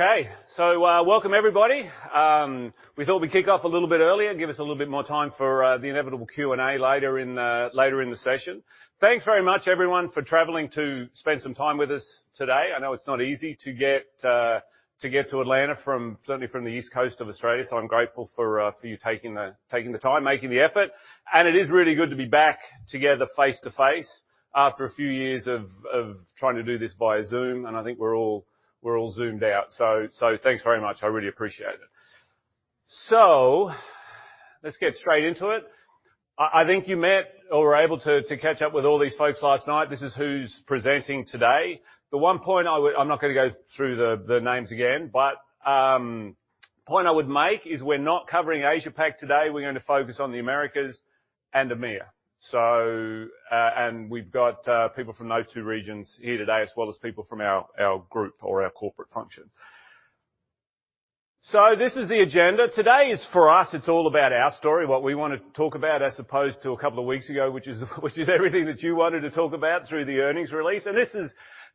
Okay. Welcome everybody. We thought we'd kick off a little bit earlier, give us a little bit more time for the inevitable Q&A later in the session. Thanks very much everyone for traveling to spend some time with us today. I know it's not easy to get to Atlanta from, certainly from the East Coast of Australia, so I'm grateful for you taking the time, making the effort. It is really good to be back together face-to-face after a few years of trying to do this via Zoom, and I think we're all Zoomed out. Thanks very much. I really appreciate it. Let's get straight into it. I think you met or were able to catch up with all these folks last night. This is who's presenting today. One point I would make is we're not covering Asia-Pac today, we're gonna focus on the Americas and EMEA. We've got people from those two regions here today, as well as people from our group or our corporate function. This is the agenda. Today, for us, it's all about our story, what we wanna talk about, as opposed to a couple of weeks ago, which is everything that you wanted to talk about through the earnings release.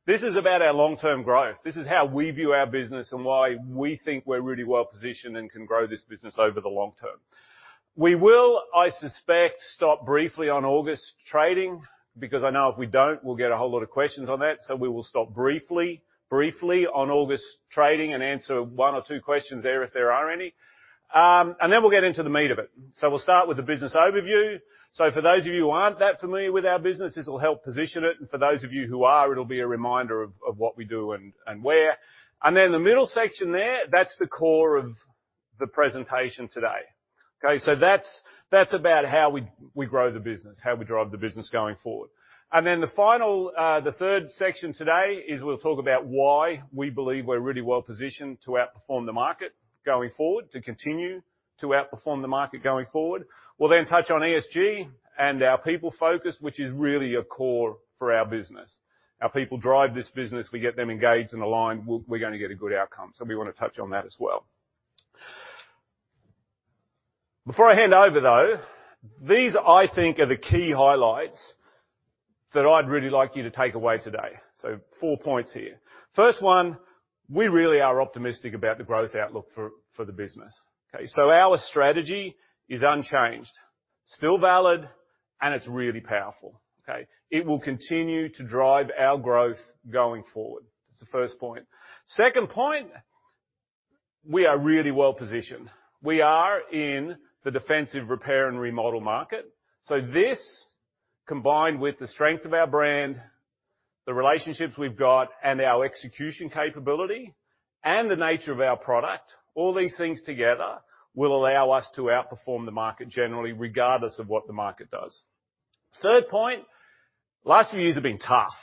This is about our long-term growth. This is how we view our business and why we think we're really well positioned and can grow this business over the long term. We will, I suspect, stop briefly on August trading, because I know if we don't, we'll get a whole lot of questions on that. We will stop briefly on August trading and answer one or two questions there if there are any. We'll get into the meat of it. We'll start with the business overview. For those of you who aren't that familiar with our business, this will help position it. For those of you who are, it'll be a reminder of what we do and where. The middle section there, that's the core of the presentation today, okay? That's about how we grow the business, how we drive the business going forward. The final, the third section today is we'll talk about why we believe we're really well positioned to outperform the market going forward, to continue to outperform the market going forward. We'll then touch on ESG and our people focus, which is really a core for our business. Our people drive this business. We get them engaged and aligned, we're gonna get a good outcome, so we wanna touch on that as well. Before I hand over, though, these, I think, are the key highlights that I'd really like you to take away today. Four points here. First one, we really are optimistic about the growth outlook for the business. Okay? Our strategy is unchanged, still valid, and it's really powerful, okay? It will continue to drive our growth going forward. That's the first point. Second point, we are really well positioned. We are in the defensive repair and remodel market. This, combined with the strength of our brand, the relationships we've got, and our execution capability, and the nature of our product, all these things together will allow us to outperform the market generally, regardless of what the market does. Third point, last few years have been tough,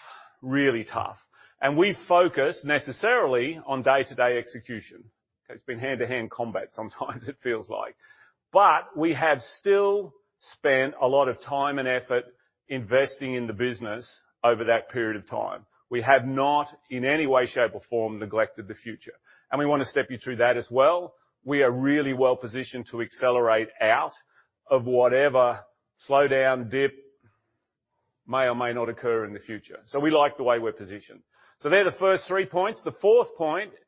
really tough, and we've focused necessarily on day-to-day execution. Okay, it's been hand-to-hand combat sometimes it feels like. We have still spent a lot of time and effort investing in the business over that period of time. We have not in any way, shape, or form neglected the future, and we wanna step you through that as well. We are really well positioned to accelerate out of whatever slowdown, dip may or may not occur in the future. We like the way we're positioned. They're the first three points. The fourth point is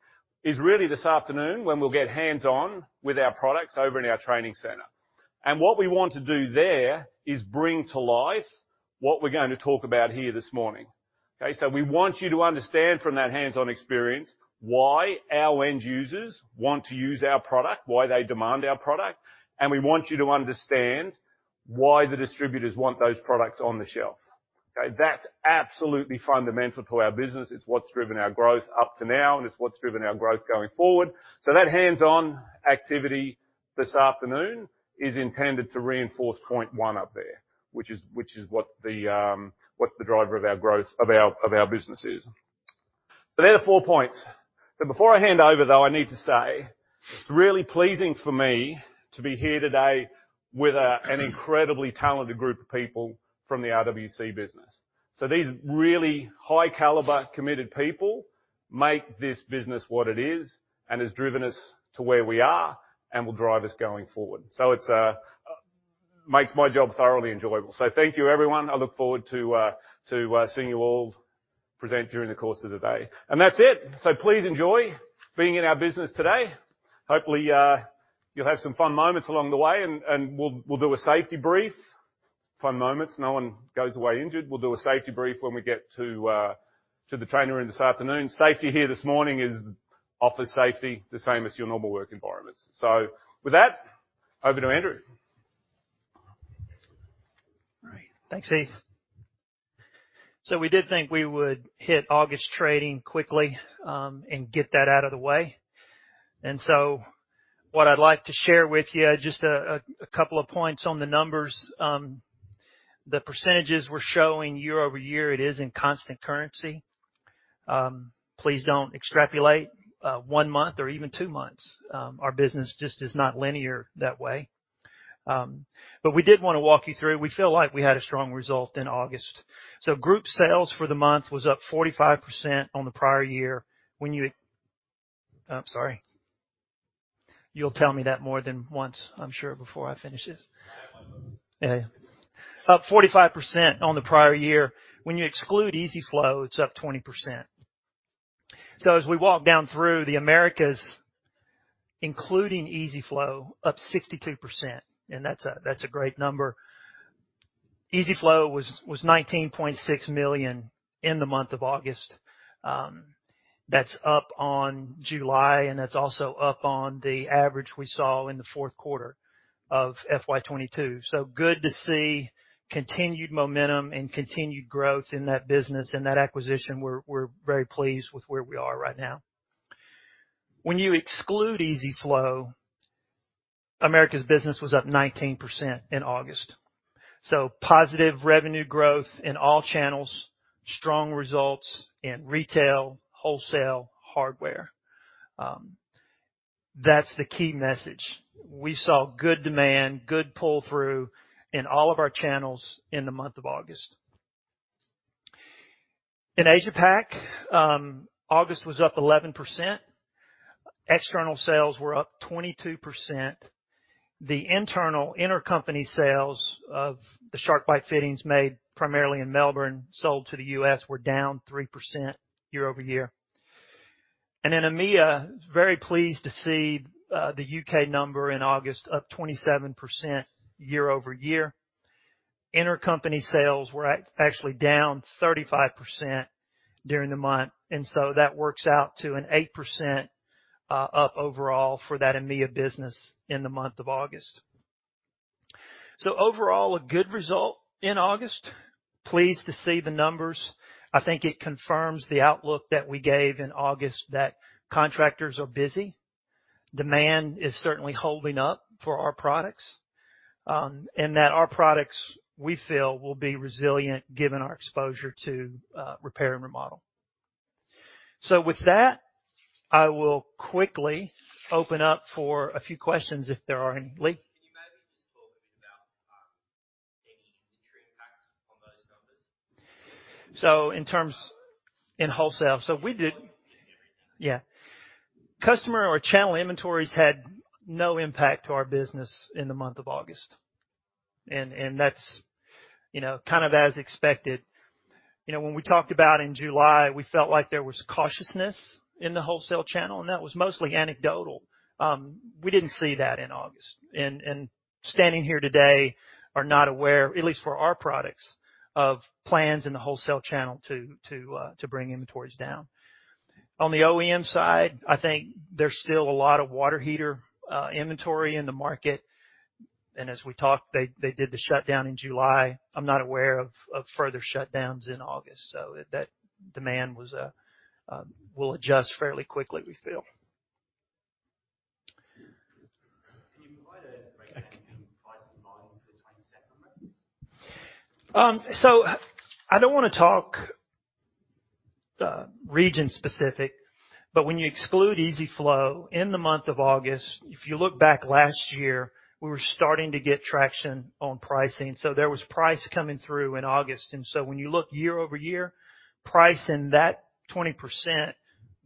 really this afternoon when we'll get hands-on with our products over in our training center. What we want to do there is bring to life what we're going to talk about here this morning. Okay? We want you to understand from that hands-on experience why our end users want to use our product, why they demand our product, and we want you to understand why the distributors want those products on the shelf. Okay? That's absolutely fundamental to our business. It's what's driven our growth up to now, and it's what's driven our growth going forward. That hands-on activity this afternoon is intended to reinforce point one up there, which is what the driver of our growth of our business is. They're the four points. Before I hand over, though, I need to say it's really pleasing for me to be here today with an incredibly talented group of people from the RWC business. These really high caliber, committed people make this business what it is and has driven us to where we are and will drive us going forward. It makes my job thoroughly enjoyable. Thank you, everyone. I look forward to seeing you all present during the course of the day. That's it. Please enjoy being in our business today. Hopefully, you'll have some fun moments along the way, and we'll do a safety brief. Fun moments, no one goes away injured. We'll do a safety brief when we get to the training room this afternoon. Safety here this morning is office safety, the same as your normal work environments. With that, over to Andrew. All right. Thanks, Steve. We did think we would hit August trading quickly, and get that out of the way. What I'd like to share with you, just a couple of points on the numbers. The percentages we're showing year-over-year, it is in constant currency. Please don't extrapolate, one month or even two months. Our business just is not linear that way. We did wanna walk you through. We feel like we had a strong result in August. Group sales for the month was up 45% on the prior year... I'm sorry. You'll tell me that more than once, I'm sure, before I finish this. Up 45% on the prior year. When you exclude EZ-FLO, it's up 20%. As we walk down through the Americas, including EZ-FLO, up 62%, and that's a great number. EZ-FLO was $19.6 million in the month of August. That's up on July, and that's also up on the average we saw in the fourth quarter of FY 2022. Good to see continued momentum and continued growth in that business, in that acquisition. We're very pleased with where we are right now. When you exclude EZ-FLO, Americas business was up 19% in August. Positive revenue growth in all channels, strong results in retail, wholesale, hardware. That's the key message. We saw good demand, good pull-through in all of our channels in the month of August. In Asia Pac, August was up 11%. External sales were up 22%. The internal intercompany sales of the SharkBite fittings made primarily in Melbourne, sold to the U.S., were down 3% year-over-year. In EMEA, very pleased to see the UK number in August up 27% year-over-year. Intercompany sales were actually down 35% during the month, and so that works out to an 8% up overall for that EMEA business in the month of August. Overall, a good result in August. Pleased to see the numbers. I think it confirms the outlook that we gave in August that contractors are busy, demand is certainly holding up for our products, and that our products, we feel, will be resilient given our exposure to repair and remodel. With that, I will quickly open up for a few questions if there are any. Lee? Can you maybe just talk a bit about any inventory impact on those numbers? In wholesale. Yeah. Customer or channel inventories had no impact to our business in the month of August, and that's, you know, kind of as expected. You know, when we talked about in July, we felt like there was cautiousness in the wholesale channel, and that was mostly anecdotal. We didn't see that in August. Standing here today are not aware, at least for our products, of plans in the wholesale channel to bring inventories down. On the OEM side, I think there's still a lot of water heater inventory in the market, and as we talked, they did the shutdown in July. I'm not aware of further shutdowns in August, so that demand will adjust fairly quickly, we feel. Can you provide a breakdown in price and volume for the 27%? I don't wanna talk region-specific, but when you exclude EZ-FLO, in the month of August, if you look back last year, we were starting to get traction on pricing, so there was price coming through in August. When you look year-over-year, price in that 20%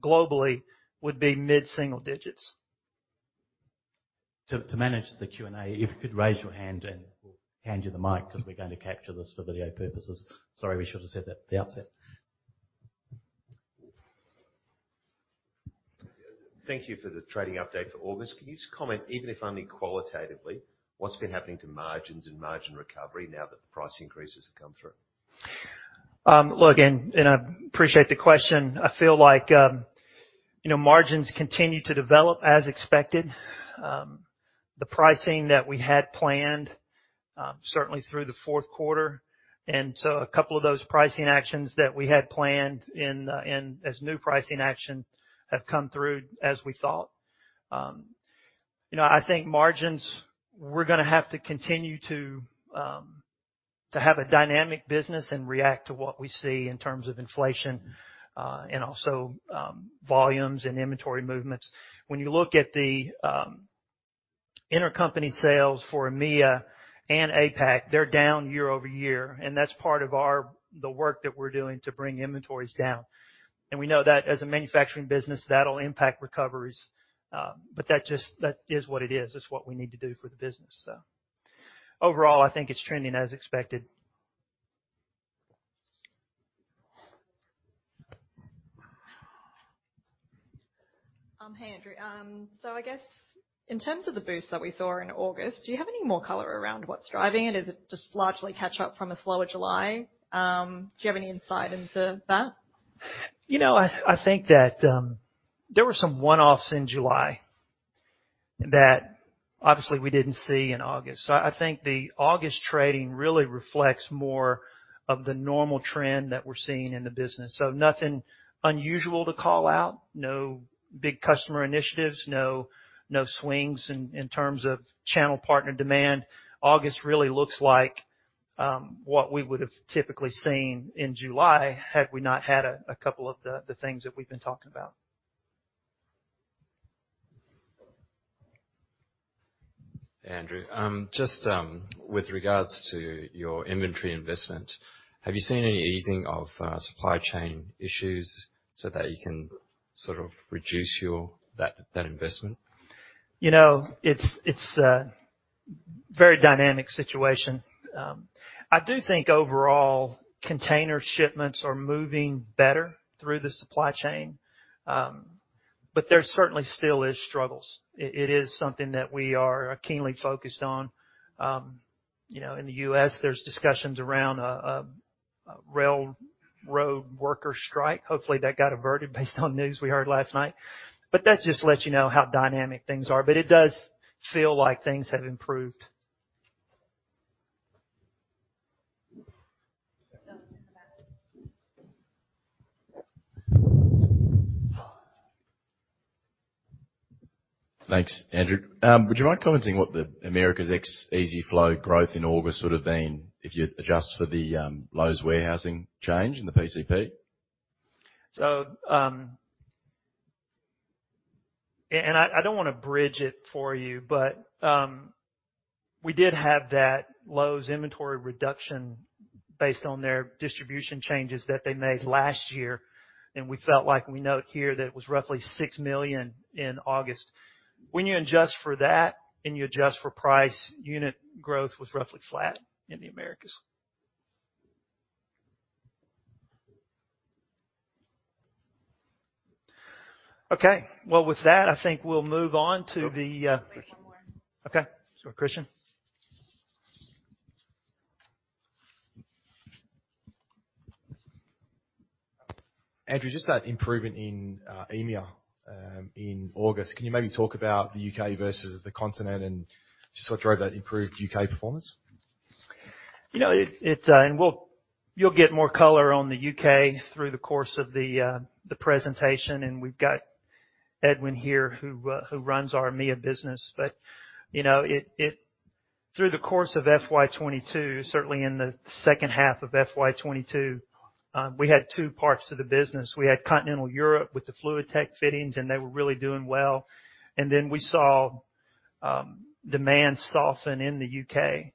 globally would be mid-single digits. To manage the Q&A, if you could raise your hand and we'll hand you the mic 'cause we're going to capture this for video purposes. Sorry, we should have said that at the outset. Thank you for the trading update for August. Can you just comment, even if only qualitatively, what's been happening to margins and margin recovery now that the price increases have come through? Look, I appreciate the question. I feel like, you know, margins continue to develop as expected. The pricing that we had planned, certainly through the fourth quarter, and so a couple of those pricing actions that we had planned in as new pricing action have come through as we thought. You know, I think margins, we're gonna have to continue to have a dynamic business and react to what we see in terms of inflation, and also volumes and inventory movements. When you look at the intercompany sales for EMEA and APAC, they're down year-over-year, and that's part of the work that we're doing to bring inventories down. We know that as a manufacturing business, that'll impact recoveries, but that just is what it is. It's what we need to do for the business. Overall, I think it's trending as expected. Hey, Andrew. I guess in terms of the boost that we saw in August, do you have any more color around what's driving it? Is it just largely catch up from a slower July? Do you have any insight into that? You know, I think that there were some one-offs in July that obviously we didn't see in August. I think the August trading really reflects more of the normal trend that we're seeing in the business. Nothing unusual to call out, no big customer initiatives, no swings in terms of channel partner demand. August really looks like what we would have typically seen in July had we not had a couple of the things that we've been talking about. Andrew, just, with regards to your inventory investment, have you seen any easing of supply chain issues so that you can sort of reduce that investment? You know, it's a very dynamic situation. I do think overall container shipments are moving better through the supply chain, but there certainly still is struggles. It is something that we are keenly focused on. You know, in the U.S., there's discussions around a railroad worker strike. Hopefully, that got averted based on news we heard last night. That just lets you know how dynamic things are. It does feel like things have improved. Thanks, Andrew. Would you mind commenting what the Americas ex EZ-FLO growth in August would have been if you adjust for the Lowe's warehousing change in the PCP? I don't wanna bridge it for you, but we did have that Lowe's inventory reduction based on their distribution changes that they made last year, and we felt like we note here that it was roughly $6 million in August. When you adjust for that and you adjust for price, unit growth was roughly flat in the Americas. Okay. Well, with that, I think we'll move on to the Wait. One more. Okay. Christian. Andrew, just that improvement in EMEA in August. Can you maybe talk about the U.K. versus the continent and just what drove that improved U.K. performance? You know, you'll get more color on the U.K. through the course of the presentation, and we've got Evan here who runs our EMEA business. You know, through the course of FY 2022, certainly in the second half of FY 2022, we had two parts to the business. We had continental Europe with the FluidTech fittings, and they were really doing well. We saw demand soften in the U.K.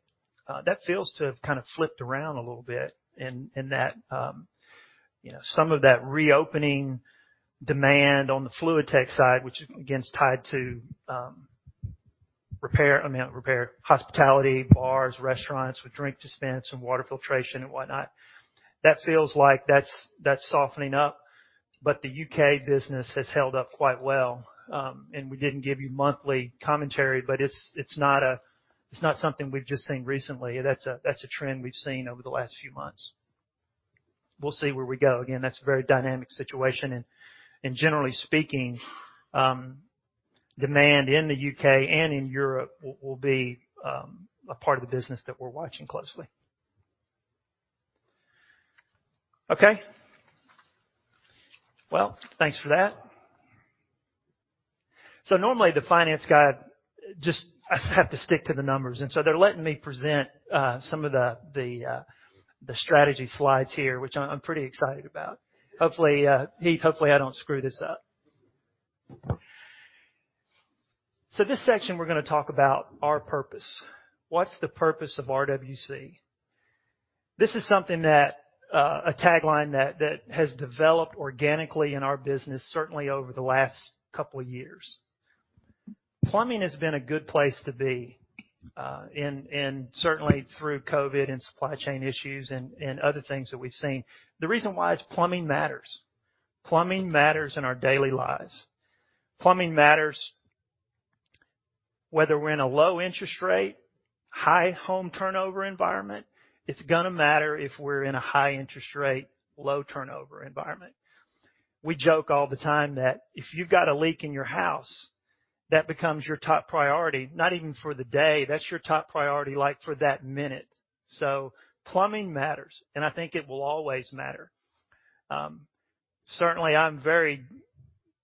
That feels to have kind of flipped around a little bit in that you know, some of that reopening demand on the FluidTech side, which is, again, tied to repair, I mean, not repair, hospitality, bars, restaurants with drink dispense and water filtration and whatnot. That feels like that's softening up. The U.K. business has held up quite well. We didn't give you monthly commentary, but it's not something we've just seen recently. That's a trend we've seen over the last few months. We'll see where we go. Again, that's a very dynamic situation. Generally speaking, demand in the U.K. And in Europe will be a part of the business that we're watching closely. Okay. Well, thanks for that. Normally, the finance guy just has to stick to the numbers, and so they're letting me present some of the strategy slides here, which I'm pretty excited about. Hopefully, Heath, hopefully, I don't screw this up. This section, we're gonna talk about our purpose. What's the purpose of RWC? This is something that a tagline that has developed organically in our business certainly over the last couple years. Plumbing has been a good place to be, and certainly through COVID and supply chain issues and other things that we've seen. The reason why is plumbing matters. Plumbing matters in our daily lives. Plumbing matters whether we're in a low interest rate, high home turnover environment. It's gonna matter if we're in a high interest rate, low turnover environment. We joke all the time that if you've got a leak in your house, that becomes your top priority, not even for the day. That's your top priority, like, for that minute. Plumbing matters, and I think it will always matter. Certainly, I'm very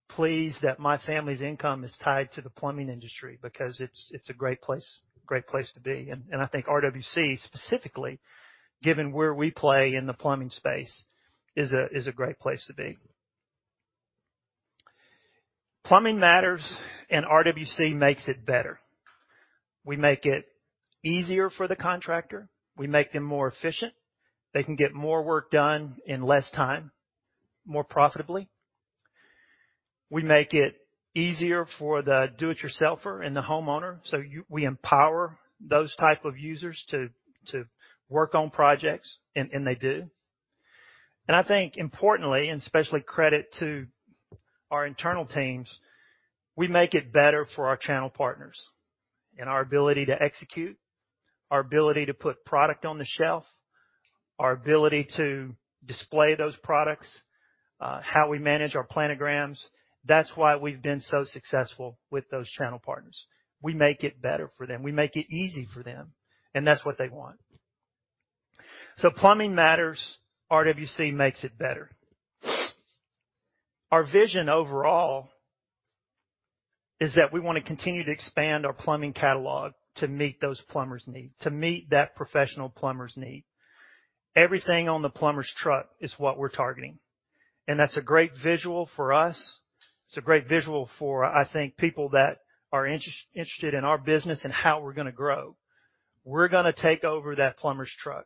pleased that my family's income is tied to the plumbing industry because it's a great place to be. I think RWC, specifically, given where we play in the plumbing space, is a great place to be. Plumbing matters, and RWC makes it better. We make it easier for the contractor. We make them more efficient. They can get more work done in less time, more profitably. We make it easier for the do-it-yourselfer and the homeowner. We empower those type of users to work on projects, and they do. I think importantly, especially credit to our internal teams, we make it better for our channel partners in our ability to execute, our ability to put product on the shelf, our ability to display those products, how we manage our planograms. That's why we've been so successful with those channel partners. We make it better for them. We make it easy for them, and that's what they want. Plumbing matters. RWC makes it better. Our vision overall is that we wanna continue to expand our plumbing catalog to meet those plumbers' need, to meet that professional plumber's need. Everything on the plumber's truck is what we're targeting. That's a great visual for us. It's a great visual for, I think, people that are interested in our business and how we're gonna grow. We're gonna take over that plumber's truck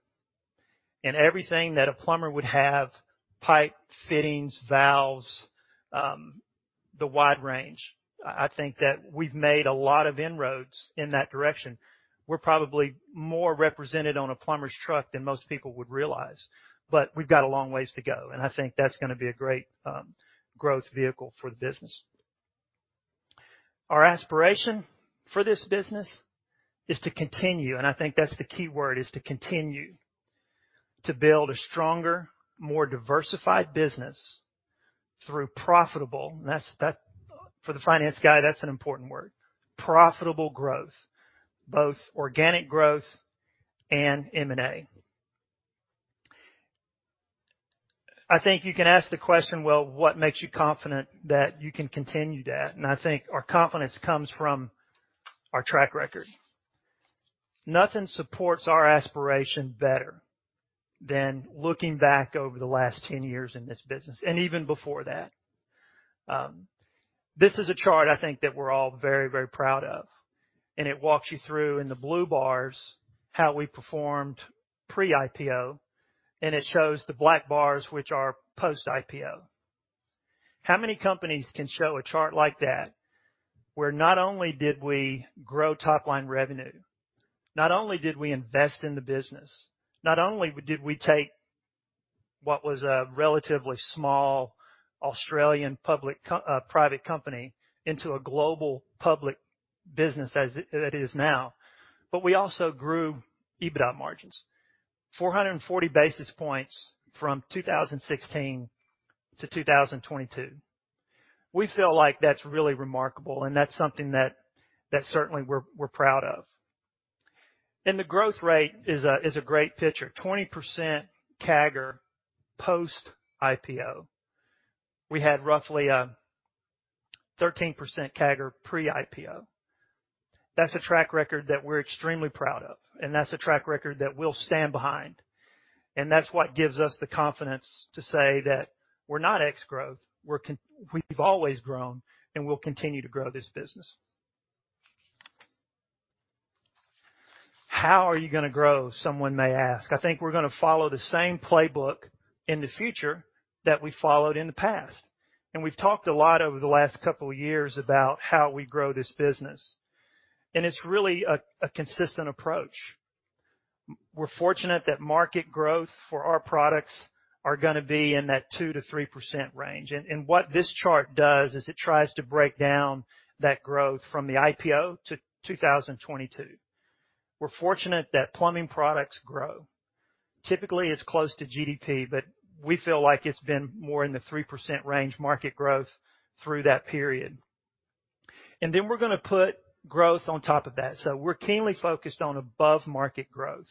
and everything that a plumber would have, pipe, fittings, valves, the wide range. I think that we've made a lot of inroads in that direction. We're probably more represented on a plumber's truck than most people would realize, but we've got a long ways to go, and I think that's gonna be a great growth vehicle for the business. Our aspiration for this business is to continue, and I think that's the key word, is to continue to build a stronger, more diversified business through profitable growth, both organic growth and M&A. That's for the finance guy, that's an important word. I think you can ask the question, well, what makes you confident that you can continue that? I think our confidence comes from our track record. Nothing supports our aspiration better than looking back over the last 10 years in this business, and even before that. This is a chart I think that we're all very, very proud of, and it walks you through in the blue bars how we performed pre-IPO, and it shows the black bars which are post-IPO. How many companies can show a chart like that where not only did we grow top-line revenue, not only did we invest in the business, not only did we take what was a relatively small Australian private company into a global public business as it is now, but we also grew EBITDA margins 440 basis points from 2016 to 2022. We feel like that's really remarkable, and that's something that certainly we're proud of. The growth rate is a great picture. 20% CAGR post-IPO. We had roughly 13% CAGR pre-IPO. That's a track record that we're extremely proud of, and that's a track record that we'll stand behind. That's what gives us the confidence to say that we're not ex-growth. We've always grown, and we'll continue to grow this business. How are you gonna grow, someone may ask. I think we're gonna follow the same playbook in the future that we followed in the past. We've talked a lot over the last couple of years about how we grow this business, and it's really a consistent approach. We're fortunate that market growth for our products are gonna be in that 2%-3% range. What this chart does is it tries to break down that growth from the IPO to 2022. We're fortunate that plumbing products grow. Typically, it's close to GDP, but we feel like it's been more in the 3% range, market growth through that period. We're gonna put growth on top of that. We're keenly focused on above-market growth.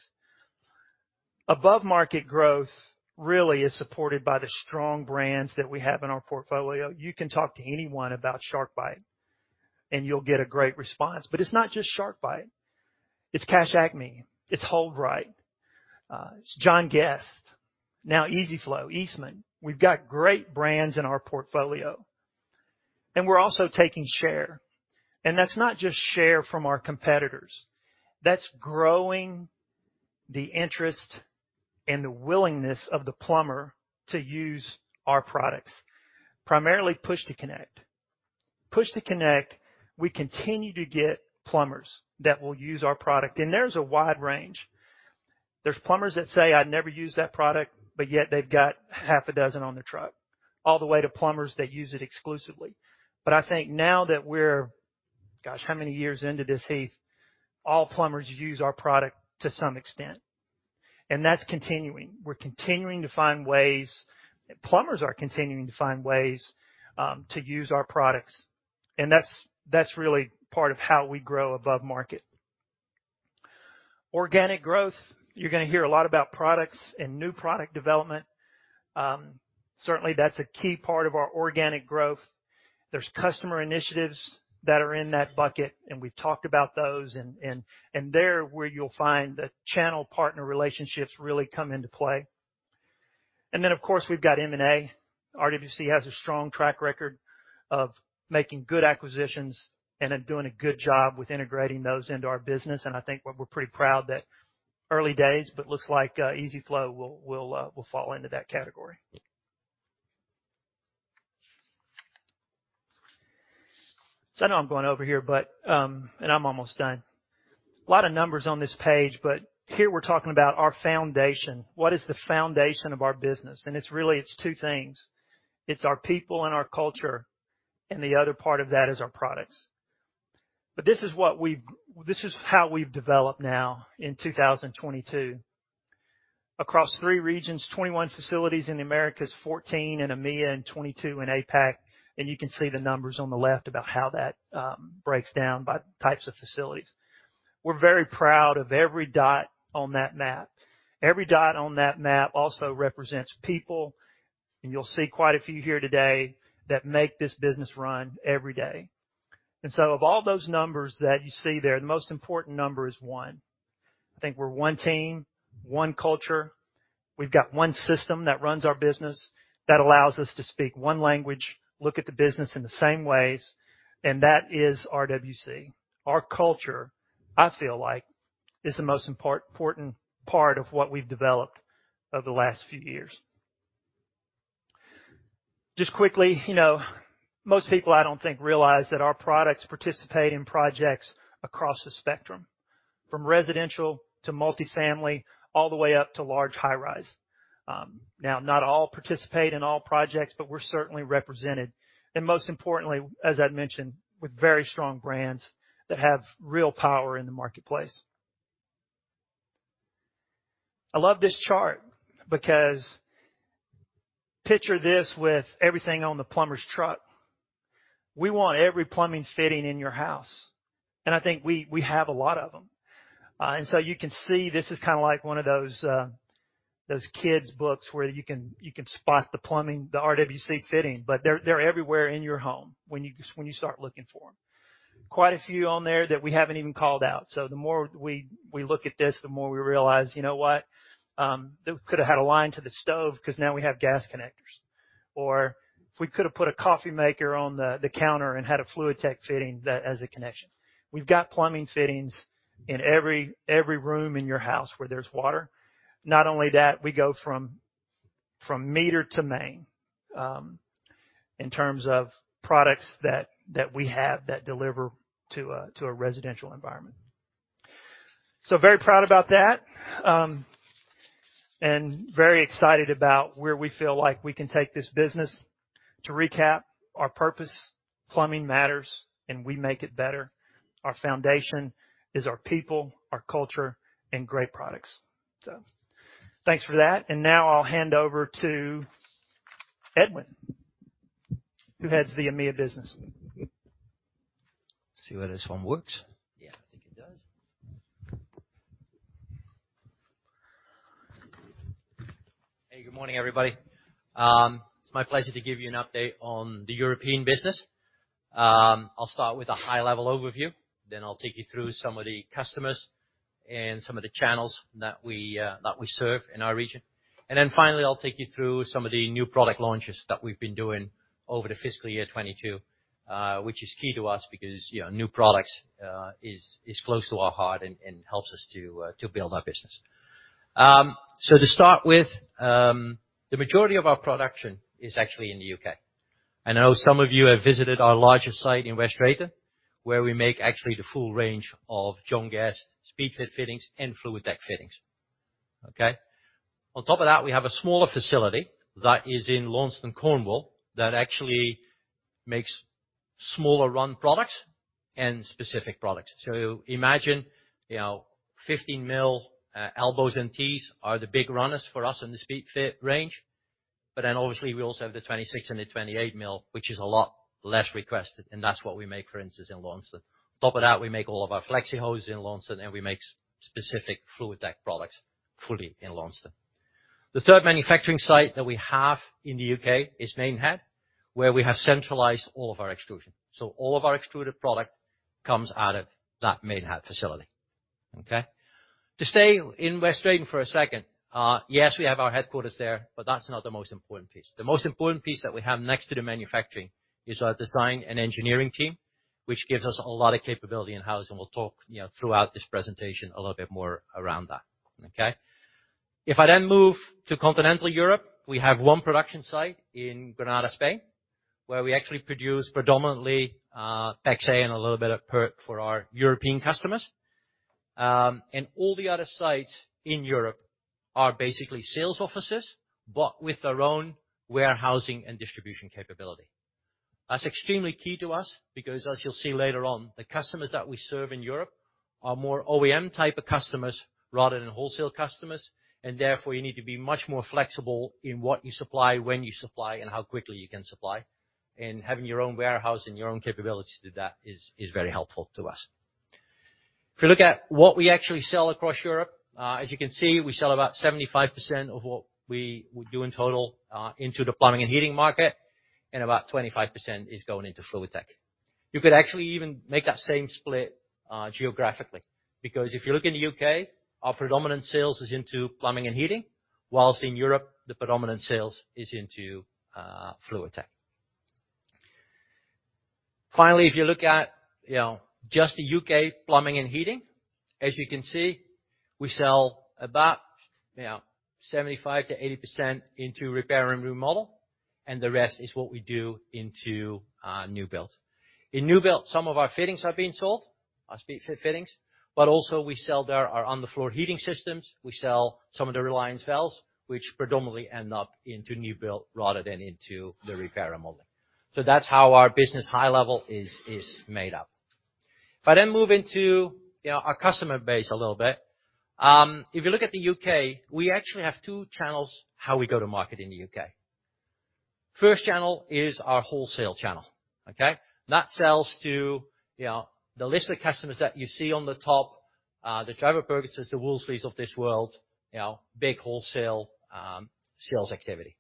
Above-market growth really is supported by the strong brands that we have in our portfolio. You can talk to anyone about SharkBite, and you'll get a great response. It's not just SharkBite. It's Cash Acme. It's HoldRite. It's John Guest. Now EZ-FLO, Eastman. We've got great brands in our portfolio. We're also taking share, and that's not just share from our competitors. That's growing the interest and the willingness of the plumber to use our products, primarily Push-to-Connect. Push-to-Connect, we continue to get plumbers that will use our product, and there's a wide range. There's plumbers that say, "I'd never use that product," but yet they've got half a dozen on their truck, all the way to plumbers that use it exclusively. I think now that we're, gosh, how many years into this, Heath? All plumbers use our product to some extent, and that's continuing. We're continuing to find ways. Plumbers are continuing to find ways to use our products, and that's really part of how we grow above market. Organic growth. You're gonna hear a lot about products and new product development. Certainly, that's a key part of our organic growth. There's customer initiatives that are in that bucket, and we've talked about those and there where you'll find the channel partner relationships really come into play. Of course, we've got M&A. RWC has a strong track record of making good acquisitions and then doing a good job with integrating those into our business. I think what we're pretty proud that early days, but looks like EZ-FLO will fall into that category. I know I'm going over here, but and I'm almost done. A lot of numbers on this page, but here we're talking about our foundation. What is the foundation of our business? It's really, it's two things. It's our people and our culture, and the other part of that is our products. This is how we've developed now in 2022. Across three regions, 21 facilities in the Americas, 14 in EMEA, and 22 in APAC. You can see the numbers on the left about how that breaks down by types of facilities. We're very proud of every dot on that map. Every dot on that map also represents people, and you'll see quite a few here today that make this business run every day. Of all those numbers that you see there, the most important number is one. I think we're one team, one culture. We've got one system that runs our business, that allows us to speak one language, look at the business in the same ways, and that is RWC. Our culture, I feel like, is the most important part of what we've developed over the last few years. Just quickly, you know, most people I don't think realize that our products participate in projects across the spectrum, from residential to multifamily, all the way up to large high-rise. Now, not all participate in all projects, but we're certainly represented, and most importantly, as I'd mentioned, with very strong brands that have real power in the marketplace. I love this chart because picture this with everything on the plumber's truck. We want every plumbing fitting in your house, and I think we have a lot of them. You can see this is kinda like one of those kids' books where you can spot the plumbing, the RWC fitting, but they're everywhere in your home when you start looking for 'em. Quite a few on there that we haven't even called out. The more we look at this, the more we realize, you know what, they could have had a line to the stove 'cause now we have gas connectors. If we could have put a coffee maker on the counter and had a FluidTech fitting that's a connection. We've got plumbing fittings in every room in your house where there's water. Not only that, we go from meter to main in terms of products that we have that deliver to a residential environment. Very proud about that, and very excited about where we feel like we can take this business. To recap, our purpose, plumbing matters, and we make it better. Our foundation is our people, our culture, and great products. Thanks for that. Now I'll hand over to Edwin, who heads the EMEA business. See whether this one works. Yeah, I think it does. Hey, good morning, everybody. It's my pleasure to give you an update on the European business. I'll start with a high-level overview, then I'll take you through some of the customers and some of the channels that we serve in our region. Finally, I'll take you through some of the new product launches that we've been doing over the fiscal year 2022, which is key to us because, you know, new products is close to our heart and helps us to build our business. To start with, the majority of our production is actually in the U.K. I know some of you have visited our larger site in West Drayton, where we make actually the full range of John Guest Speedfit fittings and FluidTech fittings. Okay? On top of that, we have a smaller facility that is in Launceston, Cornwall, that actually makes smaller run products and specific products. Imagine, you know, 15 mm elbows and Ts are the big runners for us in the Speedfit range. Obviously we also have the 26 and the 28 mm, which is a lot less requested, and that's what we make, for instance, in Launceston. On top of that, we make all of our flexi hoses in Launceston, and we make specific FluidTech products fully in Launceston. The third manufacturing site that we have in the U.K. is Maidenhead, where we have centralized all of our extrusion. All of our extruded product comes out of that Maidenhead facility. Okay? To stay in West Drayton for a second, yes, we have our headquarters there, but that's not the most important piece. The most important piece that we have next to the manufacturing is our design and engineering team, which gives us a lot of capability in-house, and we'll talk, you know, throughout this presentation a little bit more around that. Okay? If I then move to continental Europe, we have one production site in Granada, Spain, where we actually produce predominantly PEX-A and a little bit of PERT for our European customers. All the other sites in Europe are basically sales offices, but with their own warehousing and distribution capability. That's extremely key to us because as you'll see later on, the customers that we serve in Europe are more OEM type of customers rather than wholesale customers, and therefore, you need to be much more flexible in what you supply, when you supply, and how quickly you can supply. Having your own warehouse and your own capability to do that is very helpful to us. If you look at what we actually sell across Europe, as you can see, we sell about 75% of what we do in total into the plumbing and heating market, and about 25% is going into FluidTech. You could actually even make that same split geographically, because if you look in the U.K., our predominant sales is into plumbing and heating, whilst in Europe, the predominant sales is into FluidTech. Finally, if you look at, you know, just the U.K. plumbing and heating, as you can see, we sell about, you know, 75%-80% into repair and remodel, and the rest is what we do into new build. In new build, some of our fittings are being sold, our Speedfit fittings, but also we sell there our on the floor heating systems. We sell some of the Reliance Valves, which predominantly end up into new build rather than into the repair and remodel. So that's how our business high level is made up. If I then move into, you know, our customer base a little bit, if you look at the U.K., we actually have two channels how we go to market in the U.K. First channel is our wholesale channel, okay? That sells to, you know, the list of customers that you see on the top, the Travis Perkins, the Wolseley of this world, you know, big wholesale, sales activity.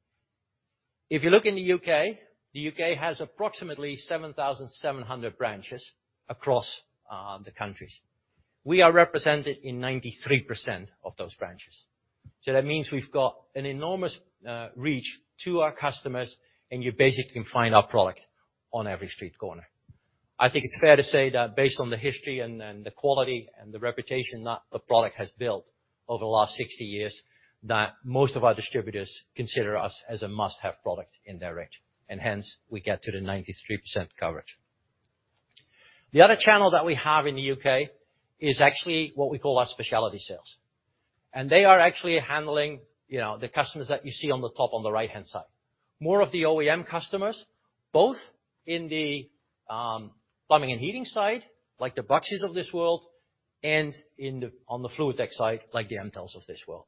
If you look in the U.K., the U.K. has approximately 7,700 branches across the country. We are represented in 93% of those branches. That means we've got an enormous reach to our customers, and you basically can find our product on every street corner. I think it's fair to say that based on the history and the quality and the reputation that the product has built over the last 60 years, that most of our distributors consider us as a must-have product in their range, and hence we get to the 93% coverage. The other channel that we have in the UK is actually what we call our specialty sales. They are actually handling, you know, the customers that you see on the top, on the right-hand side. More of the OEM customers, both in the plumbing and heating side, like the Baxi of this world, and in the, on the FluidTech side, like the Intelsius of this world.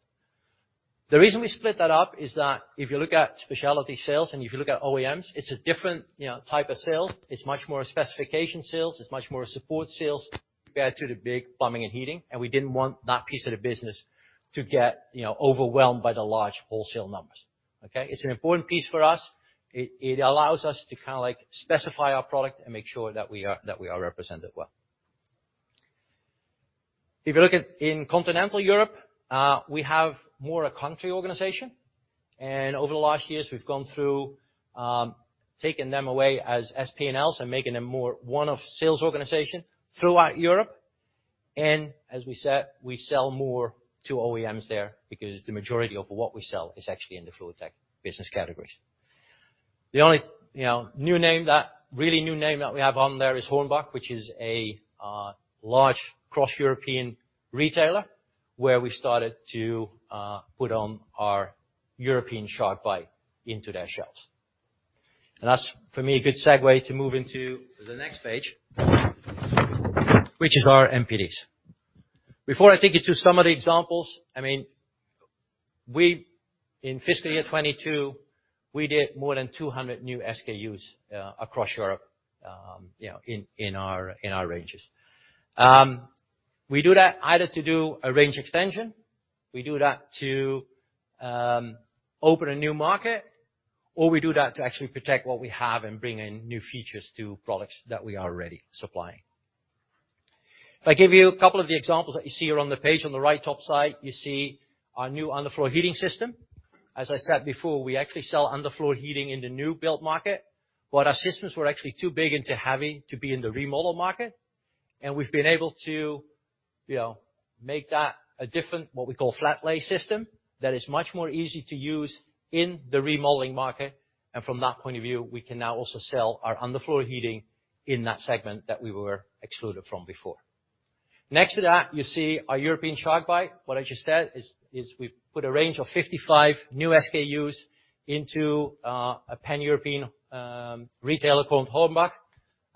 The reason we split that up is that if you look at specialty sales and if you look at OEMs, it's a different, you know, type of sale. It's much more a specification sales. It's much more a support sales compared to the big plumbing and heating. We didn't want that piece of the business to get, you know, overwhelmed by the large wholesale numbers, okay? It's an important piece for us. It allows us to kind of like specify our product and make sure that we are represented well. If you look at in continental Europe, we have more a country organization, and over the last years, we've gone through taking them away as P&Ls and making them more one of sales organization throughout Europe. As we said, we sell more to OEMs there because the majority of what we sell is actually in the FluidTech business categories. The only new name that we have on there is Hornbach, which is a large cross-European retailer, where we started to put on our European SharkBite into their shelves. That's, for me, a good segue to move into the next page, which is our NPDs. Before I take you to some of the examples, I mean, we in fiscal year 2022, we did more than 200 new SKUs across Europe, you know, in our ranges. We do that either to do a range extension, we do that to open a new market, or we do that to actually protect what we have and bring in new features to products that we are already supplying. If I give you a couple of the examples that you see here on the page on the right top side, you see our new underfloor heating system. As I said before, we actually sell underfloor heating in the new build market, but our systems were actually too big and too heavy to be in the remodel market. We've been able to, you know, make that a different, what we call flat lay system that is much more easy to use in the remodeling market. From that point of view, we can now also sell our underfloor heating in that segment that we were excluded from before. Next to that, you see our European SharkBite. What I just said is we've put a range of 55 new SKUs into a Pan-European retailer called Hornbach.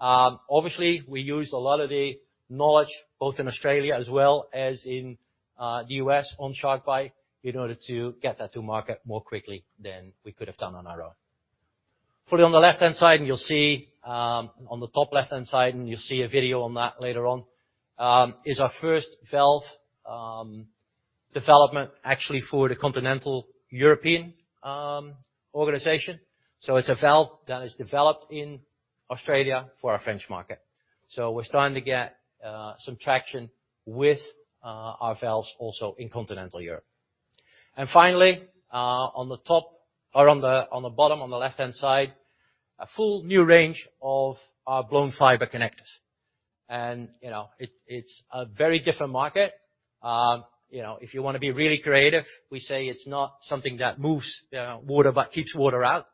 Obviously, we used a lot of the knowledge both in Australia as well as in the U.S. on SharkBite in order to get that to market more quickly than we could have done on our own. Fully on the left-hand side, you'll see on the top left-hand side a video on that later on. It is our first valve development actually for the continental European organization. It's a valve that is developed in Australia for our French market. We're starting to get some traction with our valves also in continental Europe. Finally, on the bottom on the left-hand side, a full new range of our blown fiber connectors. You know, it's a very different market. You know, if you wanna be really creative, we say it's not something that moves water but keeps water out.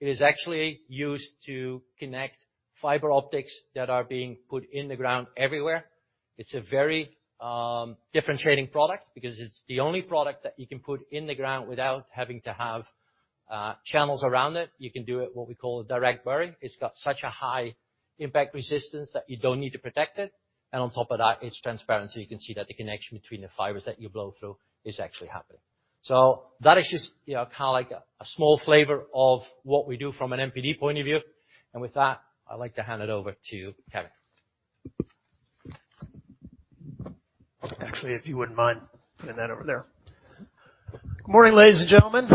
It is actually used to connect fiber optics that are being put in the ground everywhere. It's a very differentiating product because it's the only product that you can put in the ground without having to have channels around it. You can do it, what we call direct bury. It's got such a high impact resistance that you don't need to protect it. On top of that, it's transparent, so you can see that the connection between the fibers that you blow through is actually happening. That is just, you know, kinda like a small flavor of what we do from an MPD point of view. With that, I'd like to hand it over to Kevin. Actually, if you wouldn't mind putting that over there. Good morning, ladies and gentlemen.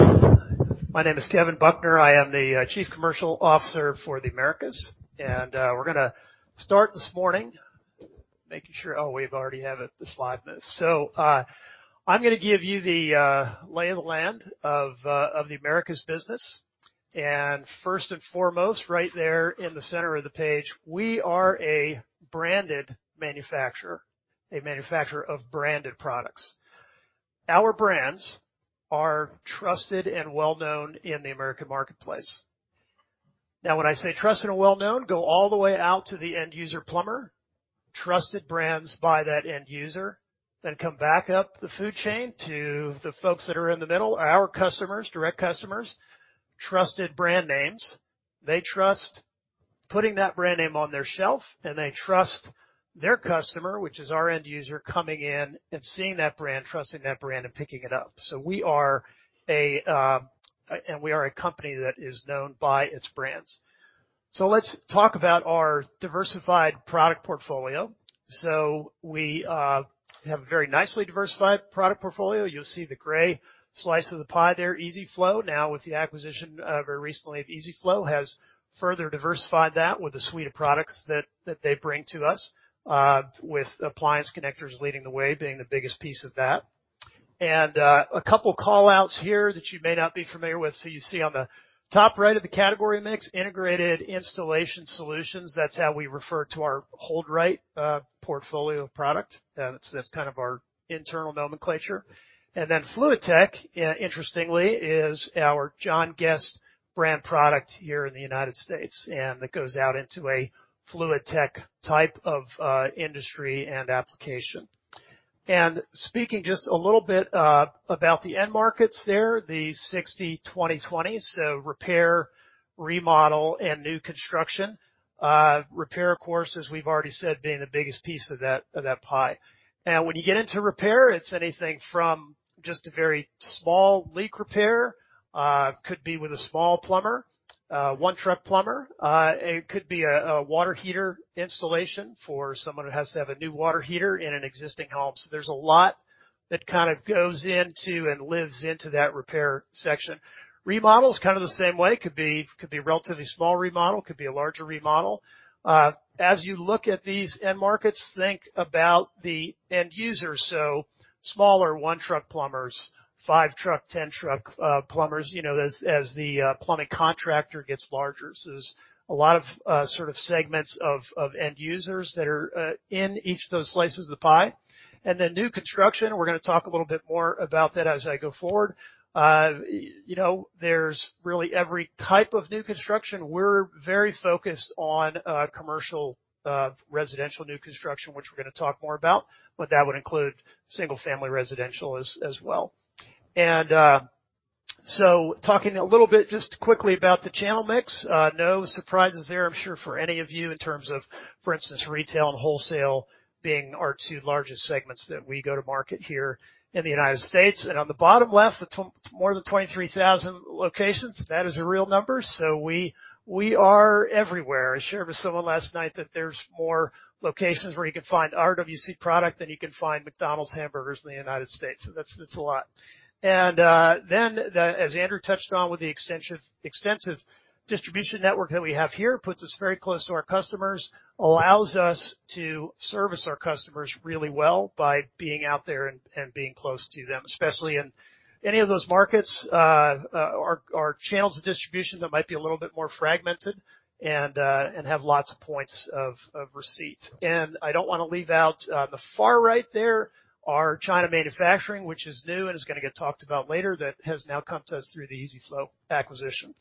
My name is Kevin Buckner. I am the Chief Commercial Officer for the Americas. We're gonna start this morning. Oh, we've already have it, the slide move. I'm gonna give you the lay of the land of the Americas business. First and foremost, right there in the center of the page, we are a branded manufacturer, a manufacturer of branded products. Our brands are trusted and well known in the American marketplace. Now, when I say trusted and well known, go all the way out to the end user plumber, trusted brands by that end user, then come back up the food chain to the folks that are in the middle, our customers, direct customers, trusted brand names. They trust putting that brand name on their shelf, and they trust their customer, which is our end user, coming in and seeing that brand, trusting that brand, and picking it up. We are a company that is known by its brands. Let's talk about our diversified product portfolio. We have a very nicely diversified product portfolio. You'll see the gray slice of the pie there, EZ-FLO. Now, with the acquisition very recently of EZ-FLO has further diversified that with a suite of products that they bring to us, with appliance connectors leading the way, being the biggest piece of that. A couple call-outs here that you may not be familiar with. You see on the top right of the category mix, integrated installation solutions. That's how we refer to our HoldRite portfolio of product. That's kind of our internal nomenclature. Fluid Tech, interestingly is our John Guest brand product here in the United States, and that goes out into a Fluid Tech type of industry and application. Speaking just a little bit about the end markets there, the 60/20/20, so repair, remodel, and new construction. Repair of course, as we've already said, being the biggest piece of that pie. When you get into repair, it's anything from just a very small leak repair, could be with a small plumber, one truck plumber. It could be a water heater installation for someone who has to have a new water heater in an existing home. There's a lot that kind of goes into and lives into that repair section. Remodel is kind of the same way. It could be a relatively small remodel, could be a larger remodel. As you look at these end markets, think about the end user. Smaller one truck plumbers, five truck, 10 truck plumbers, you know, as the plumbing contractor gets larger. There's a lot of sort of segments of end users that are in each of those slices of the pie. Then new construction, we're gonna talk a little bit more about that as I go forward. You know, there's really every type of new construction. We're very focused on commercial, residential new construction, which we're gonna talk more about, but that would include single family residential as well. Talking a little bit just quickly about the channel mix. No surprises there, I'm sure for any of you in terms of, for instance, retail and wholesale being our two largest segments that we go to market here in the United States. On the bottom left, more than 23,000 locations, that is a real number. We are everywhere. I shared with someone last night that there's more locations where you can find RWC product than you can find McDonald's hamburgers in the United States. That's a lot. as Andrew touched on with the extensive distribution network that we have here puts us very close to our customers, allows us to service our customers really well by being out there and being close to them, especially in any of those markets, our channels of distribution that might be a little bit more fragmented and have lots of points of receipt. I don't wanna leave out the far right there, our China manufacturing, which is new and is gonna get talked about later that has now come to us through the EZ-FLO acquisition.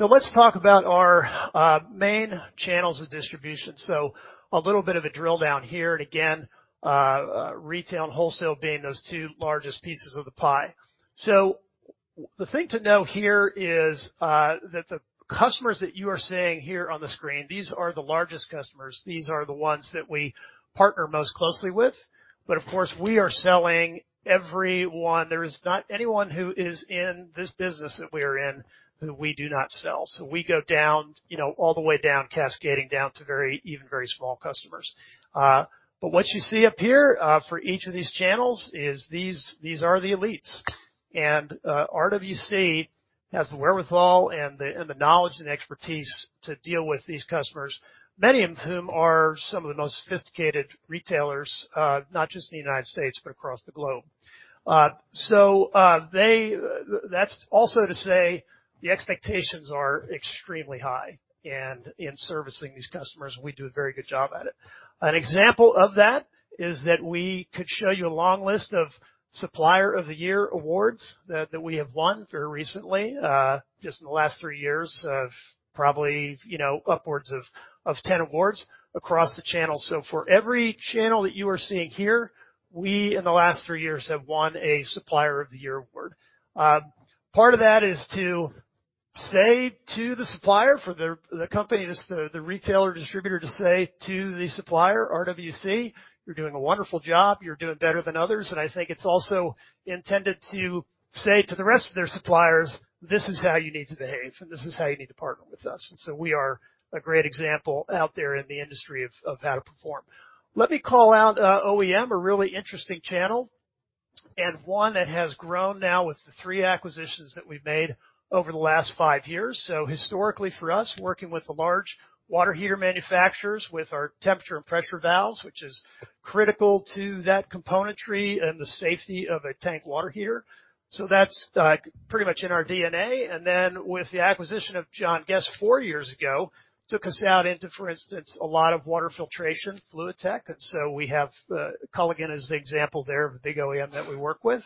let's talk about our main channels of distribution. a little bit of a drill down here. again, retail and wholesale being those two largest pieces of the pie. The thing to know here is that the customers that you are seeing here on the screen, these are the largest customers. These are the ones that we partner most closely with, but of course, we are selling everyone. There is not anyone who is in this business that we are in who we do not sell. We go down, you know, all the way down, cascading down to very, even very small customers. But what you see up here for each of these channels is these are the elites. RWC has the wherewithal and the knowledge and expertise to deal with these customers, many of whom are some of the most sophisticated retailers, not just in the United States, but across the globe. That's also to say the expectations are extremely high and in servicing these customers, we do a very good job at it. An example of that is that we could show you a long list of Supplier of the Year awards that we have won very recently, just in the last three years of probably upwards of ten awards across the channel. For every channel that you are seeing here, we in the last three years have won a Supplier of the Year award. Part of that is to say to the supplier, for the company, the retailer distributor to say to the supplier, RWC, "You're doing a wonderful job. You're doing better than others." I think it's also intended to say to the rest of their suppliers, "This is how you need to behave, and this is how you need to partner with us." We are a great example out there in the industry of how to perform. Let me call out OEM, a really interesting channel and one that has grown now with the three acquisitions that we've made over the last five years. Historically for us, working with the large water heater manufacturers with our temperature and pressure valves, which is critical to that componentry and the safety of a tank water heater. That's pretty much in our DNA. Then with the acquisition of John Guest four years ago, took us out into, for instance, a lot of water filtration, Fluid Tech. We have Culligan as the example there of a big OEM that we work with.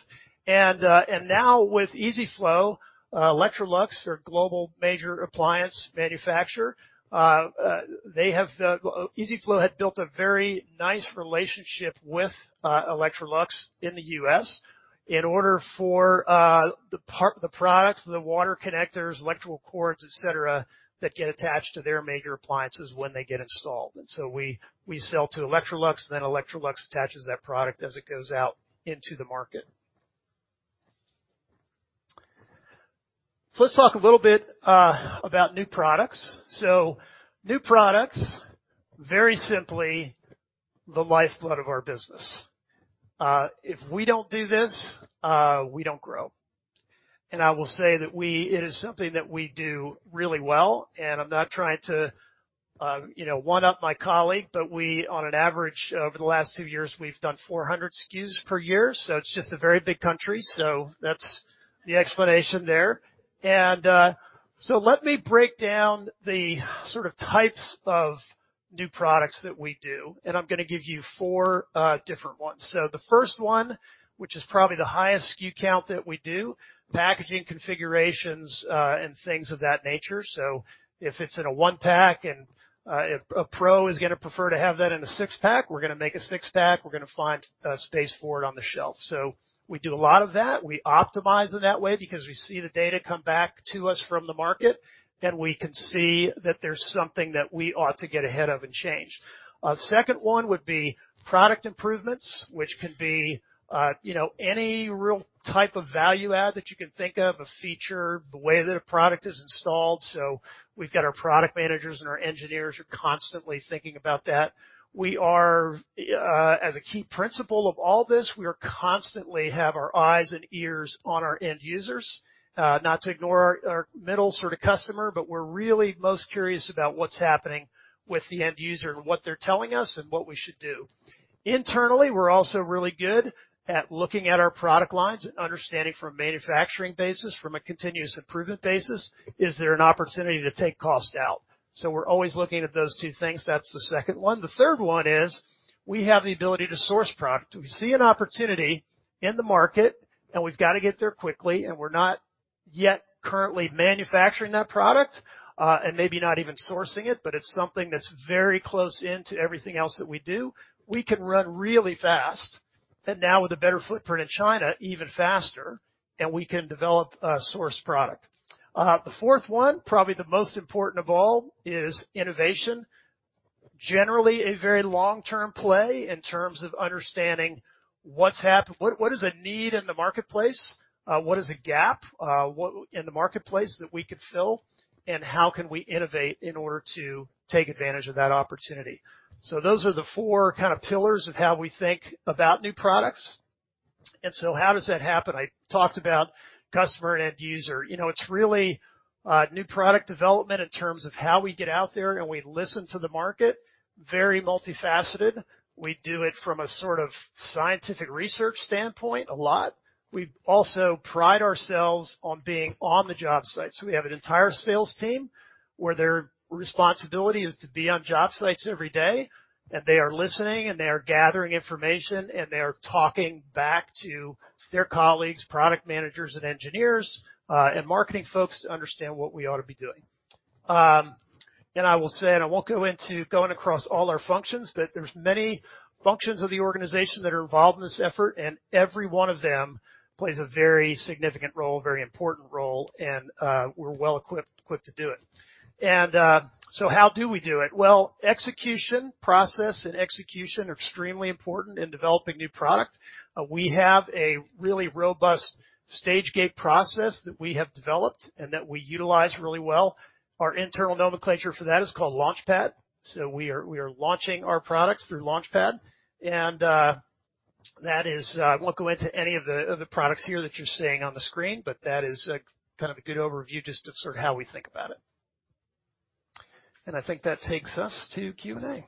Now with EZ-FLO, Electrolux are a global major appliance manufacturer. They have the EZ-FLO had built a very nice relationship with Electrolux in the U.S. in order for the products, the water connectors, electrical cords, et cetera, that get attached to their major appliances when they get installed. We sell to Electrolux, then Electrolux attaches that product as it goes out into the market. Let's talk a little bit about new products. New products, very simply, the lifeblood of our business. If we don't do this, we don't grow. I will say that it is something that we do really well, and I'm not trying to, you know, one-up my colleague, but we, on average over the last two years, we've done 400 SKUs per year, so it's just a very big country. That's the explanation there. Let me break down the sort of types of new products that we do, and I'm gonna give you four different ones. The first one, which is probably the highest SKU count that we do, packaging configurations, and things of that nature. If it's in a one-pack and a pro is gonna prefer to have that in a six-pack, we're gonna make a six-pack, we're gonna find space for it on the shelf. We do a lot of that. We optimize in that way because we see the data come back to us from the market, then we can see that there's something that we ought to get ahead of and change. Second one would be product improvements, which can be, you know, any real type of value add that you can think of, a feature, the way that a product is installed. We've got our product managers and our engineers are constantly thinking about that. We are, as a key principle of all this, we are constantly have our eyes and ears on our end users. Not to ignore our middle sort of customer, but we're really most curious about what's happening with the end user and what they're telling us and what we should do. Internally, we're also really good at looking at our product lines and understanding from a manufacturing basis, from a continuous improvement basis, is there an opportunity to take cost out? We're always looking at those two things. That's the second one. The third one is we have the ability to source product. We see an opportunity in the market, and we've got to get there quickly, and we're not yet currently manufacturing that product, and maybe not even sourcing it, but it's something that's very close in to everything else that we do. We can run really fast, and now with a better footprint in China, even faster, and we can develop a source product. The fourth one, probably the most important of all, is innovation. Generally, a very long-term play in terms of understanding what is a need in the marketplace? What is a gap in the marketplace that we could fill? How can we innovate in order to take advantage of that opportunity? Those are the four kind of pillars of how we think about new products. How does that happen? I talked about customer and end user. You know, it's really new product development in terms of how we get out there and we listen to the market. Very multifaceted. We do it from a sort of scientific research standpoint a lot. We also pride ourselves on being on the job site. We have an entire sales team where their responsibility is to be on job sites every day, and they are listening and they are gathering information and they are talking back to their colleagues, product managers and engineers, and marketing folks to understand what we ought to be doing. I will say, and I won't go into going across all our functions, but there's many functions of the organization that are involved in this effort, and every one of them plays a very significant role, very important role, and we're well equipped to do it. How do we do it? Well, execution, process and execution are extremely important in developing new product. We have a really robust stage gate process that we have developed and that we utilize really well. Our internal nomenclature for that is called Launchpad. We are launching our products through Launchpad. That is, I won't go into any of the products here that you're seeing on the screen, but that is kind of a good overview just of sort of how we think about it. I think that takes us to Q&A. Wow.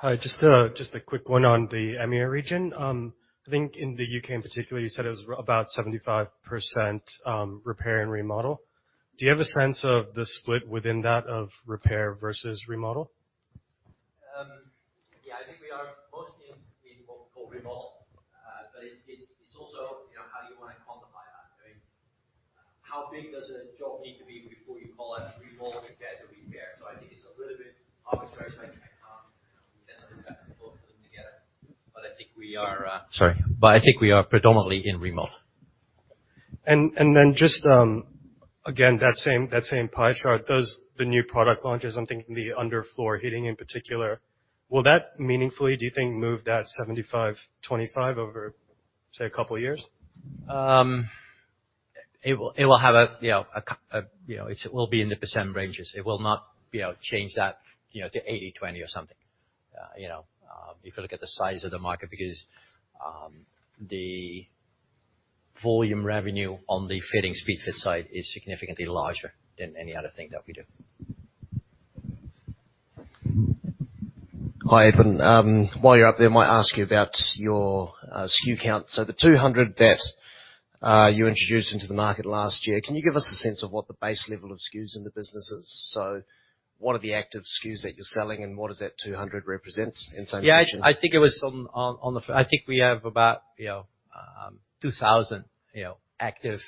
Hi, just a quick one on the EMEA region. I think in the UK in particular, you said it was about 75%, repair and remodel. Do you have a sense of the split within that of repair versus remodel? I think we are mostly in what we call remodel. It's also, you know, how you wanna quantify that, right? How big does a job need to be before you call it a remodel compared to repair? I think it's a little bit arbitrary. You know, we can look at both of them together. I think we are predominantly in remodel. Then just again that same pie chart, does the new product launches, I'm thinking the underfloor heating in particular, will that meaningfully, do you think, move that 75/25 over, say, a couple of years? It will be in the % ranges. It will not be able to change that, you know, to 80/20 or something. You know, if you look at the size of the market, because the volume revenue on the fitting Speedfit side is significantly larger than any other thing that we do. Hi, Edwin. While you're up there, might ask you about your SKU count. The 200 that you introduced into the market last year, can you give us a sense of what the base level of SKUs in the business is? What are the active SKUs that you're selling and what does that 200 represent in some measure? Yeah, I think we have about 2,000 active,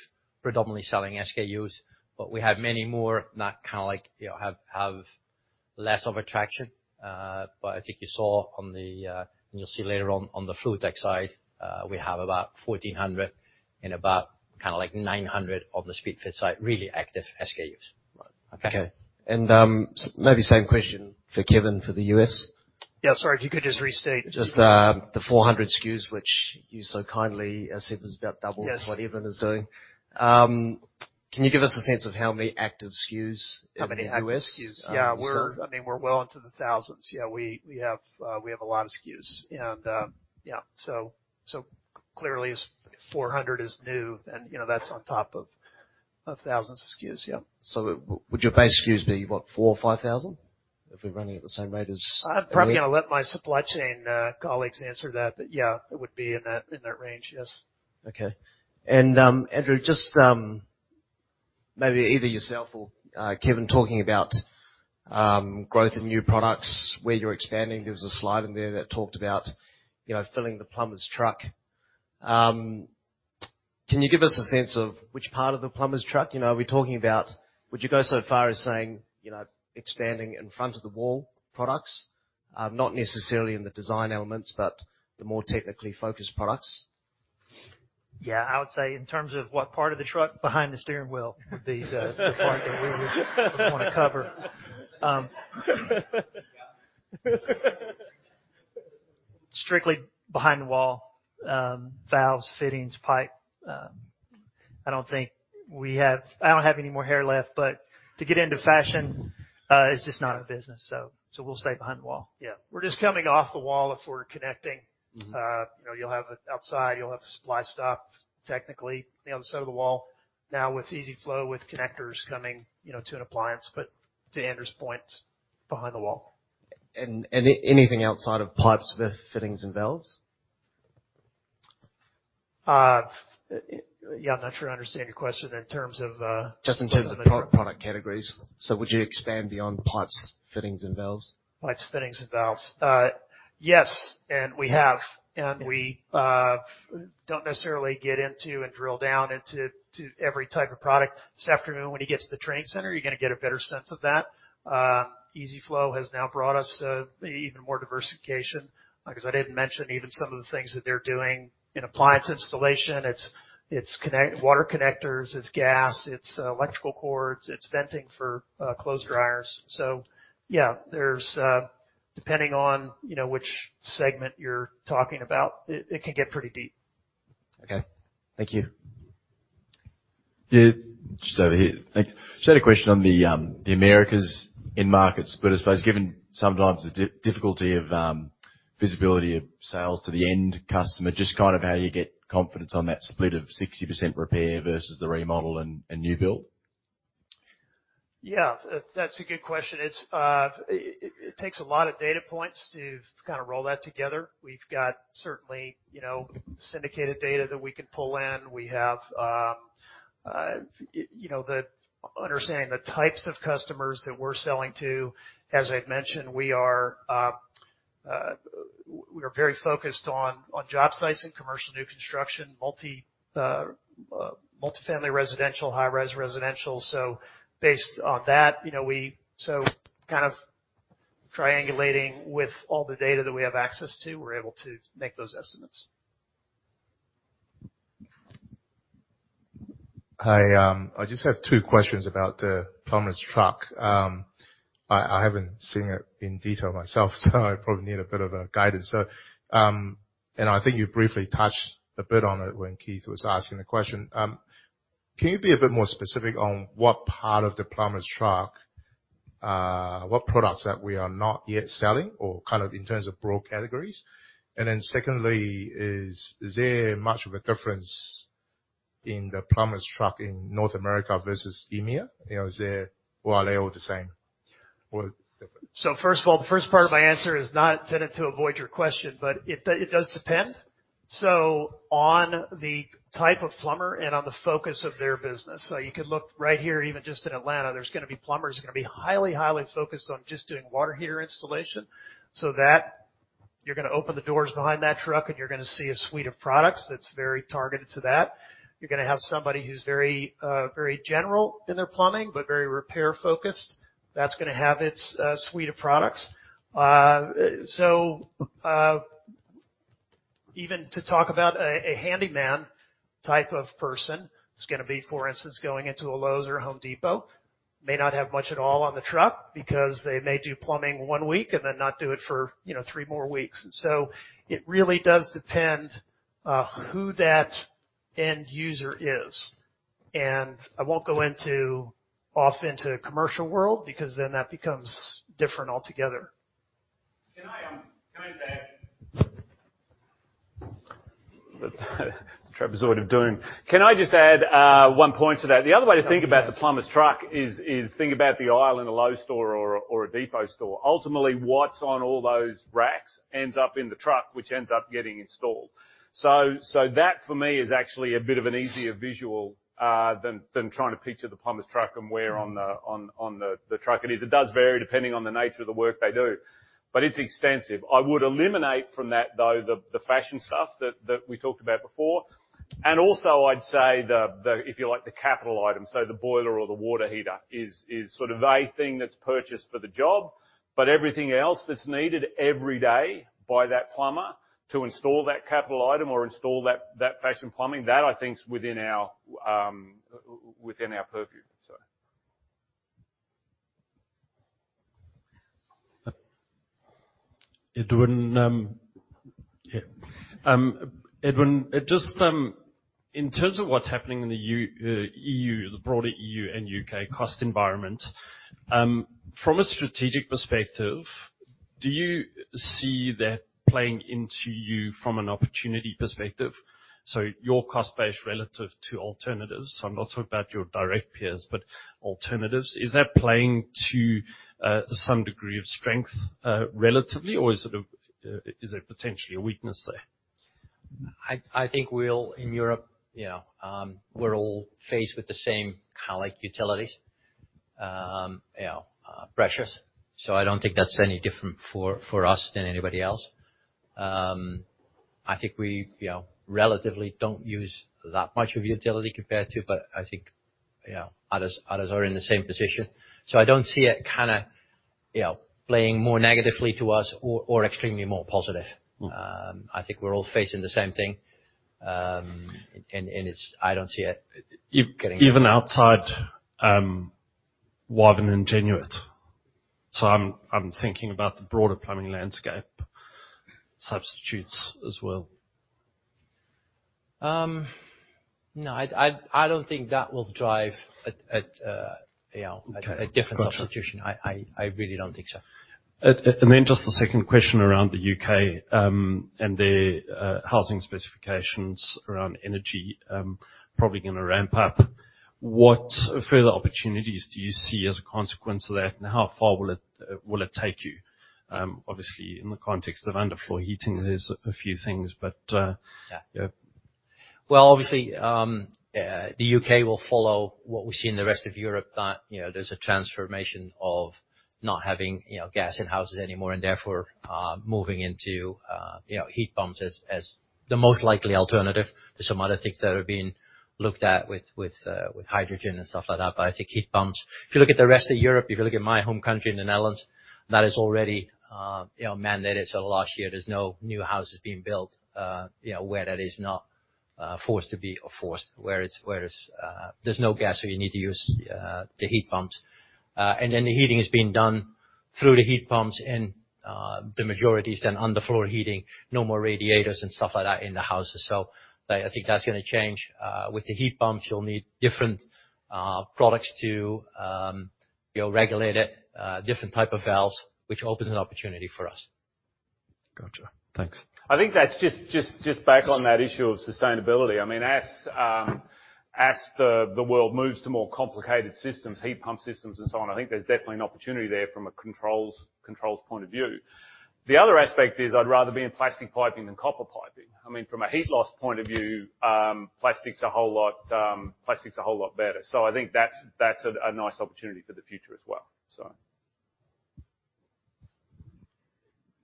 predominantly selling SKUs, but we have many more not kinda like you know have less of attraction. I think you saw on the and you'll see later on on the FluidTech side, we have about 1,400 and about kinda like 900 on the Speedfit side, really active SKUs. Okay. Same question for Kevin for the U.S. Yeah. Sorry, if you could just restate? Just the 400 SKUs, which you so kindly said was about double- Yes. What Edwin de Wolf is doing. Can you give us a sense of how many active SKUs in the U.S.? How many active SKUs? Yeah. I mean, we're well into the thousands. Yeah. We have a lot of SKUs and, yeah. Clearly 400 is new and, you know, that's on top of thousands of SKUs. Yeah. Would your base SKUs be what? 4 or 5 thousand? If we're running at the same rate as- I'm probably gonna let my supply chain colleagues answer that. Yeah, it would be in that range. Yes. Okay. Andrew, just maybe either yourself or Kevin talking about growth in new products where you're expanding. There was a slide in there that talked about, you know, filling the plumber's truck. Can you give us a sense of which part of the plumber's truck, you know, are we talking about? Would you go so far as saying, you know, expanding in front of the wall products? Not necessarily in the design elements, but the more technically focused products. Yeah. I would say in terms of what part of the truck behind the steering wheel would be the part that we would wanna cover. Strictly behind the wall, valves, fittings, pipe. I don't have any more hair left, but to get into fashion is just not a business. We'll stay behind the wall. Yeah. We're just coming off the wall if we're connecting. Mm-hmm. You know, you'll have outside, you'll have supply stops, technically, you know, on the side of the wall. Now with EZ-FLO, with connectors coming, you know, to an appliance. To Andrew's point, behind the wall. anything outside of pipes with fittings and valves? Yeah, I'm not sure I understand your question in terms of. Just in terms of the product categories. Would you expand beyond pipes, fittings and valves? Pipes, fittings and valves. We don't necessarily get into and drill down into every type of product. This afternoon when you get to the trade center, you're gonna get a better sense of that. EZ-FLO has now brought us even more diversification 'cause I didn't mention even some of the things that they're doing in appliance installation. It's water connectors, it's gas, it's electrical cords, it's venting for clothes dryers. Yeah, there's depending on, you know, which segment you're talking about, it can get pretty deep. Okay. Thank you. Yeah. Just over here. Thanks. Just had a question on the Americas end markets, but I suppose given sometimes the difficulty of visibility of sales to the end customer, just kind of how you get confidence on that split of 60% repair versus the remodel and new build. Yeah. That's a good question. It takes a lot of data points to kind of roll that together. We've got certainly, you know, syndicated data that we can pull in. We have, you know, the understanding the types of customers that we're selling to. As I've mentioned, we are very focused on job sites and commercial new construction, multifamily, residential, high-rise residential. Based on that, you know, kind of triangulating with all the data that we have access to, we're able to make those estimates. I just have two questions about the plumber's truck. I haven't seen it in detail myself, so I probably need a bit of a guidance. I think you briefly touched a bit on it when Keith was asking the question. Can you be a bit more specific on what part of the plumber's truck, what products that we are not yet selling or kind of in terms of broad categories? And then secondly, is there much of a difference in the plumber's truck in North America versus EMEA? You know, is there or are they all the same? Or First of all, the first part of my answer is not intended to avoid your question, but it does depend. On the type of plumber and on the focus of their business. You could look right here, even just in Atlanta, there's gonna be plumbers who are gonna be highly focused on just doing water heater installation, so that you're gonna open the doors behind that truck, and you're gonna see a suite of products that's very targeted to that. You're gonna have somebody who's very, very general in their plumbing, but very repair-focused, that's gonna have its suite of products. Even to talk about a handyman type of person who's gonna be, for instance, going into a Lowe's or Home Depot, may not have much at all on the truck because they may do plumbing one week and then not do it for, you know, three more weeks. It really does depend who that end user is. I won't go off into commercial world because then that becomes different altogether. Can I just add, Trapezoid of doom. Can I just add one point to that? The other way to think about the plumber's truck is to think about the aisle in a Lowe's store or a Home Depot store. Ultimately, what's on all those racks ends up in the truck, which ends up getting installed. That, for me, is actually a bit of an easier visual than trying to picture the plumber's truck and where on the truck it is. It does vary depending on the nature of the work they do, but it's extensive. I would eliminate from that, though, the fashion stuff that we talked about before. Also, I'd say, if you like, the capital item, so the boiler or the water heater is sort of a thing that's purchased for the job. But everything else that's needed every day by that plumber to install that capital item or install that fashion plumbing, that I think is within our purview. Edwin, just in terms of what's happening in the EU, the broader EU and UK cost environment, from a strategic perspective, do you see that playing into you from an opportunity perspective? Your cost base relative to alternatives, I'm not talking about your direct peers, but alternatives. Is that playing to some degree of strength, relatively? Or is it potentially a weakness there? In Europe, you know, we're all faced with the same cost of utilities, you know, pressures. I don't think that's any different for us than anybody else. I think we, you know, relatively don't use that much of utilities compared to others, but I think, you know, others are in the same position. I don't see it kinda, you know, playing more negatively to us or extremely more positive. Mm. I think we're all facing the same thing. I don't see it getting. Even outside Wavin and Aliaxis. I'm thinking about the broader plumbing landscape substitutes as well. No, I don't think that will drive, you know. Okay. A different substitution. Gotcha. I really don't think so. Just a second question around the UK and their housing specifications around energy, probably gonna ramp up. What further opportunities do you see as a consequence of that, and how far will it take you? Obviously in the context of underfloor heating, there's a few things, but. Yeah. Yeah. Well, obviously, the UK will follow what we see in the rest of Europe. That, you know, there's a transformation of not having, you know, gas in houses anymore, and therefore, moving into, you know, heat pumps as the most likely alternative. There's some other things that are being looked at with hydrogen and stuff like that, but I think heat pumps. If you look at the rest of Europe, if you look at my home country, the Netherlands, that is already, you know, mandated. Last year, there's no new houses being built, you know, where that is not forced to be or forced where it's. There's no gas, so you need to use the heat pumps. The heating is being done through the heat pumps, and the majority is then underfloor heating. No more radiators and stuff like that in the houses. I think that's gonna change. With the heat pumps, you'll need different products to, you know, regulate it, different type of valves, which opens an opportunity for us. Gotcha. Thanks. I think that's just back on that issue of sustainability. I mean, as the world moves to more complicated systems, heat pump systems and so on, I think there's definitely an opportunity there from a controls point of view. The other aspect is I'd rather be in plastic piping than copper piping. I mean, from a heat loss point of view, plastic's a whole lot better. I think that's a nice opportunity for the future as well.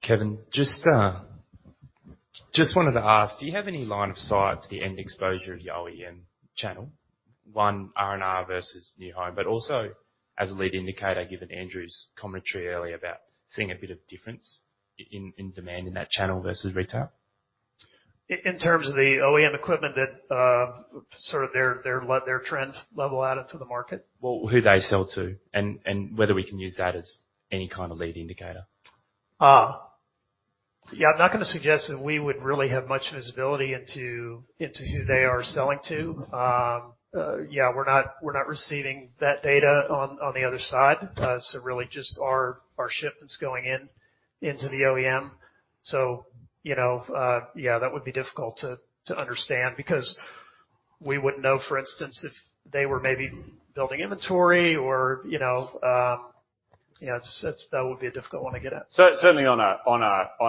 Kevin, just wanted to ask, do you have any line of sight to the net exposure of the OEM channel? One, R&R versus new hire, but also as a lead indicator, given Andrew's commentary earlier about seeing a bit of difference in demand in that channel versus retail. In terms of the OEM equipment that sort of their trends level added to the market? Well, who they sell to and whether we can use that as any kind of lead indicator. Yeah, I'm not gonna suggest that we would really have much visibility into who they are selling to. Yeah, we're not receiving that data on the other side. Really just our shipments going in into the OEM. You know, yeah, that would be difficult to understand because we wouldn't know, for instance, if they were maybe building inventory or, you know. That would be a difficult one to get at. Certainly on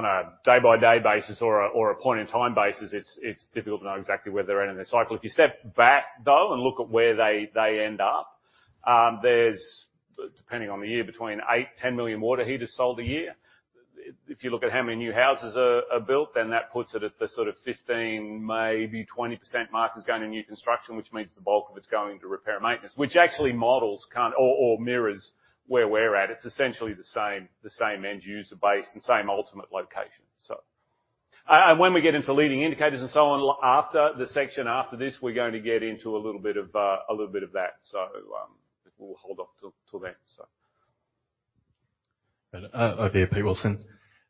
a day-by-day basis or a point-in-time basis, it's difficult to know exactly where they're at in their cycle. If you step back, though, and look at where they end up, there's, depending on the year, between 8-10 million water heaters sold a year. If you look at how many new houses are built, then that puts it at the sort of 15%, maybe 20% mark is going to new construction, which means the bulk of it's going to repair and maintenance, which actually mirrors where we're at. It's essentially the same end user base and same ultimate location, so. When we get into leading indicators and so on, after the section after this, we're going to get into a little bit of that. We'll hold off till then, so. Over here, Pete Wilson.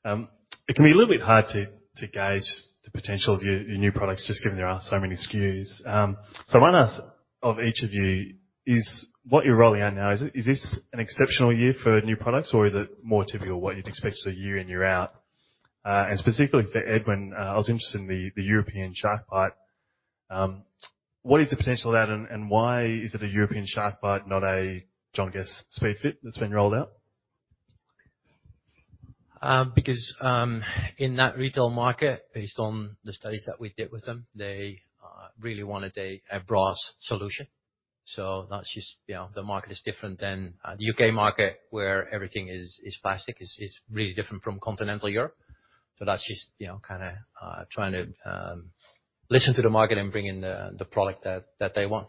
It can be a little bit hard to gauge the potential of your new products, just given there are so many SKUs. I wanna ask of each of you is what you're rolling out now, is this an exceptional year for new products, or is it more typical what you'd expect, so year in, year out? Specifically for Edwin, I was interested in the European SharkBite. What is the potential of that, and why is it a European SharkBite, not a John Guest Speedfit that's been rolled out? Because in that retail market, based on the studies that we did with them, they really wanted a brass solution. That's just, you know, the market is different than the UK market, where everything is plastic. It's really different from continental Europe. That's just, you know, kinda trying to listen to the market and bring in the product that they want.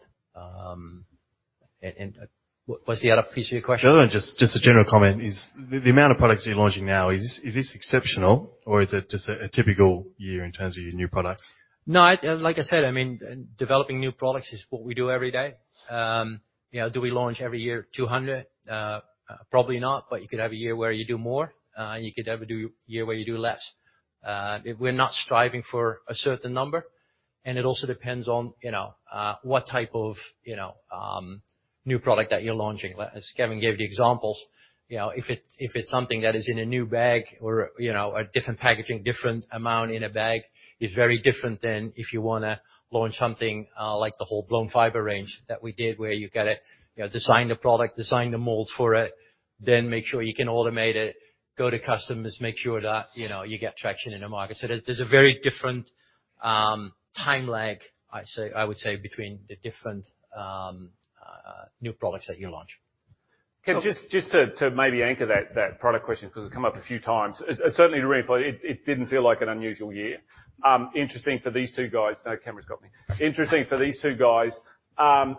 What's the other piece of your question? The other one, just a general comment, is the amount of products you're launching now, is this exceptional, or is it just a typical year in terms of your new products? No, like I said, I mean, developing new products is what we do every day. You know, do we launch every year 200? Probably not, but you could have a year where you do more, and you could have a year where you do less. We're not striving for a certain number. It also depends on, you know, what type of, you know, new product that you're launching. As Kevin gave the examples, you know, if it's something that is in a new bag or, you know, a different packaging, different amount in a bag, is very different than if you wanna launch something, like the whole blown fiber range that we did, where you gotta, you know, design the product, design the molds for it, then make sure you can automate it, go to customers, make sure that, you know, you get traction in the market. There's a very different time lag, I'd say, between the different new products that you launch. Can I just- So- Just to maybe anchor that product question 'cause it's come up a few times. It certainly to reinforce, it didn't feel like an unusual year. Interesting for these two guys. Now Cameron's got me.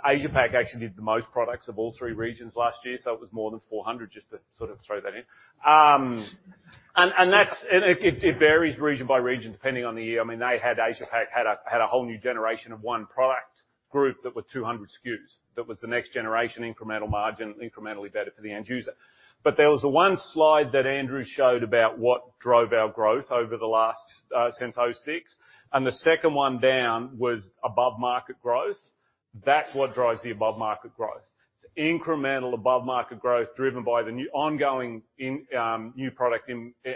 Asia Pac actually did the most products of all three regions last year, so it was more than 400 just to sort of throw that in. That's it varies region by region, depending on the year. I mean, Asia Pac had a whole new generation of one product group that were 200 SKUs. That was the next generation incremental margin, incrementally better for the end user. There was the one slide that Andrew showed about what drove our growth over the last since 2006, and the second one down was above market growth. That's what drives the above market growth. It's incremental above market growth driven by new ongoing product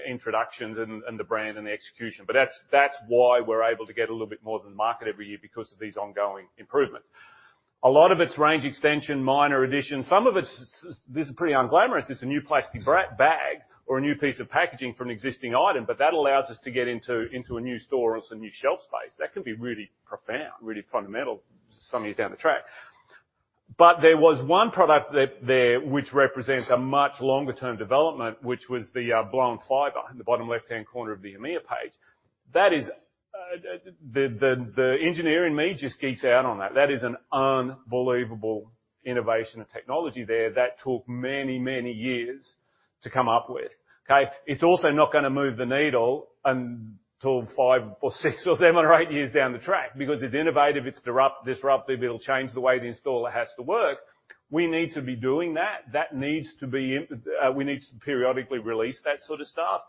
introductions and the brand and the execution. That's why we're able to get a little bit more than the market every year because of these ongoing improvements. A lot of it's range extension, minor additions. Some of it's small. This is pretty unglamorous. It's a new plastic bag or a new piece of packaging for an existing item, but that allows us to get into a new store or some new shelf space. That can be really profound, really fundamental some years down the track. There was one product that there, which represents a much longer-term development, which was the blown fiber in the bottom left-hand corner of the EMEA page. That is the engineer in me just geeks out on that. That is an unbelievable innovation and technology there that took many years to come up with. Okay? It's also not gonna move the needle until 5 or 6 or 7 or 8 years down the track because it's innovative, it's disruptive. It'll change the way the installer has to work. We need to be doing that. That needs to be. We need to periodically release that sort of stuff,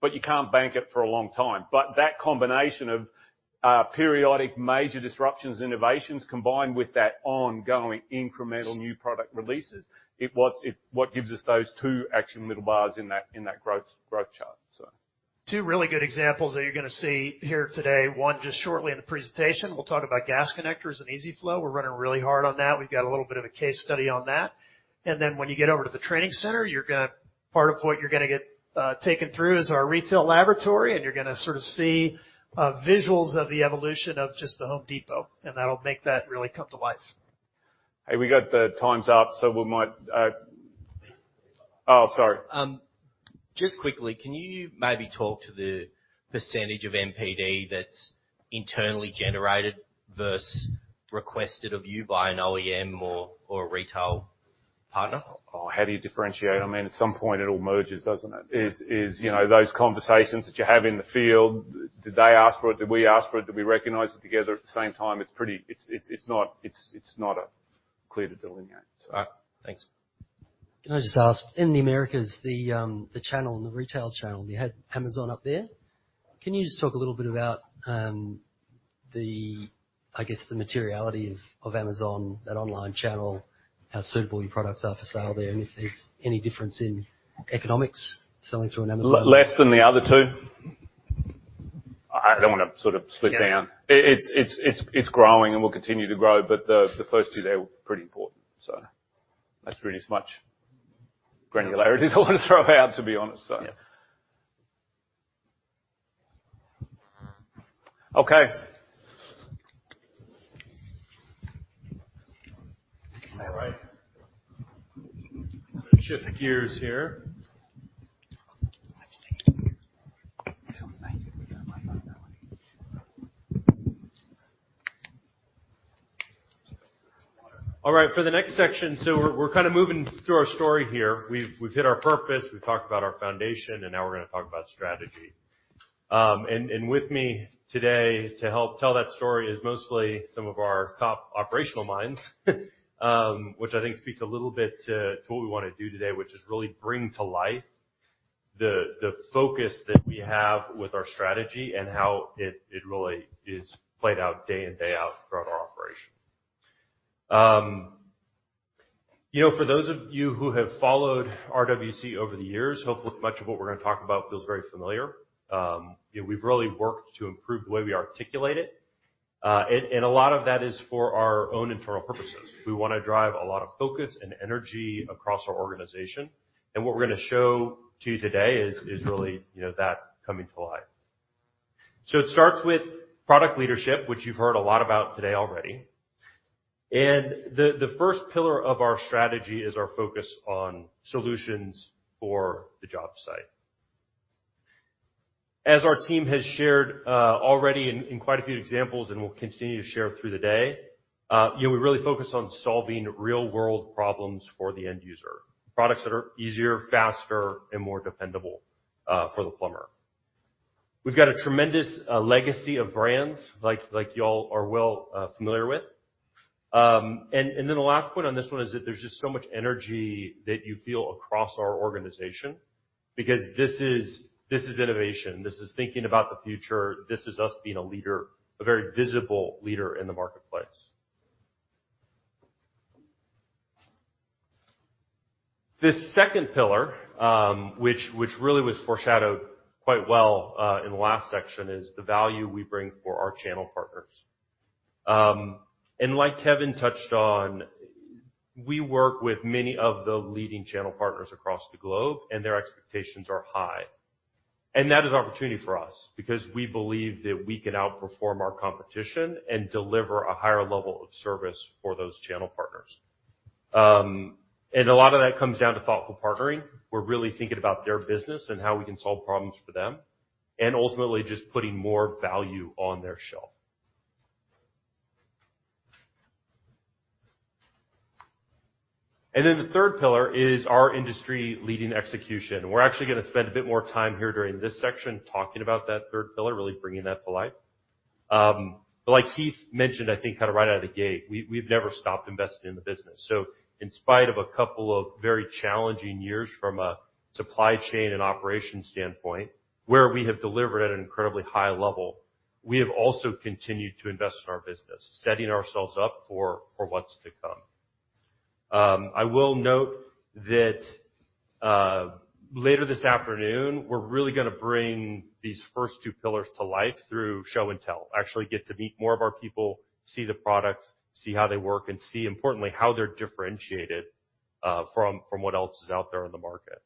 but you can't bank it for a long time. That combination of periodic major disruptions, innovations, combined with that ongoing incremental new product releases, it what gives us those two actual middle bars in that growth chart, so. Two really good examples that you're gonna see here today. One, just shortly in the presentation, we'll talk about gas connectors and EZ-FLO. We're running really hard on that. We've got a little bit of a case study on that. Then when you get over to the training center, part of what you're gonna get taken through is our retail laboratory, and you're gonna sort of see visuals of the evolution of just The Home Depot, and that'll make that really come to life. Hey, we got the time's up. Oh, sorry. Just quickly, can you maybe talk to the percentage of NPD that's internally generated versus requested of you by an OEM or a retail partner? How do you differentiate them? I mean, at some point it all merges, doesn't it? Yeah. You know, those conversations that you have in the field, did they ask for it? Did we ask for it? Did we recognize it together at the same time? It's not clear to delineate. All right. Thanks. Can I just ask, in the Americas, the channel, the retail channel, you had Amazon up there. Can you just talk a little bit about, I guess, the materiality of Amazon, that online channel, how suitable your products are for sale there, and if there's any difference in economics selling through Amazon? Less than the other two. I don't wanna sort of split down. Yeah. It's growing and will continue to grow, but the first two there were pretty important. That's really as much granularity I wanna throw out, to be honest. Yeah. Okay. All right. Shift gears here. All right. For the next section, we're kinda moving through our story here. We've hit our purpose, we've talked about our foundation, and now we're gonna talk about strategy. With me today to help tell that story is mostly some of our top operational minds, which I think speaks a little bit to what we wanna do today, which is really bring to life the focus that we have with our strategy and how it really is played out day in, day out throughout our operation. You know, for those of you who have followed RWC over the years, hopefully much of what we're gonna talk about feels very familiar. You know, we've really worked to improve the way we articulate it. A lot of that is for our own internal purposes. We wanna drive a lot of focus and energy across our organization, and what we're gonna show to you today is really, you know, that coming to life. It starts with product leadership, which you've heard a lot about today already. The first pillar of our strategy is our focus on solutions for the job site. As our team has shared already in quite a few examples and will continue to share through the day, you know, we really focus on solving real-world problems for the end user. Products that are easier, faster, and more dependable for the plumber. We've got a tremendous legacy of brands like y'all are well familiar with. The last point on this one is that there's just so much energy that you feel across our organization because this is innovation, this is thinking about the future. This is us being a leader, a very visible leader in the marketplace. This second pillar, which really was foreshadowed quite well in the last section, is the value we bring for our channel partners. Like Kevin touched on, we work with many of the leading channel partners across the globe, and their expectations are high. That is opportunity for us because we believe that we can outperform our competition and deliver a higher level of service for those channel partners. A lot of that comes down to thoughtful partnering. We're really thinking about their business and how we can solve problems for them and ultimately just putting more value on their shelf. The third pillar is our industry-leading execution. We're actually gonna spend a bit more time here during this section talking about that third pillar, really bringing that to life. Like Keith mentioned, I think kinda right out of the gate, we've never stopped investing in the business. In spite of a couple of very challenging years from a supply chain and operation standpoint, where we have delivered at an incredibly high level, we have also continued to invest in our business, setting ourselves up for what's to come. I will note that, later this afternoon, we're really gonna bring these first two pillars to life through show and tell. Actually get to meet more of our people, see the products, see how they work, and see importantly, how they're differentiated from what else is out there in the market.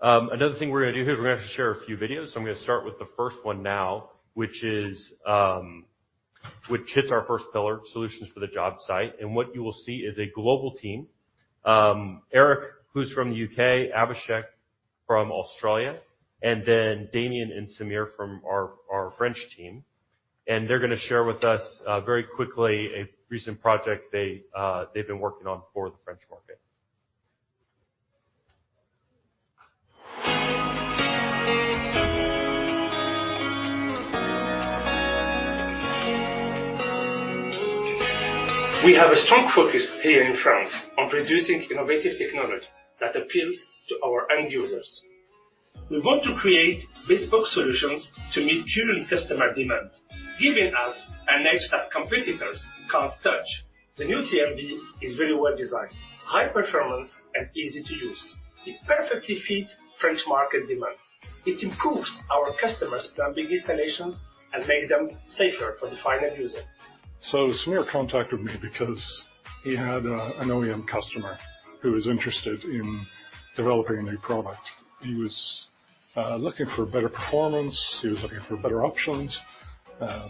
Another thing we're gonna do here is we're gonna share a few videos. I'm gonna start with the first one now, which hits our first pillar, solutions for the job site. What you will see is a global team, Eric, who's from the U.K., Abhishek from Australia, and then Damien and Samir from our French team. They're gonna share with us very quickly a recent project they've been working on for the French market. We have a strong focus here in France on producing innovative technology that appeals to our end users. We want to create bespoke solutions to meet current customer demand, giving us an edge that competitors can't touch. The new TMV is very well designed, high performance and easy to use. It perfectly fits French market demand. It improves our customers planning installations and make them safer for the final user. Samir contacted me because he had an OEM customer who was interested in developing a new product. He was looking for better performance. He was looking for better options,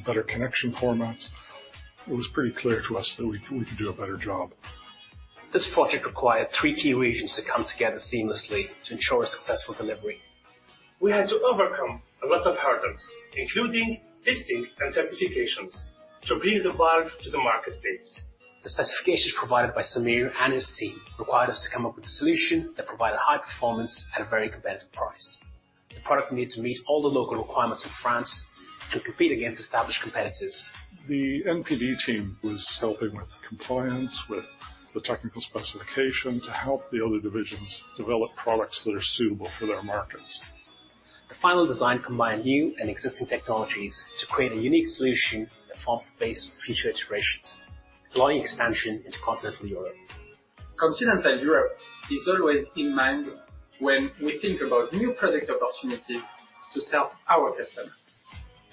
better connection formats. It was pretty clear to us that we could do a better job. This project required three key regions to come together seamlessly to ensure a successful delivery. We had to overcome a lot of hurdles, including testing and certifications, to bring the valve to the marketplace. The specifications provided by Samir and his team required us to come up with a solution that provided high performance at a very competitive price. The product needed to meet all the local requirements of France to compete against established competitors. The NPD team was helping with compliance, with the technical specification to help the other divisions develop products that are suitable for their markets. The final design combined new and existing technologies to create a unique solution that forms the base for future iterations, allowing expansion into continental Europe. Continental Europe is always in mind when we think about new product opportunities to sell our customers,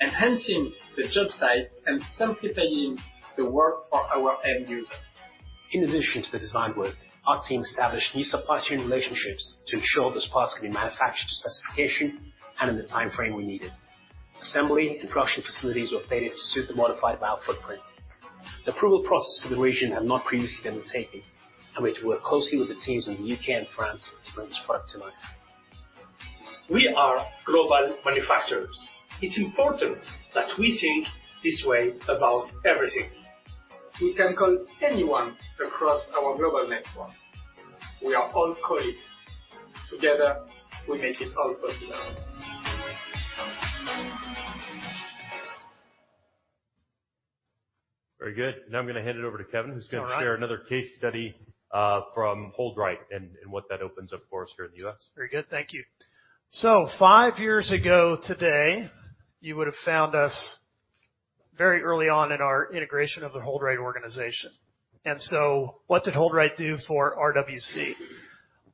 enhancing the job site and simplifying the work for our end users. In addition to the design work, our team established new supply chain relationships to ensure this product could be manufactured to specification and in the timeframe we needed. Assembly and production facilities were updated to suit the modified valve footprint. The approval process for the region had not previously been undertaken, and we had to work closely with the teams in the U.K. and France to bring this product to life. We are global manufacturers. It's important that we think this way about everything. We can call anyone across our global network. We are all colleagues. Together, we make it all possible. Very good. Now I'm gonna hand it over to Kevin, who's gonna share another case study from HoldRite and what that opens up for us here in the U.S. Very good. Thank you. Five years ago today, you would have found us very early on in our integration of the HoldRite organization. What did HoldRite do for RWC?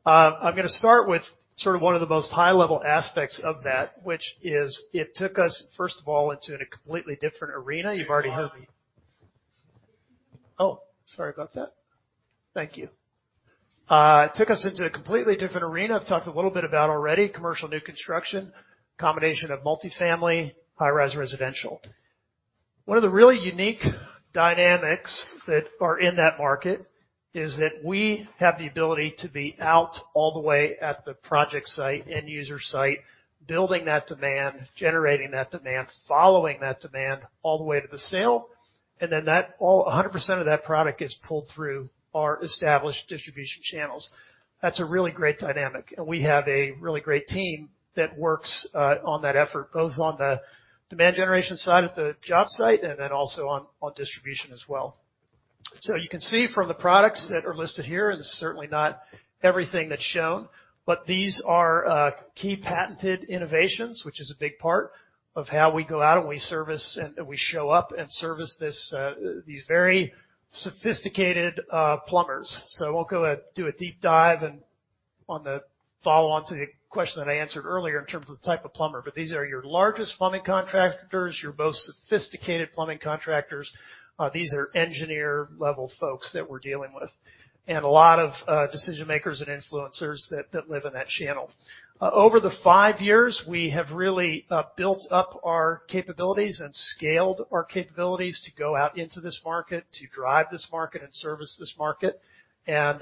I'm gonna start with sort of one of the most high-level aspects of that, which is it took us, first of all, into a completely different arena. I've talked a little bit about already, commercial new construction, combination of multifamily, high-rise residential. One of the really unique dynamics that are in that market is that we have the ability to be out all the way at the project site, end user site, building that demand, generating that demand, following that demand all the way to the sale, and then 100% of that product is pulled through our established distribution channels. That's a really great dynamic, and we have a really great team that works on that effort, both on the demand generation side at the job site and then also on distribution as well. You can see from the products that are listed here, and this is certainly not everything that's shown, but these are key patented innovations, which is a big part of how we go out and we service and we show up and service these very sophisticated plumbers. I won't go do a deep dive and on the follow on to the question that I answered earlier in terms of the type of plumber, but these are your largest plumbing contractors, your most sophisticated plumbing contractors. These are engineer level folks that we're dealing with, and a lot of decision makers and influencers that live in that channel. Over the five years, we have really built up our capabilities and scaled our capabilities to go out into this market, to drive this market and service this market and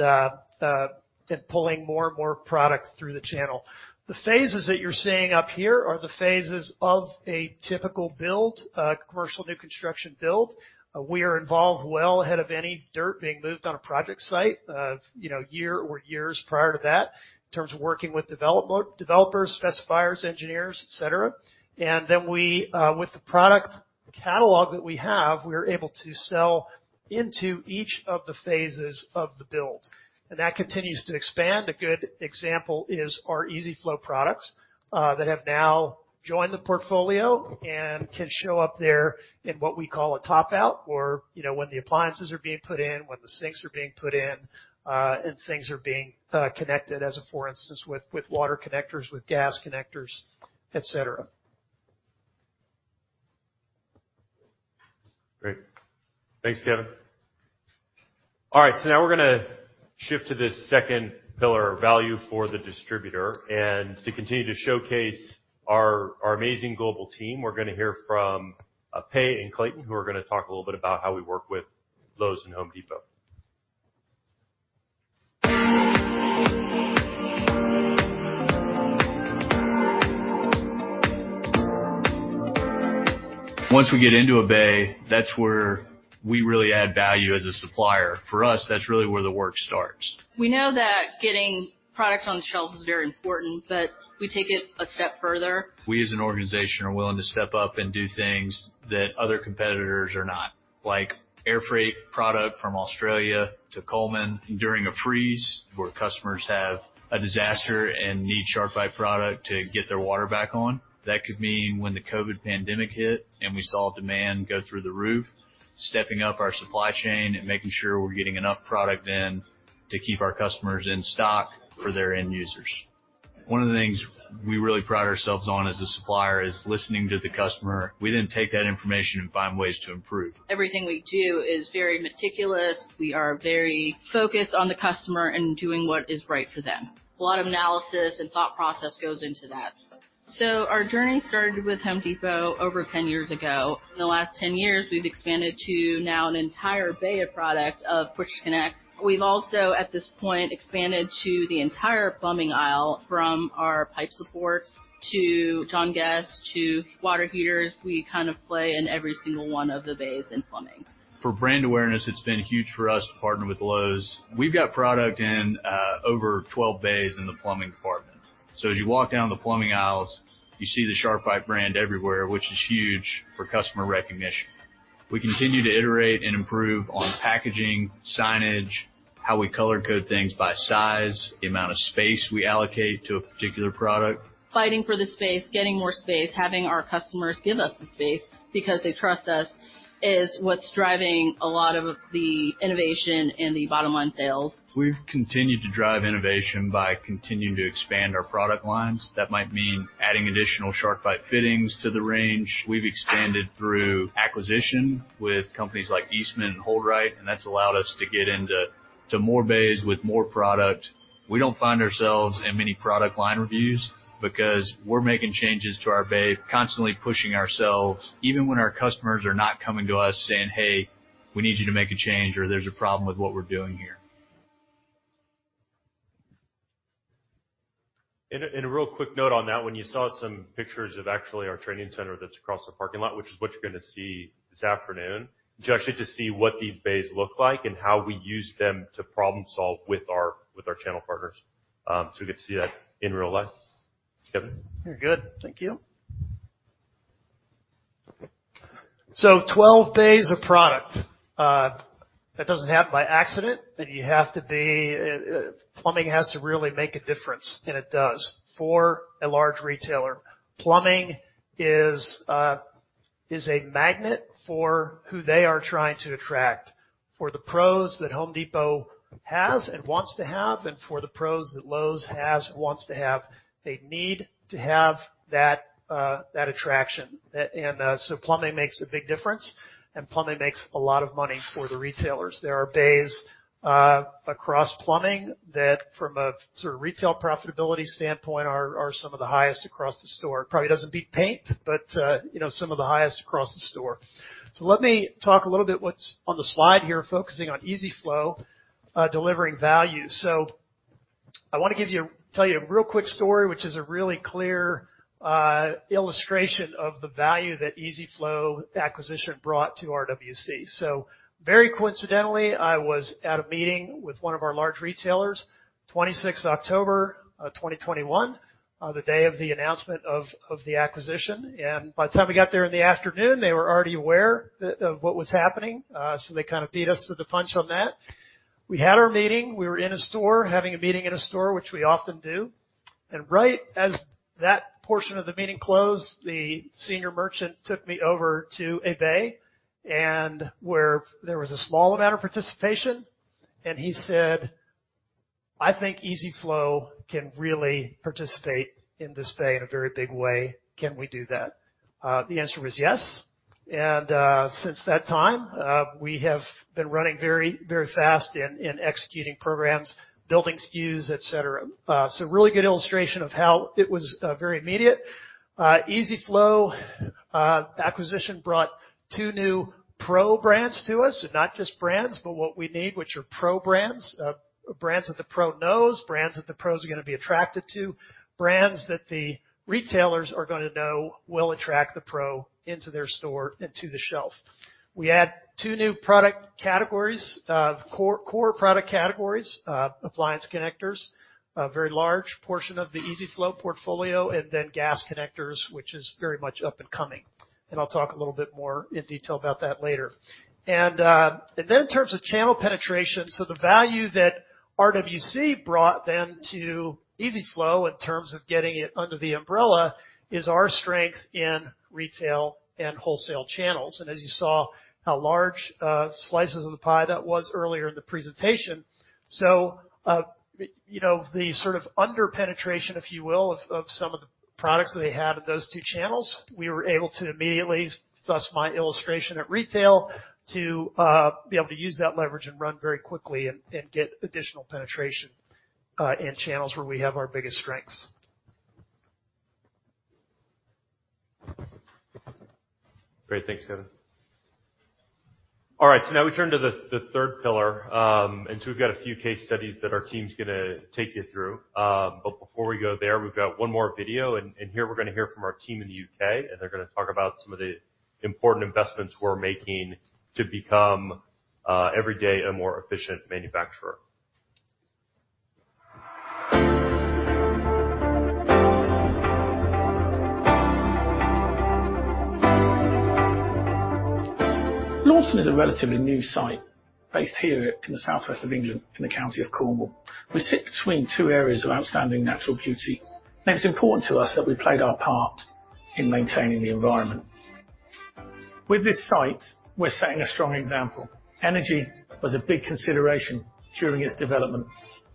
pulling more and more product through the channel. The phases that you're seeing up here are the phases of a typical build, commercial new construction build. We are involved well ahead of any dirt being moved on a project site, of, you know, year or years prior to that in terms of working with developers, specifiers, engineers, et cetera. We, with the product catalog that we have, we are able to sell into each of the phases of the build, and that continues to expand. A good example is our EZ-FLO products that have now joined the portfolio and can show up there in what we call a top out or, you know, when the appliances are being put in, when the sinks are being put in, and things are being connected as, for instance, with water connectors, with gas connectors, et cetera. Great. Thanks, Kevin. All right, so now we're gonna shift to this second pillar, value for the distributor. To continue to showcase our amazing global team, we're gonna hear from Pei and Clayton, who are gonna talk a little bit about how we work with Lowe's and Home Depot. Once we get into a bay, that's where we really add value as a supplier. For us, that's really where the work starts. We know that getting product on the shelves is very important, but we take it a step further. We as an organization are willing to step up and do things that other competitors are not. Like air freight product from Australia to Cullman during a freeze where customers have a disaster and need SharkBite product to get their water back on. That could mean when the COVID pandemic hit and we saw demand go through the roof, stepping up our supply chain and making sure we're getting enough product in to keep our customers in stock for their end users. One of the things we really pride ourselves on as a supplier is listening to the customer. We then take that information and find ways to improve. Everything we do is very meticulous. We are very focused on the customer and doing what is right for them. A lot of analysis and thought process goes into that. Our journey started with Home Depot over 10 years ago. In the last 10 years, we've expanded to now an entire bay of product of push-to-connect. We've also, at this point, expanded to the entire plumbing aisle from our pipe supports to John Guest to water heaters. We kind of play in every single one of the bays in plumbing. For brand awareness, it's been huge for us to partner with Lowe's. We've got product in over 12 bays in the plumbing department. As you walk down the plumbing aisles, you see the SharkBite brand everywhere, which is huge for customer recognition. We continue to iterate and improve on packaging, signage, how we color code things by size, the amount of space we allocate to a particular product. Fighting for the space, getting more space, having our customers give us the space because they trust us is what's driving a lot of the innovation and the bottom line sales. We've continued to drive innovation by continuing to expand our product lines. That might mean adding additional SharkBite fittings to the range. We've expanded through acquisition with companies like Eastman and HoldRite, and that's allowed us to get into more bays with more product. We don't find ourselves in many product line reviews because we're making changes to our bay, constantly pushing ourselves, even when our customers are not coming to us saying, "Hey, we need you to make a change," or, "There's a problem with what we're doing here. A real quick note on that, when you saw some pictures of actually our training center that's across the parking lot, which is what you're gonna see this afternoon, just you to see what these bays look like and how we use them to problem solve with our channel partners. So we get to see that in real life. Kevin? Very good. Thank you. 12 bays of product, that doesn't happen by accident, and you have to be, plumbing has to really make a difference, and it does for a large retailer. Plumbing is a magnet for who they are trying to attract. For the pros that Home Depot has and wants to have, and for the pros that Lowe's has and wants to have, they need to have that attraction. And plumbing makes a big difference, and plumbing makes a lot of money for the retailers. There are bays across plumbing that from a sort of retail profitability standpoint are some of the highest across the store. It probably doesn't beat paint, but you know, some of the highest across the store. Let me talk a little bit about what's on the slide here, focusing on EZ-FLO, delivering value. I wanna tell you a real quick story, which is a really clear illustration of the value that EZ-FLO acquisition brought to RWC. Very coincidentally, I was at a meeting with one of our large retailers, 26th October 2021, the day of the announcement of the acquisition. By the time we got there in the afternoon, they were already aware of what was happening. They kinda beat us to the punch on that. We had our meeting. We were in a store, having a meeting in a store, which we often do. Right as that portion of the meeting closed, the senior merchant took me over to a bay and where there was a small amount of participation, and he said, "I think EZ-FLO can really participate in this bay in a very big way. Can we do that?" The answer was yes. Since that time, we have been running very, very fast in executing programs, building SKUs, et cetera. Really good illustration of how it was very immediate. EZ-FLO acquisition brought two new pro brands to us, and not just brands, but what we need, which are pro brands that the pro knows, brands that the pros are gonna be attracted to, brands that the retailers are gonna know will attract the pro into their store and to the shelf. We add two new product categories, core product categories, appliance connectors, a very large portion of the EZ-FLO portfolio, and then gas connectors, which is very much up and coming. I'll talk a little bit more in detail about that later. Then in terms of channel penetration, so the value that RWC brought then to EZ-FLO in terms of getting it under the umbrella is our strength in retail and wholesale channels. As you saw how large slices of the pie that was earlier in the presentation. You know, the sort of under-penetration, if you will, of some of the products that they had in those two channels, we were able to immediately, thus my illustration at retail, to be able to use that leverage and run very quickly and get additional penetration in channels where we have our biggest strengths. Great. Thanks, Kevin. All right, now we turn to the third pillar. We've got a few case studies that our team's gonna take you through. Before we go there, we've got one more video, and here we're gonna hear from our team in the UK, and they're gonna talk about some of the important investments we're making to become every day a more efficient manufacturer. Launceston is a relatively new site based here in the southwest of England in the county of Cornwall. We sit between two areas of outstanding natural beauty, and it's important to us that we played our part in maintaining the environment. With this site, we're setting a strong example. Energy was a big consideration during its development.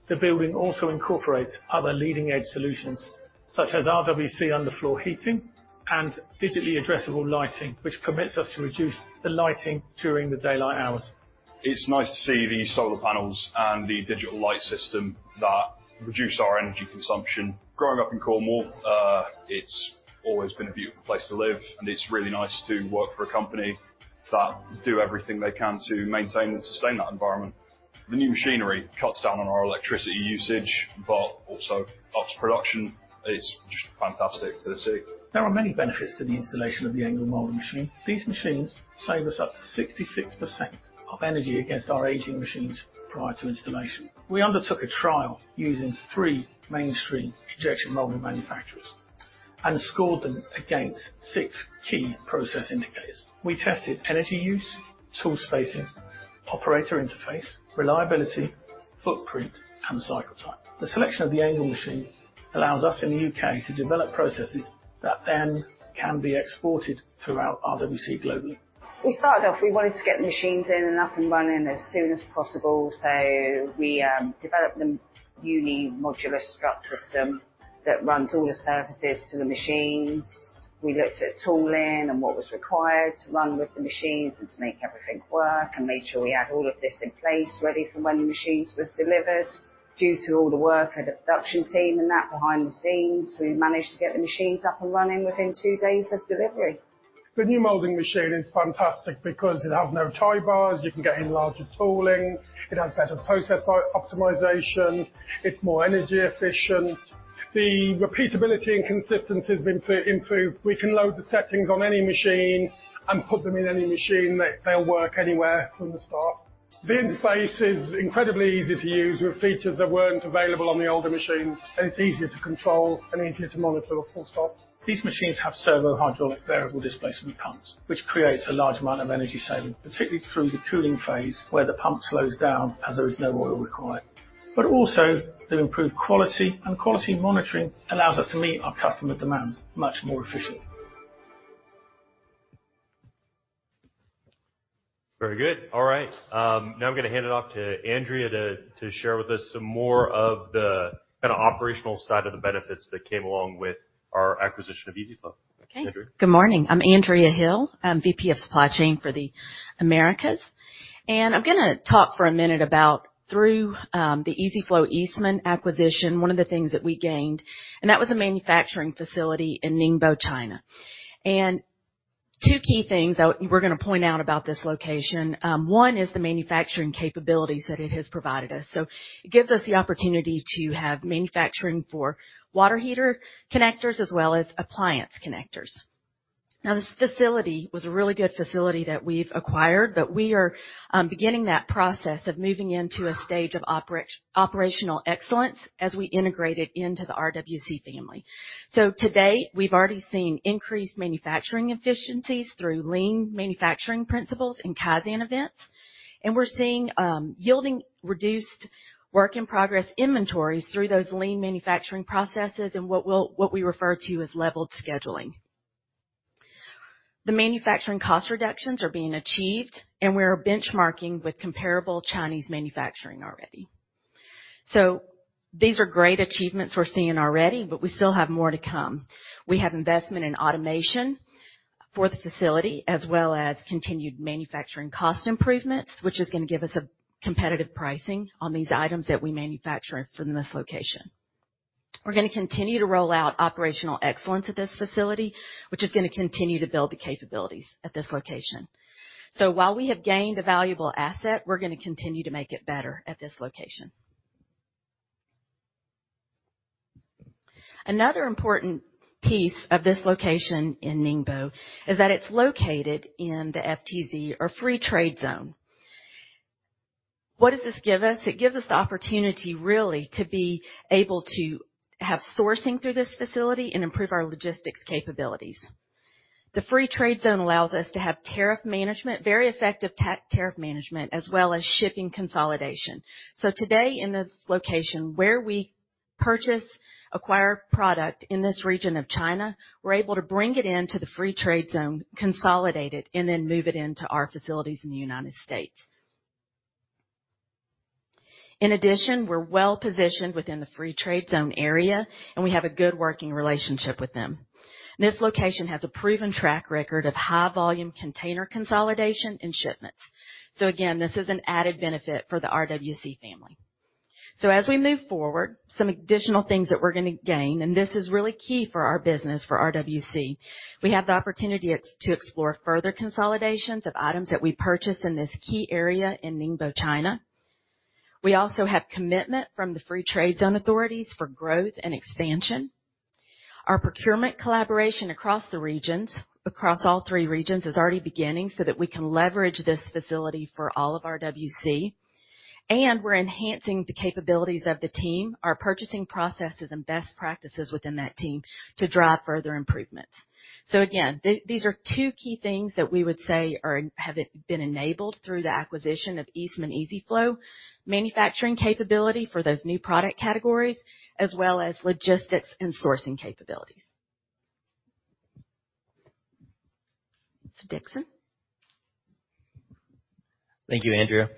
The building also incorporates other leading-edge solutions, such as RWC underfloor heating and digitally addressable lighting, which permits us to reduce the lighting during the daylight hours. It's nice to see the solar panels and the digital light system that reduce our energy consumption. Growing up in Cornwall, it's always been a beautiful place to live, and it's really nice to work for a company that do everything they can to maintain and sustain that environment. The new machinery cuts down on our electricity usage, but also ups production. It's just fantastic to see. There are many benefits to the installation of the ENGEL molding machine. These machines save us up to 66% of energy against our aging machines prior to installation. We undertook a trial using three mainstream injection molding manufacturers and scored them against six key process indicators. We tested energy use, tool spacing, operator interface, reliability, footprint, and cycle time. The selection of the ENGEL machine allows us in the U.K. to develop processes that then can be exported throughout RWC globally. We started off, we wanted to get the machines in and up and running as soon as possible, so we developed the uni-modular strut system that runs all the services to the machines. We looked at tooling and what was required to run with the machines and to make everything work, and made sure we had all of this in place ready for when the machines was delivered. Due to all the work and the production team and that behind the scenes, we managed to get the machines up and running within two days of delivery. The new molding machine is fantastic because it has no tie bars, you can get in larger tooling, it has better process optimization, it's more energy efficient. The repeatability and consistency has been improved. We can load the settings on any machine and put them in any machine. They'll work anywhere from the start. The interface is incredibly easy to use with features that weren't available on the older machines. It's easier to control and easier to monitor, full stop. These machines have servo hydraulic variable displacement pumps, which creates a large amount of energy saving, particularly through the cooling phase, where the pump slows down as there is no oil required. The improved quality and quality monitoring allows us to meet our customer demands much more efficiently. Very good. All right. Now I'm gonna hand it off to Andrea to share with us some more of the kinda operational side of the benefits that came along with our acquisition of EZ-FLO. Okay. Andrea. Good morning. I'm Andrea Hill. I'm VP of Supply Chain for the Americas, and I'm gonna talk for a minute about the EZ-FLO Eastman acquisition, one of the things that we gained, and that was a manufacturing facility in Ningbo, China. Two key things that we're gonna point out about this location, one is the manufacturing capabilities that it has provided us. It gives us the opportunity to have manufacturing for water heater connectors as well as appliance connectors. Now, this facility was a really good facility that we've acquired, but we are beginning that process of moving into a stage of operational excellence as we integrate it into the RWC family. To date, we've already seen increased manufacturing efficiencies through lean manufacturing principles and Kaizen events. We're seeing yielding reduced work in progress inventories through those lean manufacturing processes and what we refer to as leveled scheduling. The manufacturing cost reductions are being achieved, and we are benchmarking with comparable Chinese manufacturing already. These are great achievements we're seeing already, but we still have more to come. We have investment in automation for the facility, as well as continued manufacturing cost improvements, which is gonna give us a competitive pricing on these items that we manufacture from this location. We're gonna continue to roll out operational excellence at this facility, which is gonna continue to build the capabilities at this location. While we have gained a valuable asset, we're gonna continue to make it better at this location. Another important piece of this location in Ningbo is that it's located in the FTZ, or Free Trade Zone. What does this give us? It gives us the opportunity really to be able to have sourcing through this facility and improve our logistics capabilities. The free trade zone allows us to have tariff management, very effective tariff management, as well as shipping consolidation. Today in this location where we purchase, acquire product in this region of China, we're able to bring it into the free trade zone, consolidate it, and then move it into our facilities in the United States. In addition, we're well-positioned within the free trade zone area, and we have a good working relationship with them. This location has a proven track record of high volume container consolidation and shipments. Again, this is an added benefit for the RWC family. As we move forward, some additional things that we're gonna gain, and this is really key for our business for RWC, we have the opportunity to explore further consolidations of items that we purchase in this key area in Ningbo, China. We also have commitment from the free trade zone authorities for growth and expansion. Our procurement collaboration across the regions, across all three regions, is already beginning so that we can leverage this facility for all of RWC, and we're enhancing the capabilities of the team, our purchasing processes and best practices within that team to drive further improvements. These are two key things that we would say have been enabled through the acquisition of Eastman EZ-FLO manufacturing capability for those new product categories, as well as logistics and sourcing capabilities. Dixon. Thank you, Andrea.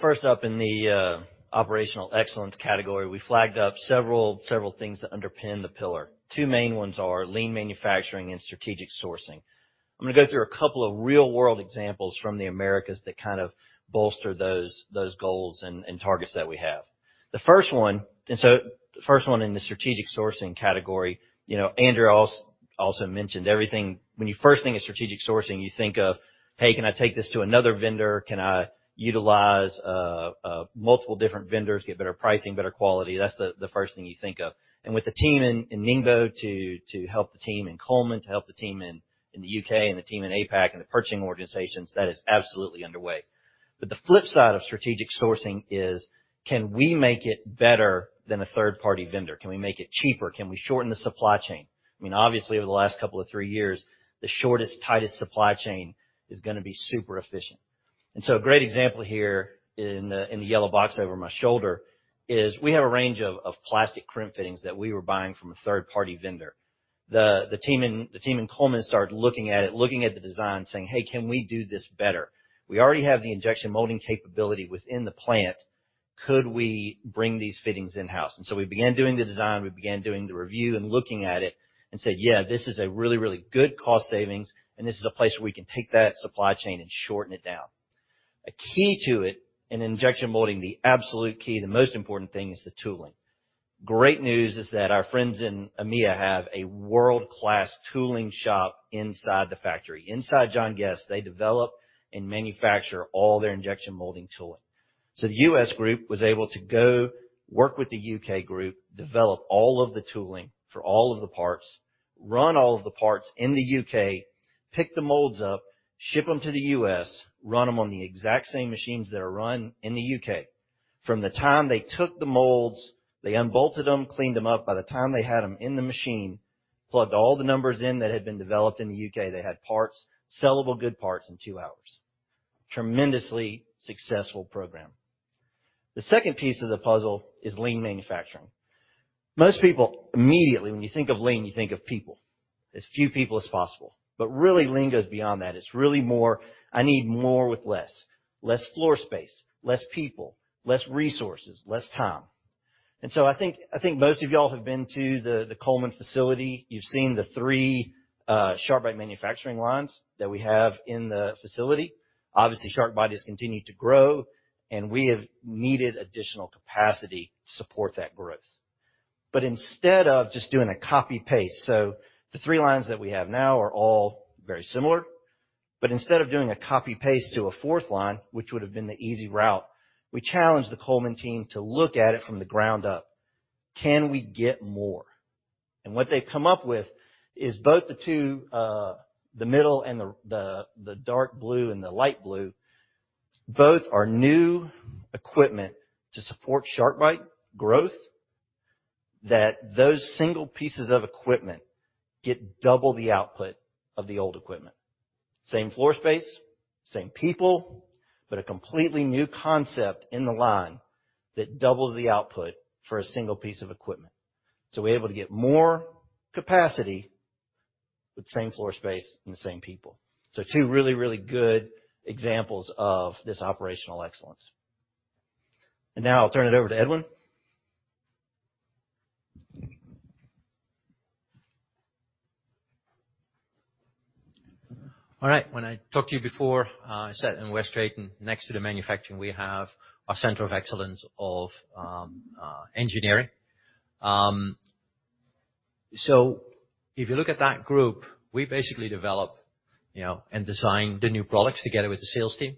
First up in the operational excellence category, we flagged up several things that underpin the pillar. Two main ones are lean manufacturing and strategic sourcing. I'm gonna go through a couple of real-world examples from the Americas that kind of bolster those goals and targets that we have. The first one in the strategic sourcing category, you know, Andrea also mentioned everything. When you first think of strategic sourcing, you think of, "Hey, can I take this to another vendor? Can I utilize multiple different vendors, get better pricing, better quality?" That's the first thing you think of. With the team in Ningbo to help the team in Coleman, to help the team in the U.K. and the team in APAC and the purchasing organizations, that is absolutely underway. The flip side of strategic sourcing is, can we make it better than a third-party vendor? Can we make it cheaper? Can we shorten the supply chain? I mean, obviously, over the last couple of three years, the shortest, tightest supply chain is gonna be super efficient. A great example here in the yellow box over my shoulder is we have a range of plastic crimp fittings that we were buying from a third-party vendor. The team in Coleman started looking at it, looking at the design, saying, "Hey, can we do this better? We already have the injection molding capability within the plant. Could we bring these fittings in-house?" We began doing the design, we began doing the review and looking at it and said, "Yeah, this is a really, really good cost savings, and this is a place where we can take that supply chain and shorten it down." A key to it, in injection molding, the absolute key, the most important thing is the tooling. Great news is that our friends in EMEA have a world-class tooling shop inside the factory. Inside John Guest, they develop and manufacture all their injection molding tooling. The US group was able to go work with the U.K. group, develop all of the tooling for all of the parts, run all of the parts in the U.K., pick the molds up, ship them to the U.S, run them on the exact same machines that are run in the U.K. From the time they took the molds, they unbolted them, cleaned them up. By the time they had them in the machine, plugged all the numbers in that had been developed in the UK, they had parts, sellable good parts in two hours. Tremendously successful program. The second piece of the puzzle is lean manufacturing. Most people, immediately, when you think of lean, you think of people, as few people as possible. But really, lean goes beyond that. It's really more, I need more with less. Less floor space, less people, less resources, less time. I think most of y'all have been to the Coleman facility. You've seen the three SharkBite manufacturing lines that we have in the facility. Obviously, SharkBite has continued to grow, and we have needed additional capacity to support that growth. Instead of just doing a copy-paste, so the three lines that we have now are all very similar. Instead of doing a copy-paste to a fourth line, which would've been the easy route, we challenged the Coleman team to look at it from the ground up. Can we get more? What they've come up with is both the two, the middle and the dark blue and the light blue, both are new equipment to support SharkBite growth. Those single pieces of equipment get double the output of the old equipment. Same floor space, same people, but a completely new concept in the line that doubled the output for a single piece of equipment. We're able to get more capacity with the same floor space and the same people. Two really, really good examples of this operational excellence. Now I'll turn it over to Edwin. All right. When I talked to you before, I said in West Drayton, next to the manufacturing, we have a center of excellence of engineering. If you look at that group, we basically develop, you know, and design the new products together with the sales team.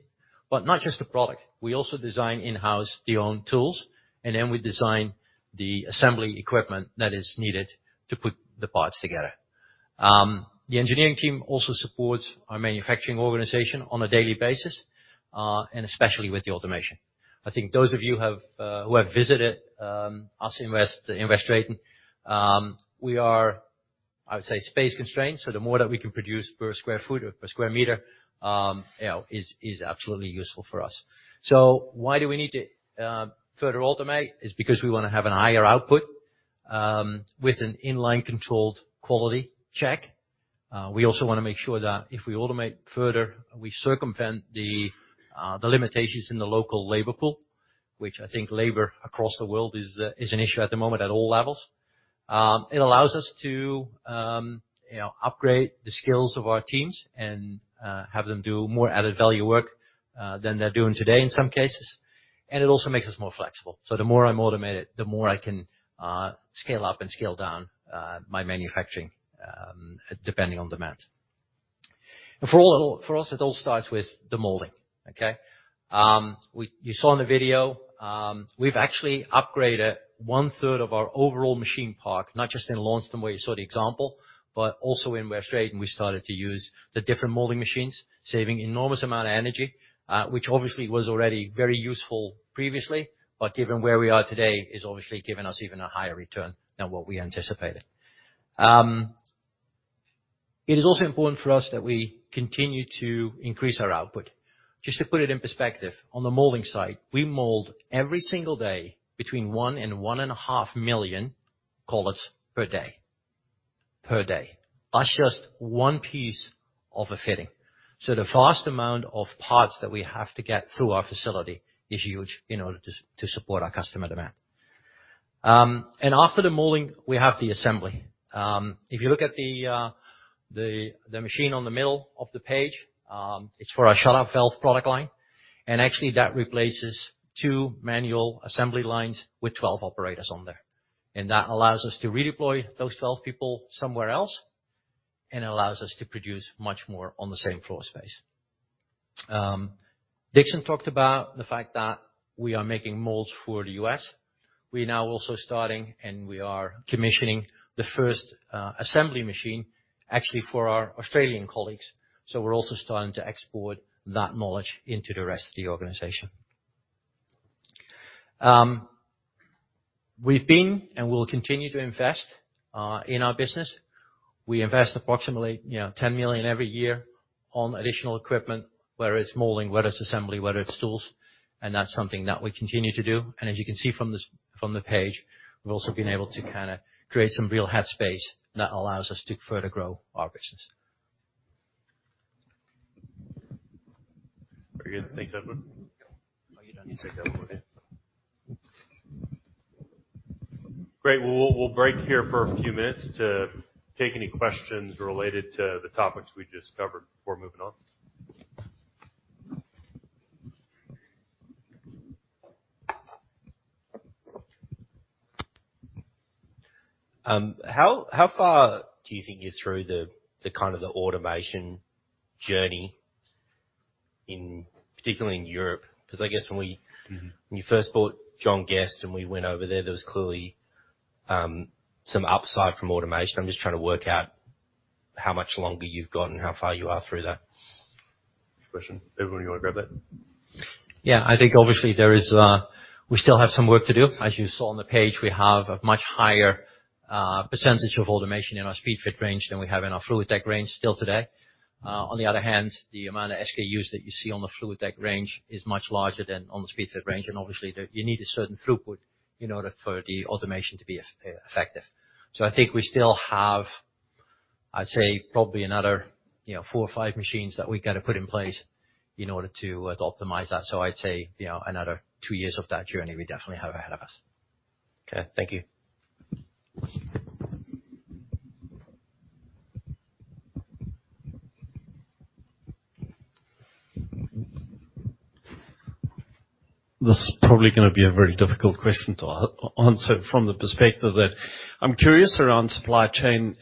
Not just the product, we also design in-house the own tools, and then we design the assembly equipment that is needed to put the parts together. The engineering team also supports our manufacturing organization on a daily basis, and especially with the automation. I think those of you who have visited us in West Drayton, we are, I would say, space constrained, so the more that we can produce per square foot or per square meter, you know, is absolutely useful for us. Why do we need to further automate? Is because we wanna have a higher output with an inline controlled quality check. We also wanna make sure that if we automate further, we circumvent the limitations in the local labor pool, which I think labor across the world is an issue at the moment at all levels. It allows us to you know upgrade the skills of our teams and have them do more added value work than they're doing today in some cases. It also makes us more flexible. The more I'm automated, the more I can scale up and scale down my manufacturing depending on demand. For us, it all starts with the molding, okay? You saw in the video, we've actually upgraded one third of our overall machine park, not just in Launceston where you saw the example, but also in West Drayton. We started to use the different molding machines, saving enormous amount of energy, which obviously was already very useful previously. Given where we are today, is obviously given us even a higher return than what we anticipated. It is also important for us that we continue to increase our output. Just to put it in perspective, on the molding side, we mold every single day between 1 and 1.5 million collets per day. That's just one piece of a fitting. The vast amount of parts that we have to get through our facility is huge in order to to support our customer demand. After the molding, we have the assembly. If you look at the machine on the middle of the page, it's for our shut-off valve product line, and actually that replaces two manual assembly lines with 12 operators on there. That allows us to redeploy those 12 people somewhere else, and allows us to produce much more on the same floor space. Dixon talked about the fact that we are making molds for the U.S. We're now also starting, and we are commissioning the first assembly machine, actually for our Australian colleagues. We're also starting to export that knowledge into the rest of the organization. We've been and will continue to invest in our business. We invest approximately, you know, 10 million every year on additional equipment, whether it's molding, whether it's assembly, whether it's tools, and that's something that we continue to do. As you can see from this, from the page, we've also been able to kinda create some real head space that allows us to further grow our business. Very good. Thanks, Edwin. Oh, you don't need that one anymore, do you? Great. We'll break here for a few minutes to take any questions related to the topics we just covered before moving on. How far do you think you're through the kind of automation journey, particularly in Europe? Mm-hmm. When you first bought John Guest and we went over there was clearly some upside from automation. I'm just trying to work out how much longer you've got and how far you are through that. Good question. Edwin, you wanna grab that? Yeah. I think obviously there is, we still have some work to do. As you saw on the page, we have a much higher, percentage of automation in our Speedfit range than we have in our FluidTech range still today. On the other hand, the amount of SKUs that you see on the FluidTech range is much larger than on the Speedfit range. Obviously, you need a certain throughput in order for the automation to be effective. I think we still have, I'd say, probably another, you know, four or five machines that we gotta put in place in order to, optimize that. I'd say, you know, another two years of that journey we definitely have ahead of us. Okay, thank you. This is probably gonna be a very difficult question to answer from the perspective that I'm curious around supply chain,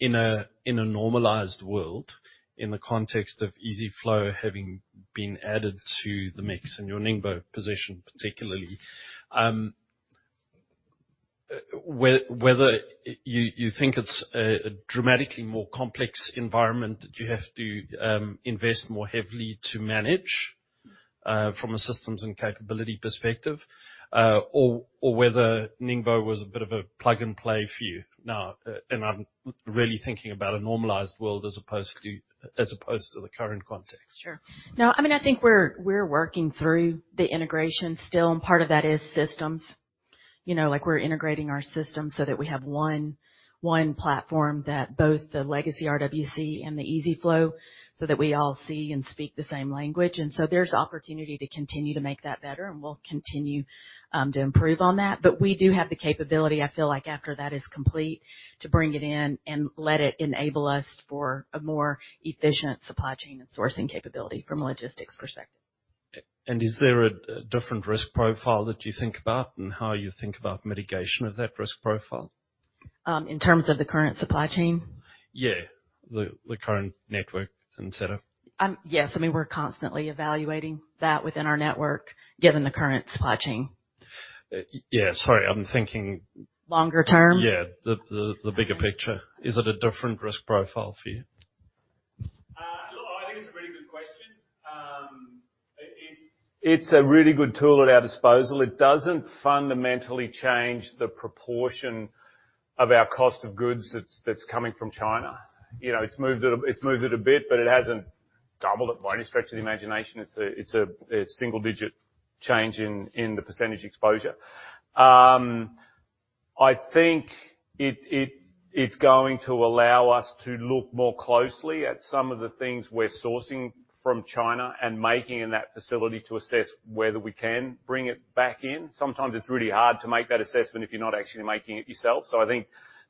in a normalized world, in the context of EZ-FLO having been added to the mix in your Ningbo position, particularly. Whether you think it's a dramatically more complex environment that you have to invest more heavily to manage from a systems and capability perspective, or whether Ningbo was a bit of a plug-and-play for you now? I'm really thinking about a normalized world as opposed to the current context. Sure. No, I mean, I think we're working through the integration still, and part of that is systems. You know, like we're integrating our systems so that we have one platform that both the legacy RWC and the EZ-FLO, so that we all see and speak the same language. There's opportunity to continue to make that better, and we'll continue to improve on that. We do have the capability, I feel like after that is complete, to bring it in and let it enable us for a more efficient supply chain and sourcing capability from a logistics perspective. Is there a different risk profile that you think about in how you think about mitigation of that risk profile? In terms of the current supply chain? Yeah. The current network and setup. Yes. I mean, we're constantly evaluating that within our network, given the current supply chain. Yes. Sorry, I'm thinking. Longer term? Yeah. The bigger picture. Is it a different risk profile for you? I think it's a very good question. It's a really good tool at our disposal. It doesn't fundamentally change the proportion of our cost of goods that's coming from China. You know, it's moved it a bit, but it hasn't doubled it by any stretch of the imagination. It's a single digit change in the percentage exposure. I think it's going to allow us to look more closely at some of the things we're sourcing from China and making in that facility to assess whether we can bring it back in. Sometimes it's really hard to make that assessment if you're not actually making it yourself. I think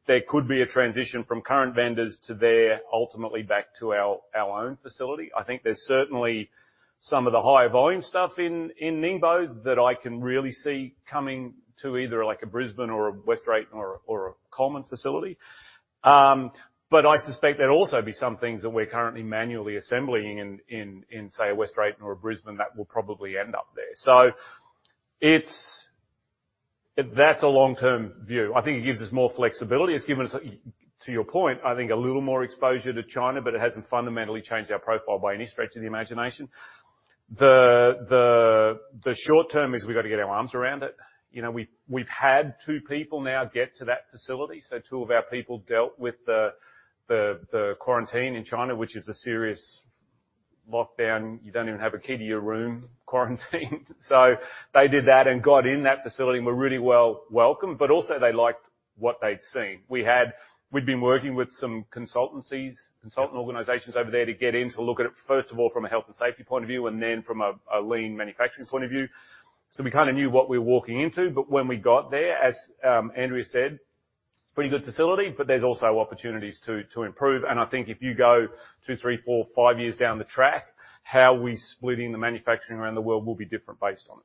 there could be a transition from current vendors to there, ultimately back to our own facility. I think there's certainly some of the higher volume stuff in Ningbo that I can really see coming to either, like, a Brisbane or a West Drayton or a Coleman facility. But I suspect there'd also be some things that we're currently manually assembling in say a West Drayton or a Brisbane that will probably end up there. That's a long-term view. I think it gives us more flexibility. It's given us, to your point, I think a little more exposure to China, but it hasn't fundamentally changed our profile by any stretch of the imagination. The short term is we've got to get our arms around it. You know, we've had two people now get to that facility, so two of our people dealt with the quarantine in China, which is a serious lockdown. You don't even have a key to your room quarantine. They did that and got in that facility and were really well welcomed, but also they liked what they'd seen. We'd been working with some consultancies, consultant organizations over there to get in to look at it, first of all, from a health and safety point of view, and then from a lean manufacturing point of view. We kinda knew what we were walking into, but when we got there, as Andrea said, it's a pretty good facility, but there's also opportunities to improve. I think if you go two, three, four, five years down the track, how we're splitting the manufacturing around the world will be different based on it.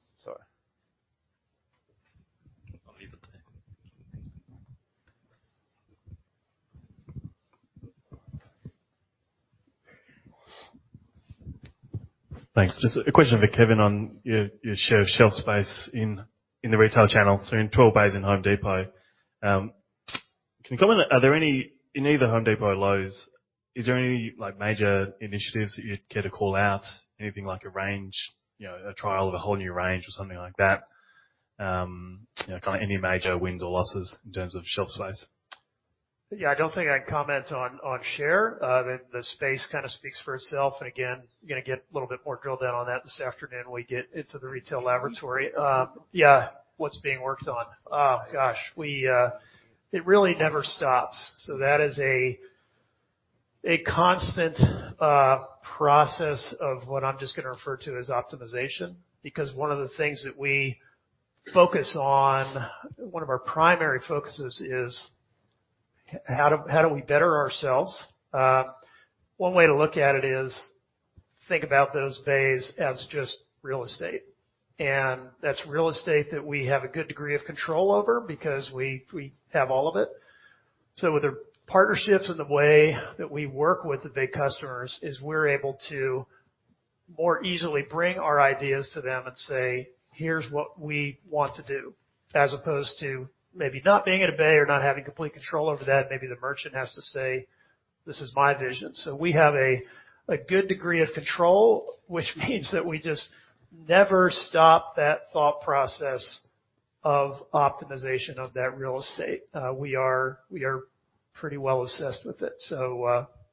I'll leave it there. Thanks. Just a question for Kevin on your share of shelf space in the retail channel, so in tool bays in Home Depot. Can you comment, are there any in either Home Depot or Lowe's, is there any, like, major initiatives that you'd care to call out? Anything like a range, you know, a trial of a whole new range or something like that? You know, kinda any major wins or losses in terms of shelf space? Yeah. I don't think I can comment on share. The space kinda speaks for itself. You're gonna get a little bit more drilled down on that this afternoon when we get into the retail laboratory. What's being worked on? It really never stops. That is a constant process of what I'm just gonna refer to as optimization. Because one of the things that we focus on, one of our primary focuses is how do we better ourselves? One way to look at it is think about those bays as just real estate. That's real estate that we have a good degree of control over because we have all of it. With the partnerships and the way that we work with the big customers is we're able to more easily bring our ideas to them and say, "Here's what we want to do," as opposed to maybe not being in a bay or not having complete control over that. Maybe the merchant has to say, "This is my vision." We have a good degree of control, which means that we just never stop that thought process of optimization of that real estate. We are pretty well obsessed with it.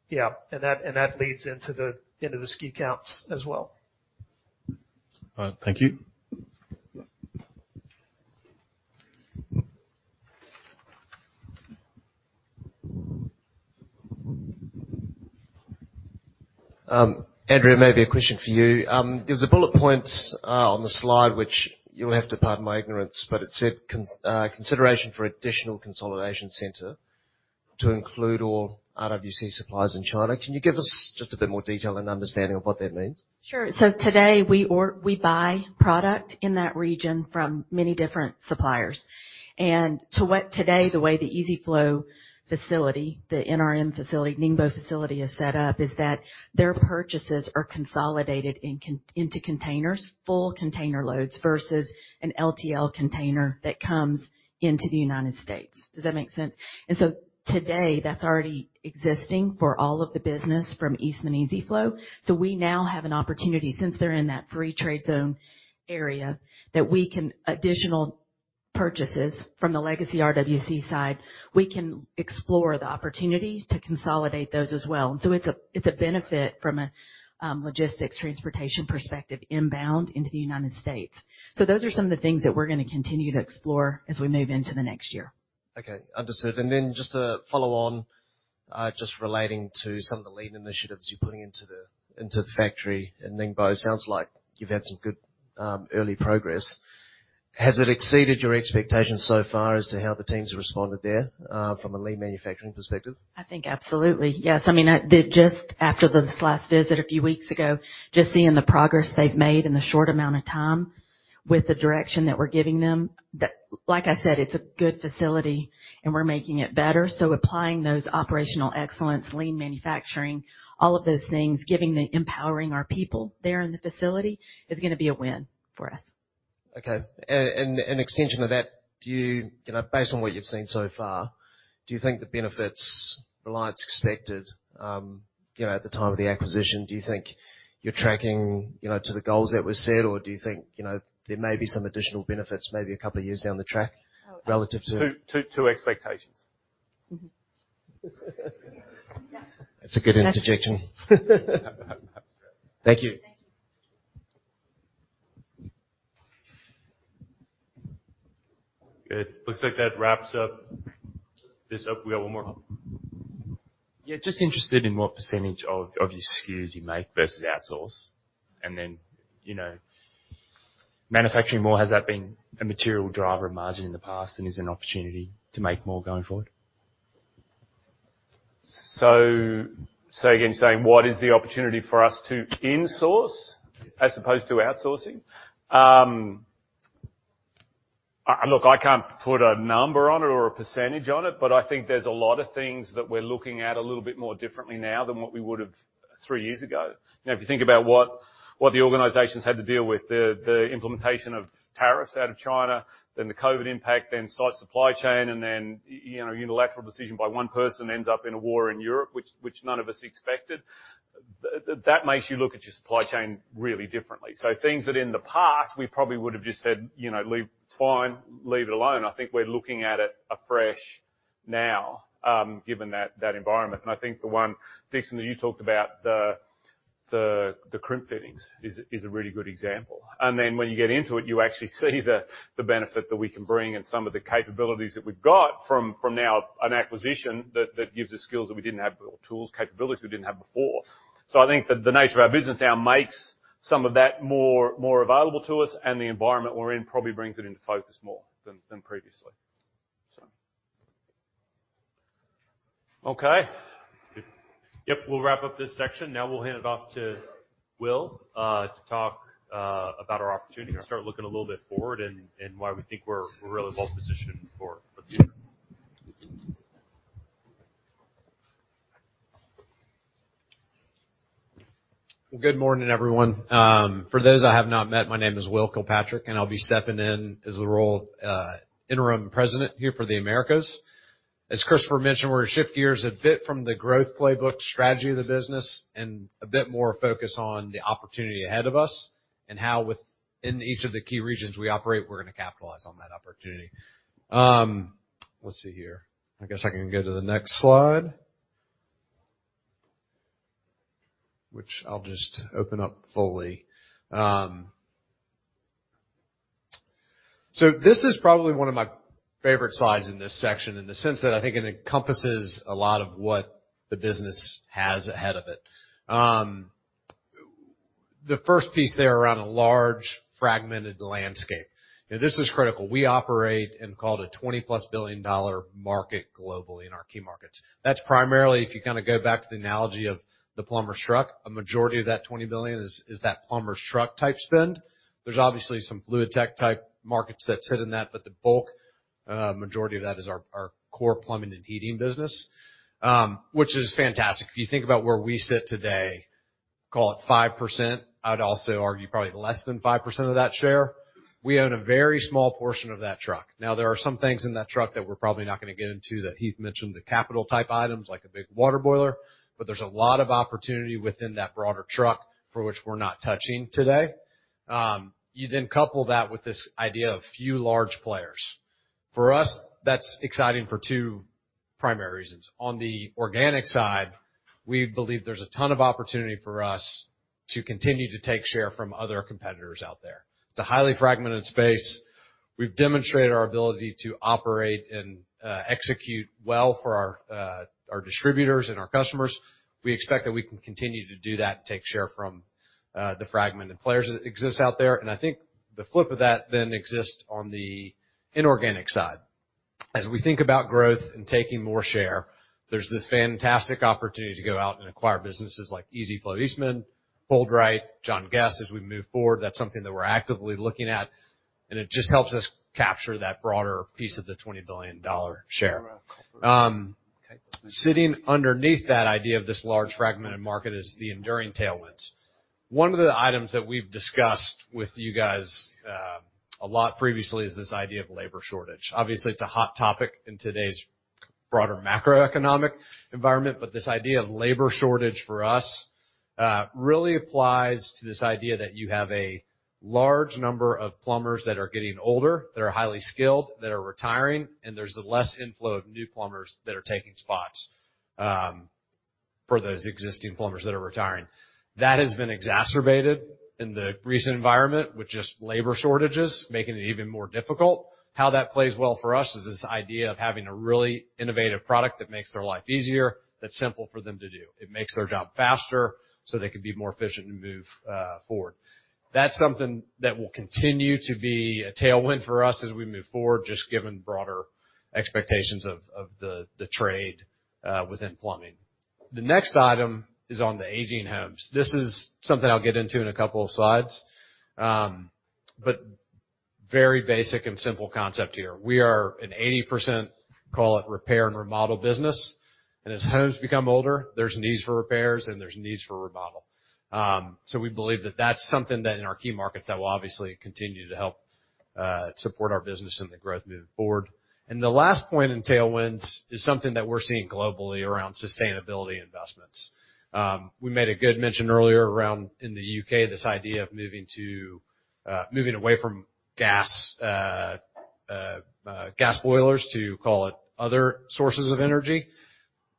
Yeah. That leads into the SKU counts as well. All right. Thank you. Andrea, maybe a question for you. There's a bullet point on the slide, which you'll have to pardon my ignorance, but it said consideration for additional consolidation center to include all RWC suppliers in China. Can you give us just a bit more detail and understanding of what that means? Sure. Today, we buy product in that region from many different suppliers. Today, the way the EZ-FLO facility, the NRM facility, Ningbo facility is set up is that their purchases are consolidated into containers, full container loads versus an LTL container that comes into the United States. Does that make sense? Today, that's already existing for all of the business from Eastman EZ-FLO. We now have an opportunity, since they're in that free trade zone area, that we can additional purchases from the legacy RWC side, we can explore the opportunity to consolidate those as well. It's a benefit from a logistics transportation perspective inbound into the United States. Those are some of the things that we're gonna continue to explore as we move into the next year. Okay, understood. Then just to follow on, just relating to some of the lean initiatives you're putting into the factory in Ningbo. Sounds like you've had some good early progress. Has it exceeded your expectations so far as to how the teams have responded there, from a lean manufacturing perspective? I think absolutely. Yes. I mean, just after this last visit a few weeks ago, just seeing the progress they've made in the short amount of time with the direction that we're giving them. Like I said, it's a good facility, and we're making it better. Applying those operational excellence, lean manufacturing, all of those things, empowering our people there in the facility is gonna be a win for us. Okay. An extension of that, do you know, based on what you've seen so far, do you think the benefits Reliance expected, you know, at the time of the acquisition, do you think you're tracking, you know, to the goals that were set? Or do you think, you know, there may be some additional benefits maybe a couple of years down the track? Oh, ab- Relative to. To expectations. Mm-hmm. That's a good interjection. Thank you. Thank you. It looks like that wraps up this. We got one more. Yeah, just interested in what percentage of your SKUs you make versus outsource? Then, you know, manufacturing more, has that been a material driver of margin in the past, and is there an opportunity to make more going forward? Say again, you're saying what is the opportunity for us to insource? Yeah. As opposed to outsourcing? Look, I can't put a number on it or a percentage on it, but I think there's a lot of things that we're looking at a little bit more differently now than what we would've three years ago. Now, if you think about what the organizations had to deal with, the implementation of tariffs out of China, then the COVID impact, then tight supply chain, and then, you know, unilateral decision by one person ends up in a war in Europe, which none of us expected. That makes you look at your supply chain really differently. Things that in the past, we probably would have just said, you know, "Leave. It's fine. Leave it alone." I think we're looking at it afresh now, given that environment. I think the one, Dixon, that you talked about, the crimp fittings is a really good example. Then when you get into it, you actually see the benefit that we can bring and some of the capabilities that we've got from now an acquisition that gives us skills that we didn't have or tools, capabilities we didn't have before. I think that the nature of our business now makes some of that more available to us, and the environment we're in probably brings it into focus more than previously. Okay. Yep, we'll wrap up this section. We'll hand it off to Will to talk about our opportunity to start looking a little bit forward and why we think we're really well-positioned for the future. Well, good morning, everyone. For those I have not met, my name is Will Kilpatrick, and I'll be stepping in as the role of interim president here for the Americas. As Christopher mentioned, we'll shift gears a bit from the growth playbook strategy of the business and a bit more focus on the opportunity ahead of us and how in each of the key regions we operate, we're gonna capitalize on that opportunity. Let's see here. I guess I can go to the next slide. Which I'll just open up fully. So this is probably one of my favorite slides in this section in the sense that I think it encompasses a lot of what the business has ahead of it. The first piece there around a large fragmented landscape. Now this is critical. We operate in a $20+ billion market globally in our key markets. That's primarily, if you kinda go back to the analogy of the plumber's truck, a majority of that $20 billion is that plumber's truck type spend. There's obviously some Fluid Tech type markets that sit in that, but the bulk, majority of that is our core plumbing and heating business, which is fantastic. If you think about where we sit today, call it 5%. I'd also argue probably less than 5% of that share. We own a very small portion of that truck. Now, there are some things in that truck that we're probably not gonna get into, that Heath mentioned, the capital type items, like a big water boiler, but there's a lot of opportunity within that broader truck for which we're not touching today. You then couple that with this idea of a few large players. For us, that's exciting for two primary reasons. On the organic side, we believe there's a ton of opportunity for us to continue to take share from other competitors out there. It's a highly fragmented space. We've demonstrated our ability to operate and execute well for our distributors and our customers. We expect that we can continue to do that and take share from the fragmented players that exists out there. I think the flip of that then exists on the inorganic side. As we think about growth and taking more share, there's this fantastic opportunity to go out and acquire businesses like EZ-FLO, Eastman, HoldRite, John Guest. As we move forward, that's something that we're actively looking at, and it just helps us capture that broader piece of the $20 billion share. Sitting underneath that idea of this large fragmented market is the enduring tailwinds. One of the items that we've discussed with you guys a lot previously is this idea of labor shortage. Obviously, it's a hot topic in today's broader macroeconomic environment, but this idea of labor shortage for us really applies to this idea that you have a large number of plumbers that are getting older, that are highly skilled, that are retiring, and there's a less inflow of new plumbers that are taking spots for those existing plumbers that are retiring. That has been exacerbated in the recent environment with just labor shortages making it even more difficult. How that plays well for us is this idea of having a really innovative product that makes their life easier, that's simple for them to do. It makes their job faster so they can be more efficient and move forward. That's something that will continue to be a tailwind for us as we move forward, just given broader expectations of the trade within plumbing. The next item is on the aging homes. This is something I'll get into in a couple of slides. Very basic and simple concept here. We are an 80%, call it repair and remodel business, and as homes become older, there's needs for repairs and there's needs for remodel. We believe that that's something that in our key markets that will obviously continue to help support our business and the growth moving forward. The last point in tailwinds is something that we're seeing globally around sustainability investments. We made a good mention earlier around in the UK, this idea of moving away from gas boilers to call it other sources of energy.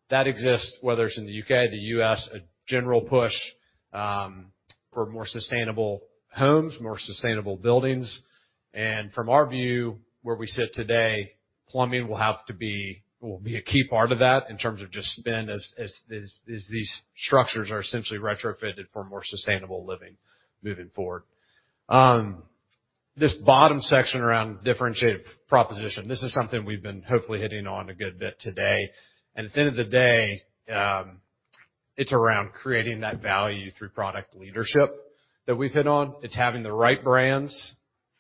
That exists, whether it's in the UK, the US, a general push for more sustainable homes, more sustainable buildings. From our view, where we sit today, plumbing will be a key part of that in terms of just spend as these structures are essentially retrofitted for more sustainable living moving forward. This bottom section around differentiated proposition, this is something we've been hopefully hitting on a good bit today. At the end of the day, it's around creating that value through product leadership that we've hit on. It's having the right brands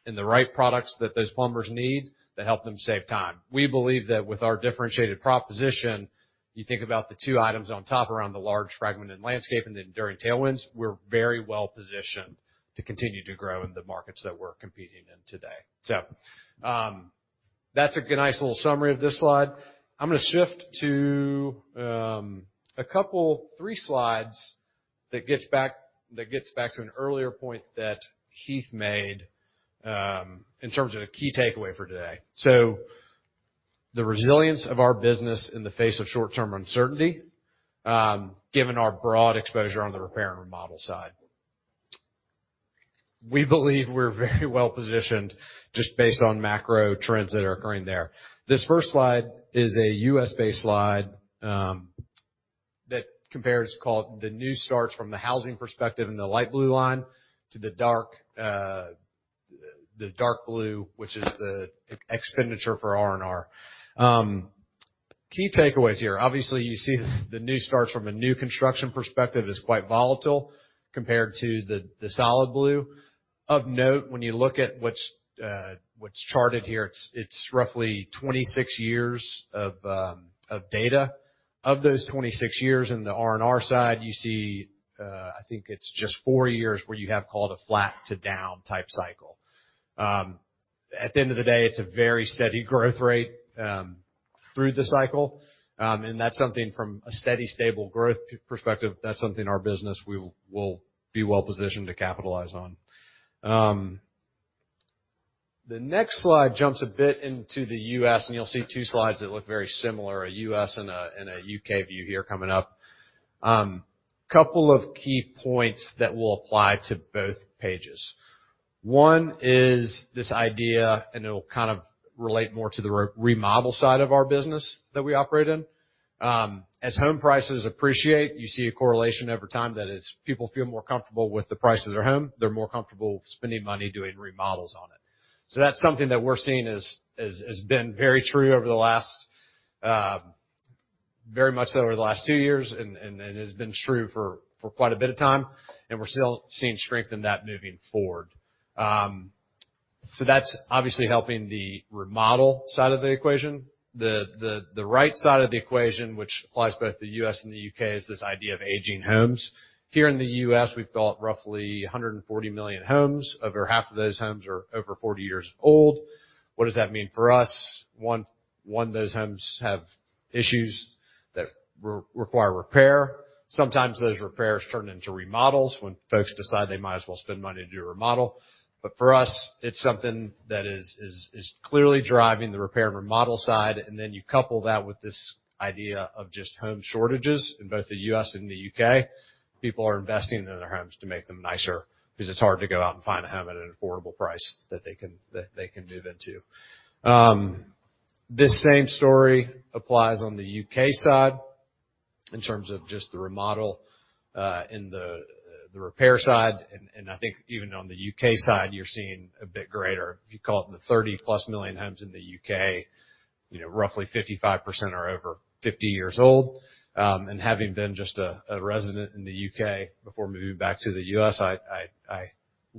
and the right products that those plumbers need that help them save time. We believe that with our differentiated proposition, you think about the two items on top around the large fragmented landscape and the enduring tailwinds, we're very well positioned to continue to grow in the markets that we're competing in today. That's a nice little summary of this slide. I'm gonna shift to a couple three slides that gets back to an earlier point that Heath made in terms of a key takeaway for today. The resilience of our business in the face of short-term uncertainty, given our broad exposure on the repair and remodel side. We believe we're very well positioned just based on macro trends that are occurring there. This first slide is a U.S.-based slide that compares the new starts from the housing perspective in the light blue line to the dark blue, which is the expenditure for R&R. Key takeaways here. Obviously, you see the new starts from a new construction perspective is quite volatile compared to the solid blue. Of note, when you look at what's charted here, it's roughly 26 years of data. Of those 26 years in the R&R side, you see, I think it's just four years where you have a flat to down type cycle. At the end of the day, it's a very steady growth rate through the cycle. That's something from a steady stable growth perspective, that's something our business we will be well positioned to capitalize on. The next slide jumps a bit into the U.S., and you'll see two slides that look very similar, a U.S. and a U.K. view here coming up. Couple of key points that will apply to both pages. One is this idea, and it will kind of relate more to the remodel side of our business that we operate in. As home prices appreciate, you see a correlation over time that as people feel more comfortable with the price of their home, they're more comfortable spending money doing remodels on it. That's something that we're seeing, as has been very true over the last very much so over the last two years and has been true for quite a bit of time, and we're still seeing strength in that moving forward. That's obviously helping the remodel side of the equation. The right side of the equation, which applies both to the U.S. and the U.K., is this idea of aging homes. Here in the U.S., we've built roughly 140 million homes. Over half of those homes are over 40 years old. What does that mean for us? One, those homes have issues that require repair. Sometimes those repairs turn into remodels when folks decide they might as well spend money to do a remodel. But for us, it's something that is clearly driving the repair and remodel side. You couple that with this idea of just home shortages in both the U.S. and the U.K. People are investing in their homes to make them nicer because it's hard to go out and find a home at an affordable price that they can move into. This same story applies on the UK side in terms of just the remodel in the repair side. I think even on the UK side, you're seeing a bit greater. If you call it the 30+ million homes in the UK, you know, roughly 55% are over 50 years old. Having been just a resident in the U.K. before moving back to the U.S., I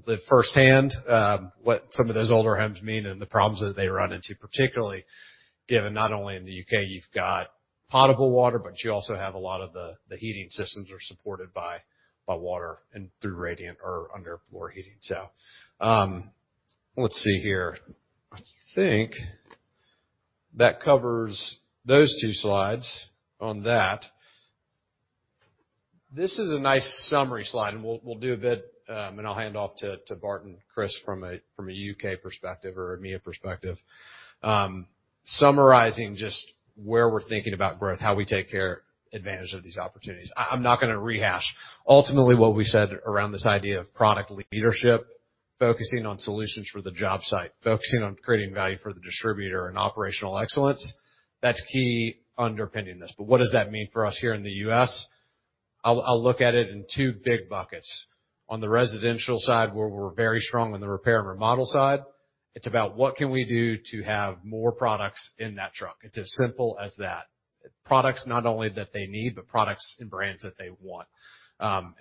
lived firsthand what some of those older homes mean and the problems that they run into, particularly given not only in the U.K. you've got potable water, but you also have a lot of the heating systems are supported by water and through radiant or under floor heating. Let's see here. I think that covers those two slides on that. This is a nice summary slide, and we'll do a bit, and I'll hand off to Bart and Chris from a U.K. perspective or EMEA perspective, summarizing just where we're thinking about growth, how we take advantage of these opportunities. I'm not gonna rehash ultimately what we said around this idea of product leadership, focusing on solutions for the job site, focusing on creating value for the distributor and operational excellence. That's key underpinning this. What does that mean for us here in the U.S.? I'll look at it in two big buckets. On the residential side, where we're very strong in the repair and remodel side, it's about what can we do to have more products in that truck? It's as simple as that. Products not only that they need, but products and brands that they want.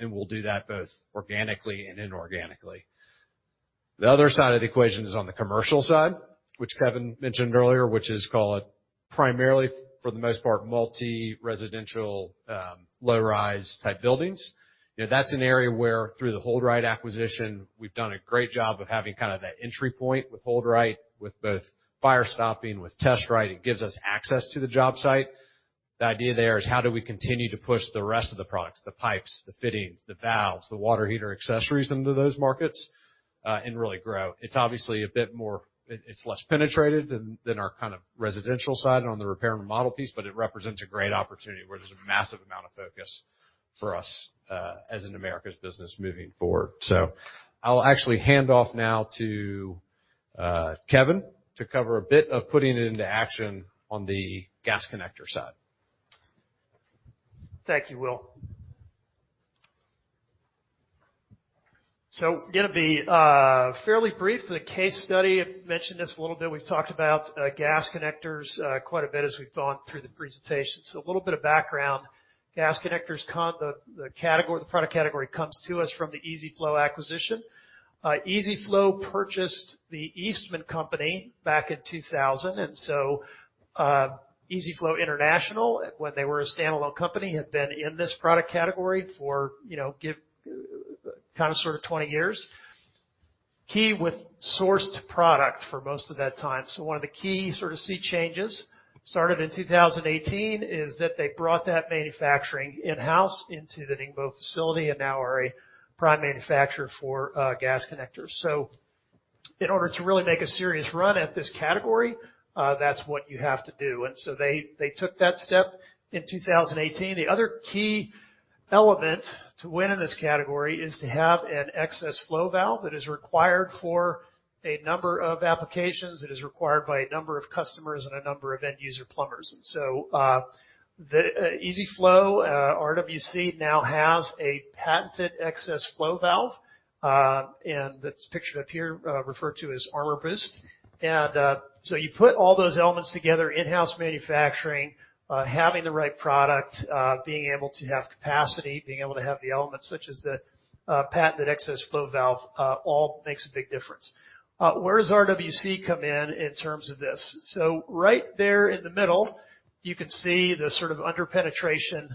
We'll do that both organically and inorganically. The other side of the equation is on the commercial side, which Kevin mentioned earlier, which is called primarily for the most part, multi-residential, low-rise type buildings. You know, that's an area where through the HoldRite acquisition, we've done a great job of having kinda that entry point with HoldRite, with both fire stopping, with TestRite. It gives us access to the job site. The idea there is how do we continue to push the rest of the products, the pipes, the fittings, the valves, the water heater accessories into those markets, and really grow. It's obviously a bit more, it's less penetrated than our kind of residential side on the repair and remodel piece, but it represents a great opportunity where there's a massive amount of focus for us, as an Americas business moving forward. I'll actually hand off now to Kevin to cover a bit of putting it into action on the gas connector side. Thank you, Will. Gonna be fairly brief. The case study, I've mentioned this a little bit. We've talked about gas connectors quite a bit as we've gone through the presentation. A little bit of background. Gas connectors, the category, the product category comes to us from the EZ-FLO acquisition. EZ-FLO purchased the Eastman company back in 2000. EZ-FLO International, when they were a standalone company, had been in this product category for, you know, give, kinda sort of 20 years. They sourced product for most of that time. One of the key sort of sea changes, started in 2018, is that they brought that manufacturing in-house into the Ningbo facility and now are a prime manufacturer for gas connectors. In order to really make a serious run at this category, that's what you have to do. They took that step in 2018. The other key element to win in this category is to have an excess flow valve that is required for a number of applications. It is required by a number of customers and a number of end user plumbers. EZ-FLO, RWC now has a patented excess flow valve, and that's pictured up here, referred to as ArmorBoost. You put all those elements together, in-house manufacturing, having the right product, being able to have capacity, being able to have the elements such as the patented excess flow valve, all makes a big difference. Where does RWC come in terms of this? Right there in the middle, you can see the sort of under-penetration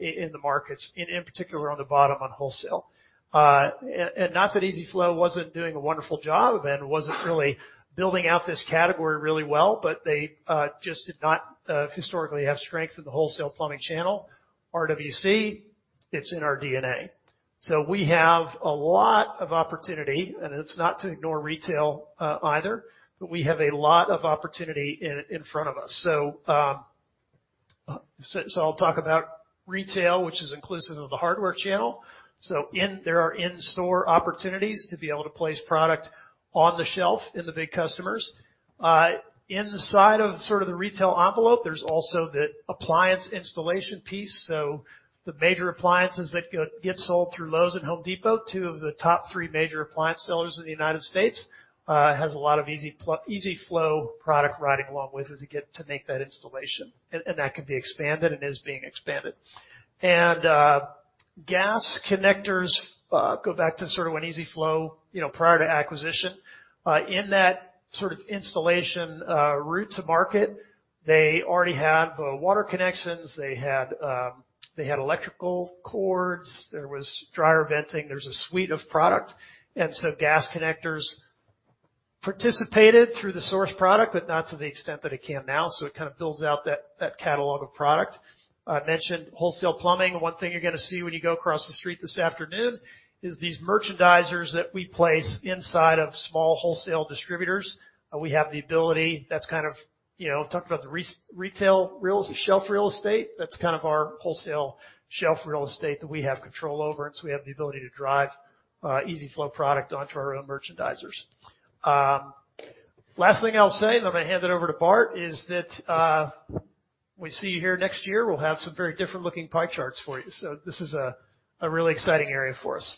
in the markets, in particular on the bottom on wholesale. Not that EZ-FLO wasn't doing a wonderful job and wasn't really building out this category really well, but they just did not historically have strength in the wholesale plumbing channel. RWC, it's in our DNA. We have a lot of opportunity, and it's not to ignore retail either, but we have a lot of opportunity in front of us. I'll talk about retail, which is inclusive of the hardware channel. There are in-store opportunities to be able to place product on the shelf in the big customers. Inside of sort of the retail envelope, there's also the appliance installation piece. The major appliances that get sold through Lowe's and Home Depot, two of the top three major appliance sellers in the United States, has a lot of EZ-FLO product riding along with it to get to make that installation. That can be expanded and is being expanded. Gas connectors go back to sort of when EZ-FLO, you know, prior to acquisition. In that sort of installation route to market, they already had the water connections. They had electrical cords. There was dryer venting. There's a suite of product. Gas connectors participated through the source product, but not to the extent that it can now. It kind of builds out that catalog of product. I mentioned wholesale plumbing. One thing you're gonna see when you go across the street this afternoon is these merchandisers that we place inside of small wholesale distributors. We have the ability, that's kind of, you know, talk about the retail real estate. That's kind of our wholesale shelf real estate that we have control over, and so we have the ability to drive EZ-FLO product onto our own merchandisers. Last thing I'll say, then I hand it over to Bart, is that when we see you here next year, we'll have some very different looking pie charts for you. This is a really exciting area for us.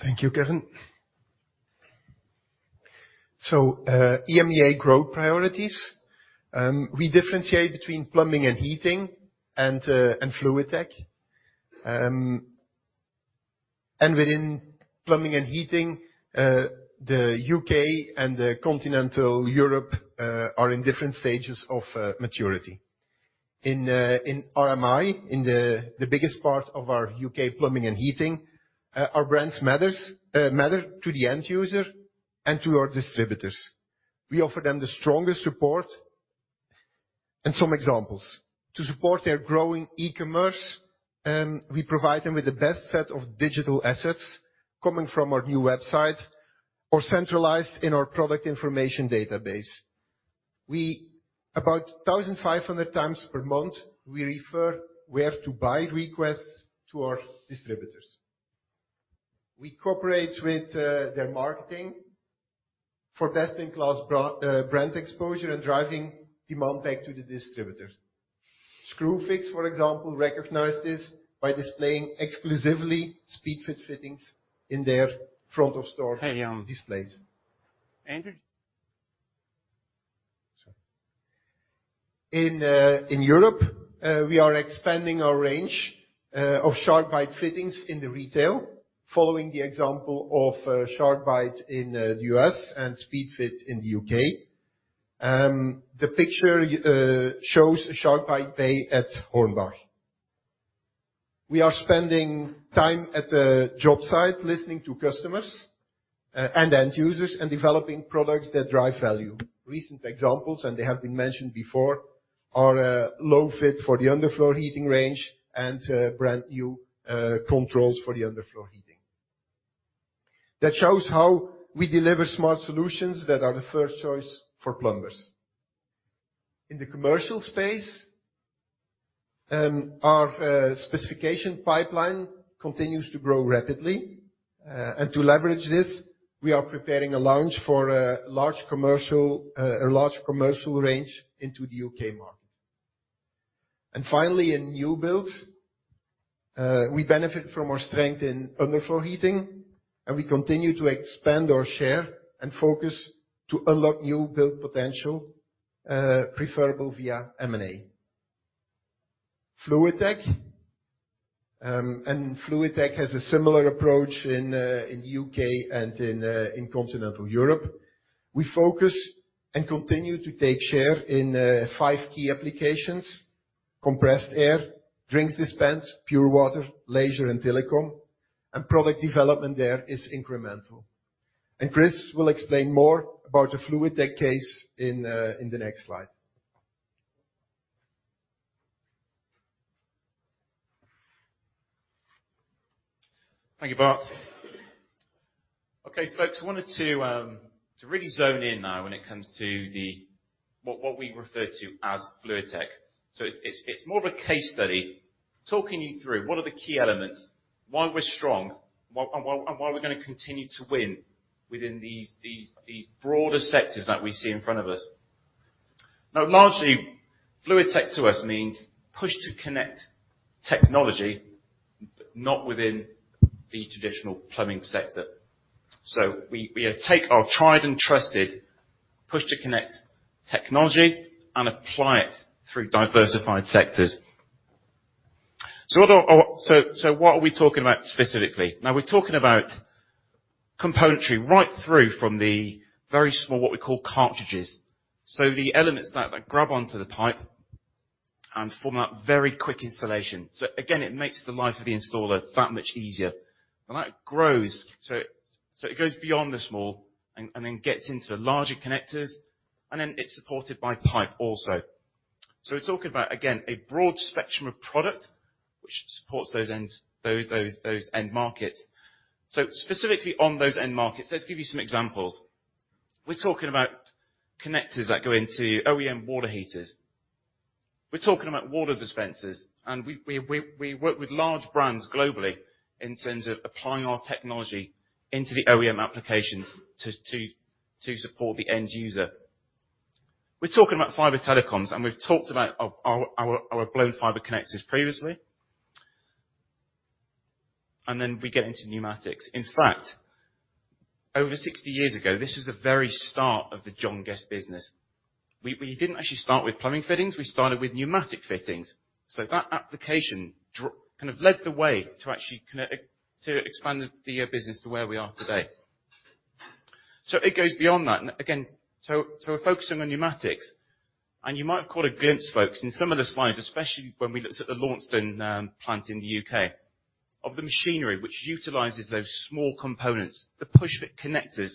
Thank you, Kevin. EMEA growth priorities. We differentiate between plumbing and heating and fluid tech. Within plumbing and heating, the U.K. and continental Europe are in different stages of maturity. In RMI, the biggest part of our U.K. Plumbing and heating, our brands matter to the end user and to our distributors. We offer them the strongest support. Some examples to support their growing e-commerce, we provide them with the best set of digital assets coming from our new website or centralized in our product information database. About 1,500 times per month, we refer where to buy requests to our distributors. We cooperate with their marketing for brand exposure and driving demand back to the distributors. Screwfix, for example, recognize this by displaying exclusively Speedfit fittings in their front of store displays. Hey, Andrew. Sorry. In Europe, we are expanding our range of SharkBite fittings in the retail, following the example of SharkBite in the U.S. and Speedfit in the U.K. The picture shows SharkBite bay at Hornbach. We are spending time at the job site listening to customers and end users, and developing products that drive value. Recent examples, and they have been mentioned before, are LoFit for the underfloor heating range and brand new controls for the underfloor heating. That shows how we deliver smart solutions that are the first choice for plumbers. In the commercial space, our specification pipeline continues to grow rapidly. To leverage this, we are preparing a launch for a large commercial range into the U.K. market. Finally, in new builds, we benefit from our strength in underfloor heating, and we continue to expand our share and focus to unlock new build potential, preferably via M&A. FluidTech. FluidTech has a similar approach in U.K. And in continental Europe. We focus and continue to take share in five key applications, compressed air, drinks dispense, pure water, leisure and telecom, and product development there is incremental. Chris will explain more about the FluidTech case in the next slide. Thank you, Bart. Okay. Folks, I wanted to really zone in now when it comes to what we refer to as Fluid Tech. It's more of a case study, talking you through what are the key elements, why we're strong, and why we're gonna continue to win within these broader sectors that we see in front of us. Now, largely Fluid Tech to us means push to connect technology, not within the traditional plumbing sector. We take our tried and trusted push to connect technology and apply it through diversified sectors. What are we talking about specifically? Now, we're talking about componentry right through from the very small, what we call cartridges. The elements that grab onto the pipe and form that very quick installation. Again, it makes the life of the installer that much easier. That grows, so it goes beyond the small and then gets into larger connectors, and then it's supported by pipe also. We're talking about, again, a broad spectrum of product which supports those end markets. Specifically on those end markets, let's give you some examples. We're talking about connectors that go into OEM water heaters. We're talking about water dispensers, and we work with large brands globally in terms of applying our technology into the OEM applications to support the end user. We're talking about fiber telecoms, and we've talked about our blown fiber connectors previously. Then we get into pneumatics. In fact, over 60 years ago, this was the very start of the John Guest business. We didn't actually start with plumbing fittings. We started with pneumatic fittings. That application kind of led the way to actually to expand the business to where we are today. It goes beyond that. We're focusing on pneumatics, and you might have caught a glimpse, folks, in some of the slides, especially when we looked at the Launceston plant in the U.K., of the machinery which utilizes those small components, the push-fit connectors,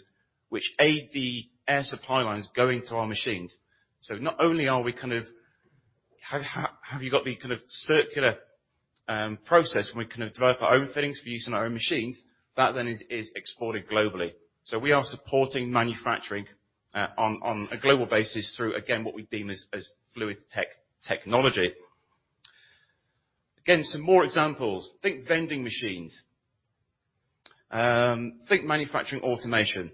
which aid the air supply lines going to our machines. Not only do we kind of have the kind of circular process and we kind of develop our own fittings for use in our own machines, that then is exported globally. We are supporting manufacturing on a global basis through, again, what we deem as Fluid Tech technology. Again, some more examples. Think vending machines. Think manufacturing automation.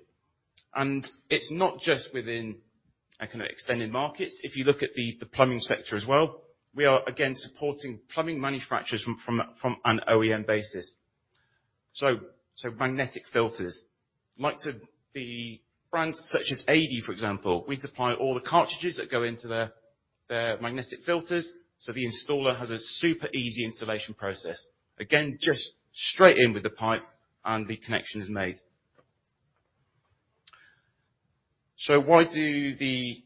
It's not just within a kind of extended markets. If you look at the plumbing sector as well, we are again supporting plumbing manufacturers from an OEM basis. Magnetic filters. Like the brands such as ADEY, for example, we supply all the cartridges that go into their. They're magnetic filters, so the installer has a super easy installation process. Again, just straight in with the pipe and the connection is made. Okay,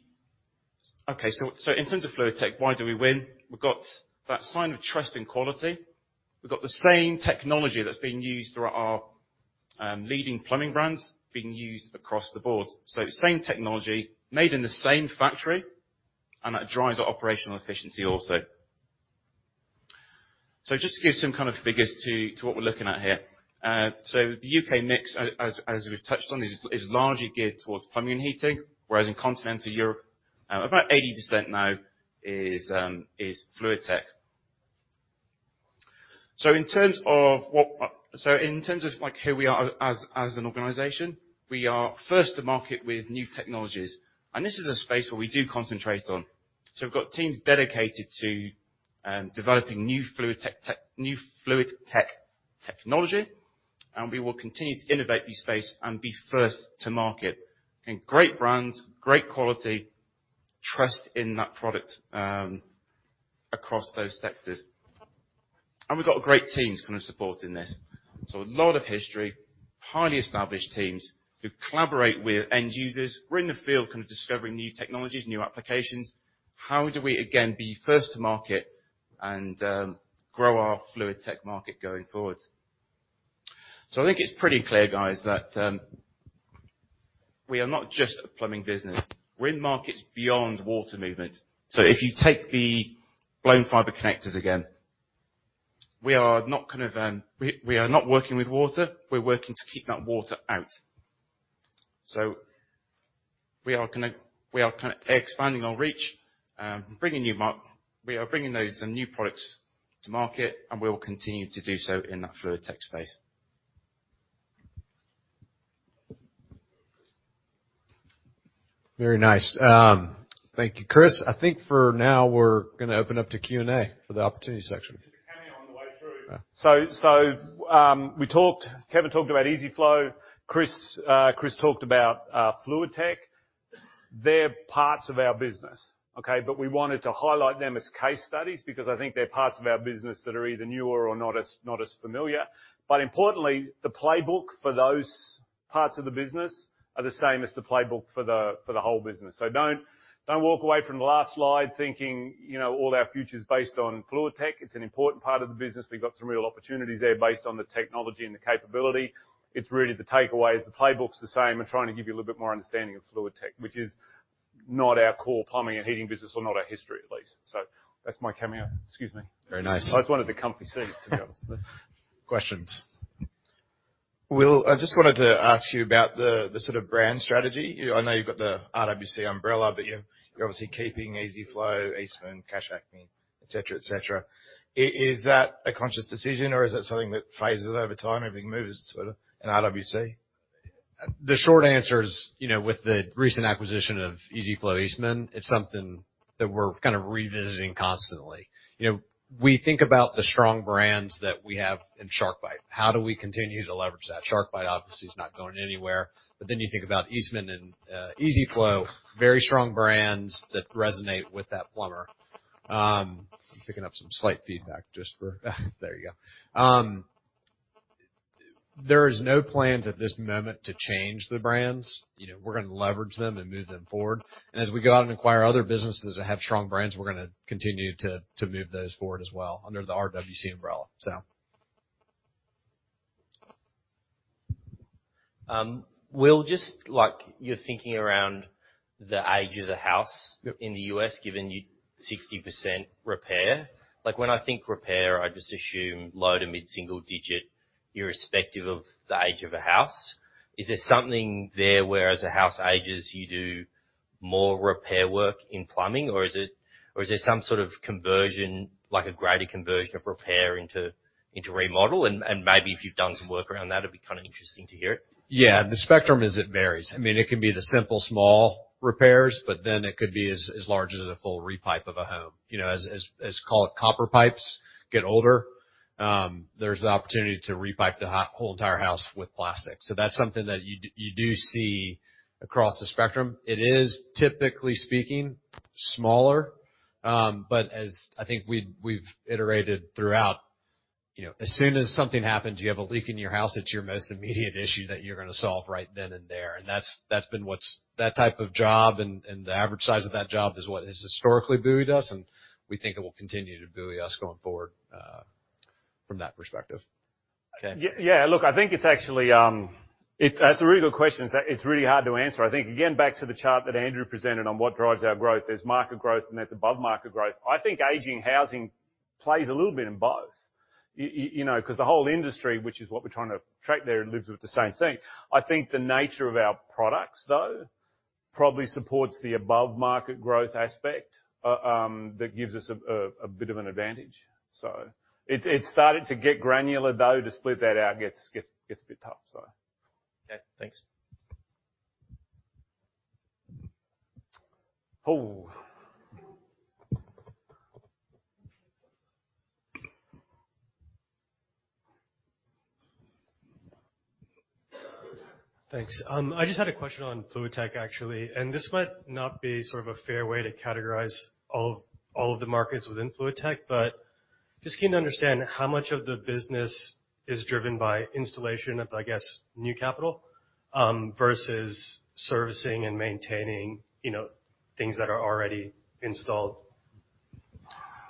so in terms of FluidTech, why do we win? We've got that sign of trust and quality. We've got the same technology that's been used throughout our leading plumbing brands being used across the board. Same technology, made in the same factory, and that drives our operational efficiency also. Just to give some kind of figures to what we're looking at here. The U.K. Mix as we've touched on is largely geared towards plumbing and heating, whereas in continental Europe about 80% now is FluidTech. In terms of, like, who we are as an organization, we are first to market with new technologies. This is a space where we do concentrate on. We've got teams dedicated to developing new FluidTech tech, new FluidTech technology, and we will continue to innovate this space and be first to market. Again, great brands, great quality, trust in that product, across those sectors. We've got great teams kind of supporting this. A lot of history, highly established teams who collaborate with end users. We're in the field kind of discovering new technologies, new applications. How do we, again, be first to market and, grow our FluidTech market going forward? I think it's pretty clear, guys, that we are not just a plumbing business. We're in markets beyond water movement. If you take the blown fiber connectors again, we are not working with water, we're working to keep that water out. We are kinda expanding our reach, we are bringing those new products to market, and we will continue to do so in that FluidTech space. Very nice. Thank you, Chris. I think for now we're gonna open up to Q&A for the opportunity section. Just a cameo on the way through. Yeah. We talked, Kevin talked about EZ-FLO. Chris talked about FluidTech. They're parts of our business, okay? We wanted to highlight them as case studies because I think they're parts of our business that are either newer or not as familiar. Importantly, the playbook for those parts of the business are the same as the playbook for the whole business. Don't walk away from the last slide thinking, you know, all our future's based on FluidTech. It's an important part of the business. We've got some real opportunities there based on the technology and the capability. It's really the takeaway is the playbook's the same. We're trying to give you a little bit more understanding of FluidTech, which is not our core plumbing and heating business or not our history at least. That's my cameo. Excuse me. Very nice. I always wanted the comfy seat, to be honest with you. Questions. Will, I just wanted to ask you about the sort of brand strategy. You I know you've got the RWC umbrella, but you're obviously keeping EZ-FLO, Eastman, Cash Acme, et cetera, et cetera. Is that a conscious decision or is that something that phases over time? Everything moves sort of in RWC. The short answer is, you know, with the recent acquisition of EZ-FLO Eastman, it's something that we're kind of revisiting constantly. You know, we think about the strong brands that we have in SharkBite. How do we continue to leverage that? SharkBite obviously is not going anywhere. But then you think about Eastman and EZ-FLO, very strong brands that resonate with that plumber. There is no plans at this moment to change the brands. You know, we're gonna leverage them and move them forward. As we go out and acquire other businesses that have strong brands, we're gonna continue to move those forward as well under the RWC umbrella. Will, just, like, you're thinking around the age of the house. Yep. in the US, given you 60% repair. Like, when I think repair, I just assume low to mid-single digit, irrespective of the age of a house. Is there something there whereas the house ages, you do more repair work in plumbing or is it, or is there some sort of conversion, like a greater conversion of repair into remodel? Maybe if you've done some work around that, it'd be kinda interesting to hear it. Yeah. The spectrum is, it varies. I mean, it can be the simple small repairs, but then it could be as large as a full re-pipe of a home. You know, call it, copper pipes get older, there's the opportunity to re-pipe the whole entire house with plastic. So that's something that you see across the spectrum. It is typically speaking smaller, but as I think we've iterated throughout, you know, as soon as something happens, you have a leak in your house, it's your most immediate issue that you're gonna solve right then and there, and that's been what's that type of job and the average size of that job is what has historically buoyed us, and we think it will continue to buoy us going forward, from that perspective. Ken. Yeah. Yeah, look, I think it's actually. That's a really good question. It's really hard to answer. I think, again, back to the chart that Andrew presented on what drives our growth, there's market growth and there's above market growth. I think aging housing plays a little bit in both. You know, 'cause the whole industry, which is what we're trying to track there, lives with the same thing. I think the nature of our products, though, probably supports the above market growth aspect, that gives us a bit of an advantage. It's starting to get granular, though. To split that out gets a bit tough. Okay, thanks. Oh. Thanks. I just had a question on Fluid Tech, actually. This might not be sort of a fair way to categorize all of the markets within Fluid Tech, but just keen to understand how much of the business is driven by installation of, I guess, new capital, versus servicing and maintaining, you know, things that are already installed.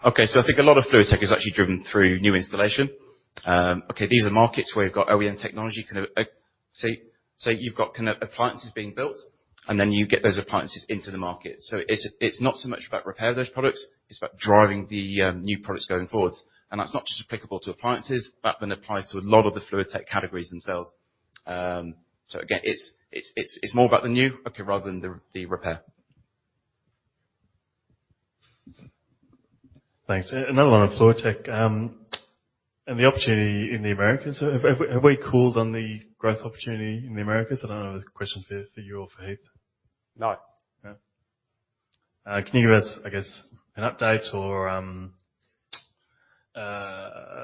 I think a lot of Fluid Tech is actually driven through new installation. These are markets where you've got OEM, so you've got kinda appliances being built, and then you get those appliances into the market. It's not so much about repair of those products, it's about driving the new products going forwards. That's not just applicable to appliances, that then applies to a lot of the Fluid Tech categories themselves. It's more about the new rather than the repair. Thanks. Another one on Fluid Tech. The opportunity in the Americas. Have we called on the growth opportunity in the Americas? I don't know if it's a question for you or for Heath. No. No? Can you give us, I guess, an update or,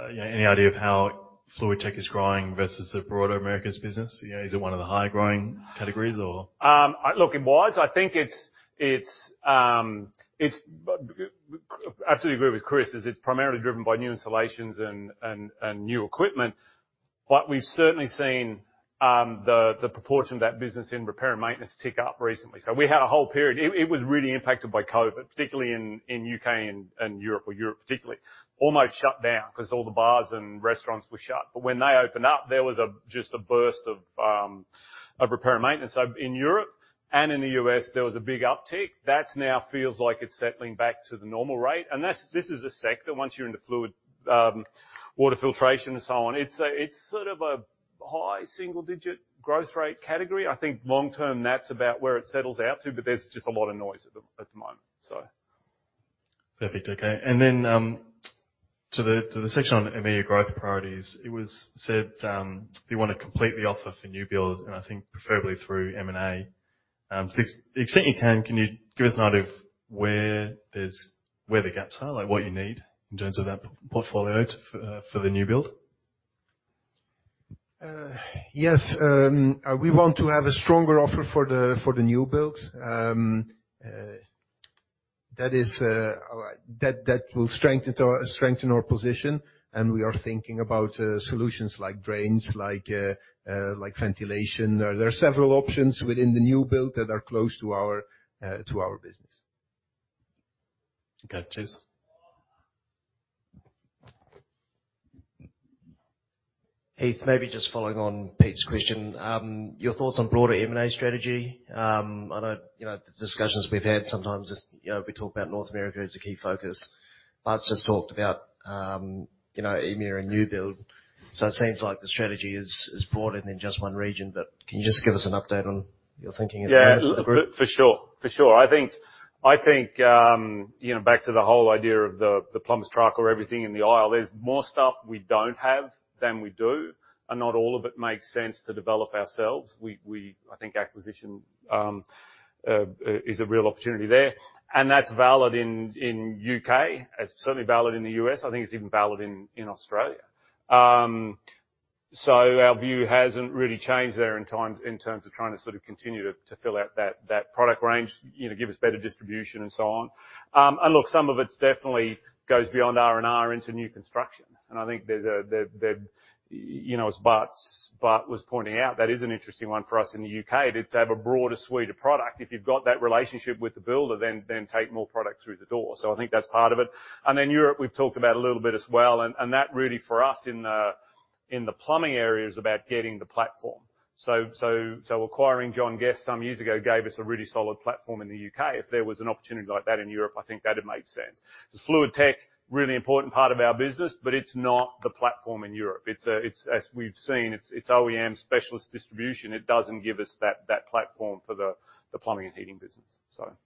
you know, any idea of how Fluid Tech is growing versus the broader Americas business? You know, is it one of the higher growing categories or? I absolutely agree with Chris. It's primarily driven by new installations and new equipment. We've certainly seen the proportion of that business in repair and maintenance tick up recently. We had a whole period. It was really impacted by COVID, particularly in the U.K. and Europe, particularly Europe, almost shut down because all the bars and restaurants were shut. When they opened up, there was just a burst of repair and maintenance. In Europe and in the U.S., there was a big uptick. That now feels like it's settling back to the normal rate. This is a sector. Once you're into fluid water filtration and so on, it's sort of a high single-digit growth rate category. I think long term, that's about where it settles out to, but there's just a lot of noise at the moment. Perfect. Okay. To the section on EMEA growth priorities, it was said, you wanna complete the offer for new builds, and I think preferably through M&A. To the extent you can you give us an idea of where the gaps are? Like, what you need in terms of that portfolio for the new build? Yes. We want to have a stronger offer for the new builds. That will strengthen our position, and we are thinking about solutions like drains, like ventilation. There are several options within the new build that are close to our business. Okay. Cheers. Heath, maybe just following on Pete's question. Your thoughts on broader M&A strategy. I know, you know, the discussions we've had sometimes is, you know, we talk about North America as a key focus. Bart's just talked about, you know, EMEA and new build. It seems like the strategy is broader than just one region. Can you just give us an update on your thinking at the moment for the group? Yeah. For sure. I think, you know, back to the whole idea of the plumber's truck or everything in the aisle, there's more stuff we don't have than we do, and not all of it makes sense to develop ourselves. I think acquisition is a real opportunity there, and that's valid in U.K. It's certainly valid in the U.S. I think it's even valid in Australia. Our view hasn't really changed there in terms of trying to sort of continue to fill out that product range, you know, give us better distribution and so on. Look, some of it's definitely goes beyond R&R into new construction. I think there's a there the You know, as Bart was pointing out, that is an interesting one for us in the U.K. to have a broader suite of product. If you've got that relationship with the builder, then take more product through the door. I think that's part of it. Europe, we've talked about a little bit as well, and that really for us in the plumbing area is about getting the platform. Acquiring John Guest some years ago gave us a really solid platform in the U.K. If there was an opportunity like that in Europe, I think that'd make sense. Fluid Tech, really important part of our business, but it's not the platform in Europe. It's OEM specialist distribution. It doesn't give us that platform for the plumbing and heating business. So. Thanks.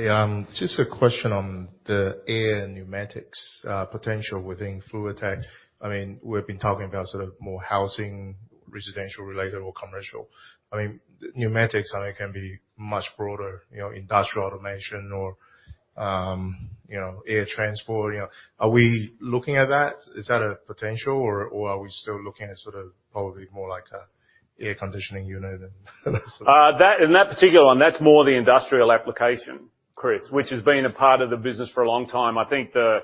Hey, just a question on the air pneumatics potential within Fluid Tech. I mean, we've been talking about sort of more housing, residential related or commercial. I mean, pneumatics, I think, can be much broader, you know, industrial automation or, you know, air transport, you know. Are we looking at that? Is that a potential, or are we still looking at sort of probably more like a air conditioning unit than sort of? That, in that particular one, that's more the industrial application, Chris, which has been a part of the business for a long time. I think the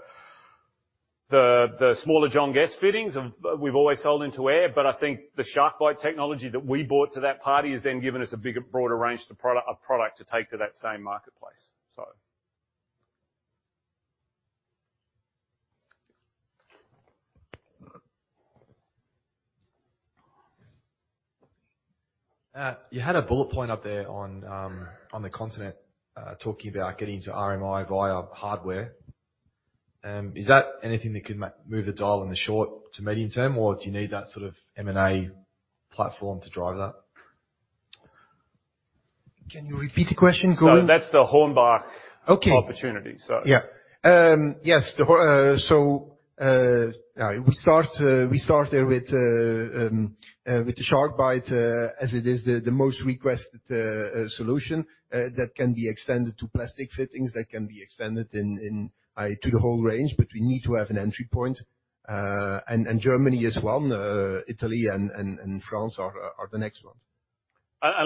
smaller John Guest fittings have—we've always sold into air, but I think the SharkBite technology that we brought to that party has then given us a bigger, broader range to a product to take to that same marketplace. You had a bullet point up there on the continent, talking about getting into RMI via hardware. Is that anything that could move the dial in the short to medium term, or do you need that sort of M&A platform to drive that? Can you repeat the question, Gordon? That's the Hornbach. Okay. Opportunity. Yeah. Yes. We start there with the SharkBite, as it is the most requested solution that can be extended to plastic fittings, that can be extended to the whole range, but we need to have an entry point. Germany is one. Italy and France are the next ones.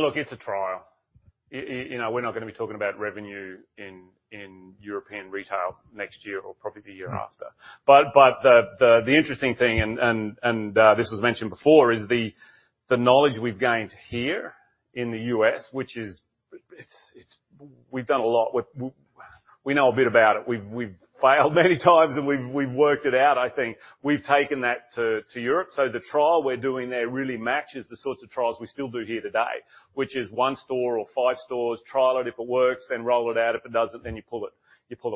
Look, it's a trial. You know, we're not gonna be talking about revenue in European retail next year or probably the year after. The interesting thing, this was mentioned before, is the knowledge we've gained here in the US, which is. We know a bit about it. We've failed many times and we've worked it out, I think. We've taken that to Europe. The trial we're doing there really matches the sorts of trials we still do here today, which is one store or five stores, trial it, if it works, then roll it out. If it doesn't, then you pull it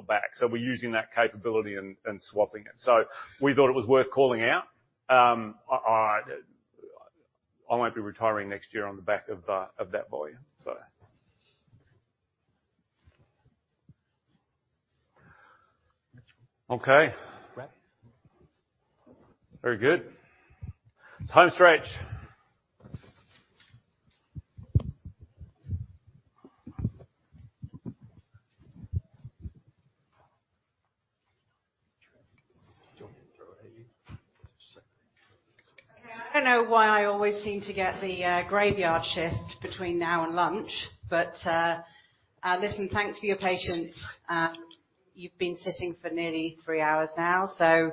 back. We're using that capability and swapping it. We thought it was worth calling out. I won't be retiring next year on the back of that volume, so. Okay. Right. Very good. Home stretch. Do you want me to throw it at you? Okay. I don't know why I always seem to get the graveyard shift between now and lunch, but listen, thanks for your patience. You've been sitting for nearly three hours now, so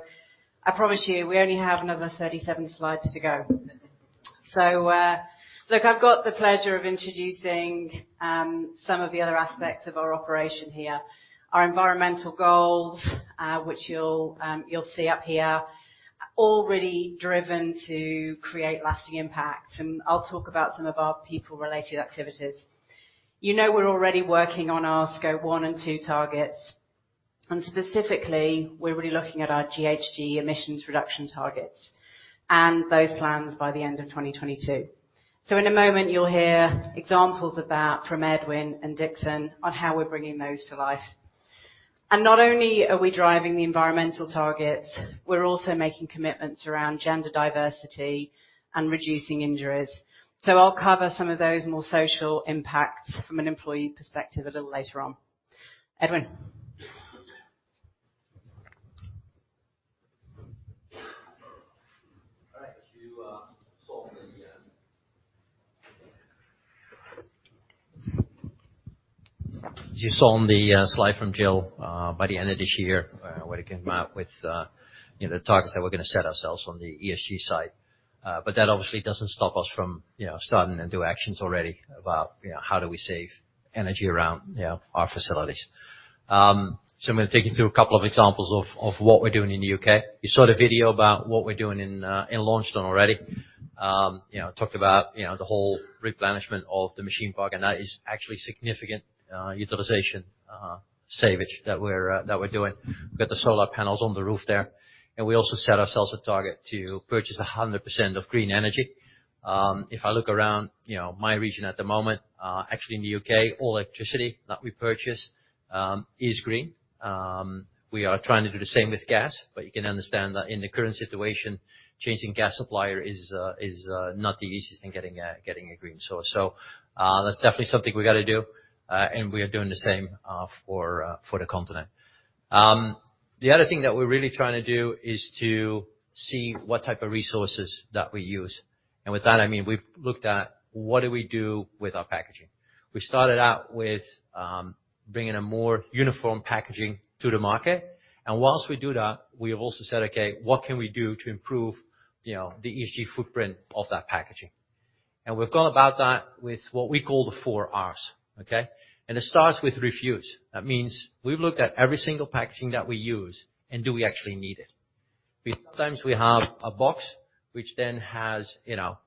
I promise you, we only have another 37 slides to go. Look, I've got the pleasure of introducing some of the other aspects of our operation here. Our environmental goals, which you'll see up here, all really driven to create lasting impact. I'll talk about some of our people-related activities. You know we're already working on our Scope 1 and 2 targets, and specifically, we're really looking at our GHG emissions reduction targets and those plans by the end of 2022. In a moment, you'll hear examples of that from Edwin and Dixon on how we're bringing those to life. Not only are we driving the environmental targets, we're also making commitments around gender diversity and reducing injuries. I'll cover some of those more social impacts from an employee perspective a little later on. Edwin. All right. You saw on the slide from Gillian, by the end of this year, we're gonna come out with, you know, the targets that we're gonna set ourselves on the ESG side. That obviously doesn't stop us from, you know, starting to do actions already about, you know, how do we save energy around, you know, our facilities. I'm gonna take you through a couple of examples of what we're doing in the UK. You saw the video about what we're doing in Launceston already. You know, talked about, you know, the whole replenishment of the machine park, and that is actually significant utilization savings that we're doing. We've got the solar panels on the roof there, and we also set ourselves a target to purchase 100% of green energy. If I look around, you know, my region at the moment, actually in the UK, all electricity that we purchase is green. We are trying to do the same with gas, but you can understand that in the current situation, changing gas supplier is not the easiest in getting a green source. That's definitely something we gotta do, and we are doing the same for the continent. The other thing that we're really trying to do is to see what type of resources that we use. With that, I mean, we've looked at what do we do with our packaging. We started out with bringing a more uniform packaging to the market. While we do that, we have also said, "Okay, what can we do to improve, you know, the ESG footprint of that packaging?" We've gone about that with what we call the four Rs, okay? It starts with refuse. That means we've looked at every single packaging that we use, and do we actually need it? Sometimes we have a box which then has, you know,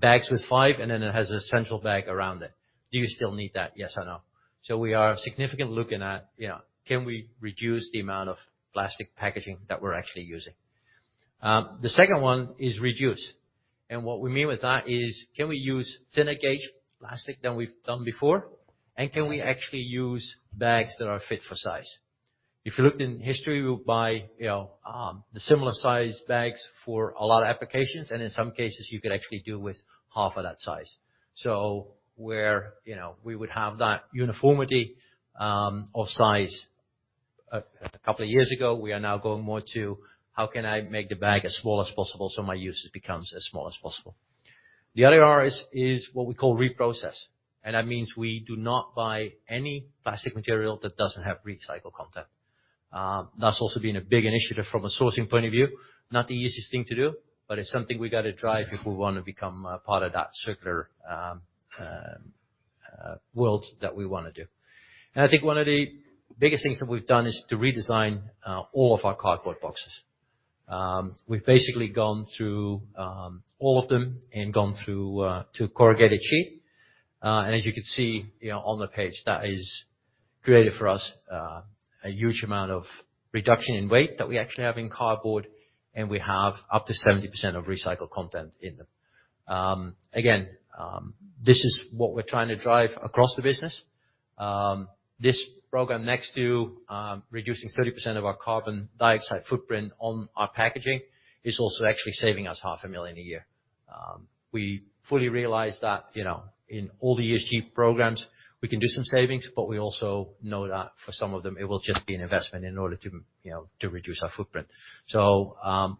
bags with five, and then it has a central bag around it. Do you still need that? Yes or no? We are significantly looking at, you know, can we reduce the amount of plastic packaging that we're actually using? The second one is reduce. What we mean with that is, can we use thinner gauge plastic than we've done before? Can we actually use bags that are fit for size? If you looked in history, we would buy, you know, the similar size bags for a lot of applications, and in some cases, you could actually do with half of that size. Where, you know, we would have that uniformity of size a couple of years ago, we are now going more to how can I make the bag as small as possible so my usage becomes as small as possible? The other R is what we call reprocess, and that means we do not buy any plastic material that doesn't have recycled content. That's also been a big initiative from a sourcing point of view. Not the easiest thing to do, but it's something we gotta drive if we wanna become part of that circular world that we wanna do. I think one of the biggest things that we've done is to redesign all of our cardboard boxes. We've basically gone through all of them and gone through to corrugated sheet. As you can see, you know, on the page, that has created for us a huge amount of reduction in weight that we actually have in cardboard, and we have up to 70% of recycled content in them. Again, this is what we're trying to drive across the business. This program, next to reducing 30% of our carbon dioxide footprint on our packaging, is also actually saving us AUD half a million a year. We fully realize that, you know, in all the ESG programs, we can do some savings, but we also know that for some of them, it will just be an investment in order to, you know, to reduce our footprint.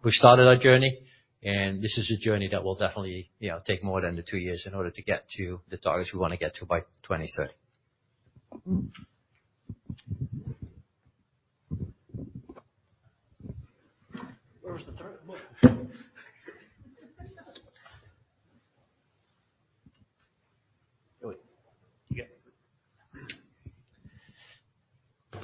We started our journey, and this is a journey that will definitely, you know, take more than the two years in order to get to the targets we wanna get to by 2030.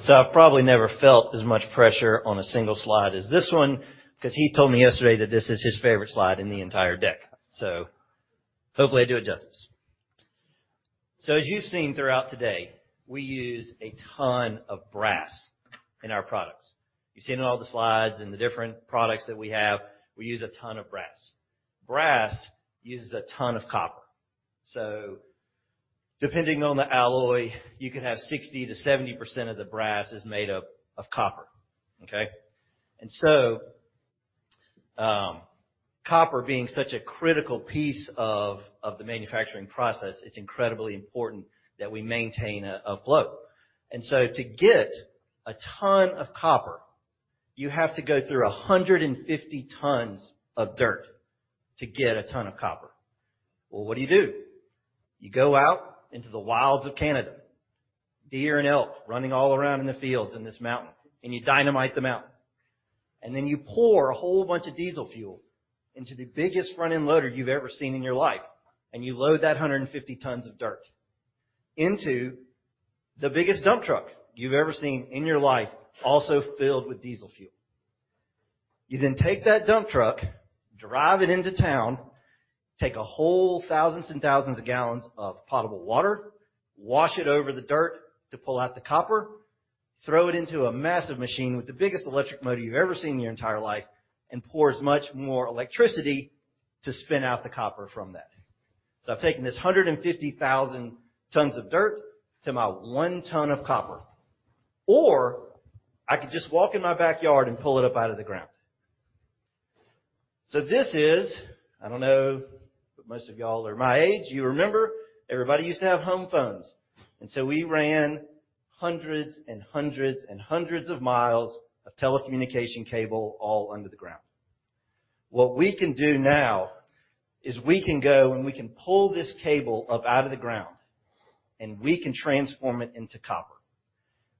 Where's the third button? Oh, wait. You got it. I've probably never felt as much pressure on a single slide as this one, 'cause he told me yesterday that this is his favorite slide in the entire deck. Hopefully I do it justice. As you've seen throughout today, we use a ton of brass in our products. You've seen it in all the slides, in the different products that we have, we use a ton of brass. Brass uses a ton of copper. Depending on the alloy, you can have 60%-70% of the brass is made up of copper. Okay? Copper being such a critical piece of the manufacturing process, it's incredibly important that we maintain a flow. To get a ton of copper, you have to go through 150 tons of dirt to get a ton of copper. Well, what do you do? You go out into the wilds of Canada, deer and elk running all around in the fields in this mountain, and you dynamite the mountain. You pour a whole bunch of diesel fuel into the biggest front-end loader you've ever seen in your life, and you load that 150 tons of dirt into the biggest dump truck you've ever seen in your life, also filled with diesel fuel. You take that dump truck, drive it into town, take a whole thousands and thousands of gallons of potable water, wash it over the dirt to pull out the copper, throw it into a massive machine with the biggest electric motor you've ever seen in your entire life, and pour as much more electricity to spin out the copper from that. I've taken this 150,000 tons of dirt to my 1 ton of copper. I could just walk in my backyard and pull it up out of the ground. This is. I don't know if most of y'all are my age, you remember everybody used to have home phones, and so we ran hundreds and hundreds and hundreds of miles of telecommunication cable all under the ground. What we can do now is we can go, and we can pull this cable up out of the ground, and we can transform it into copper.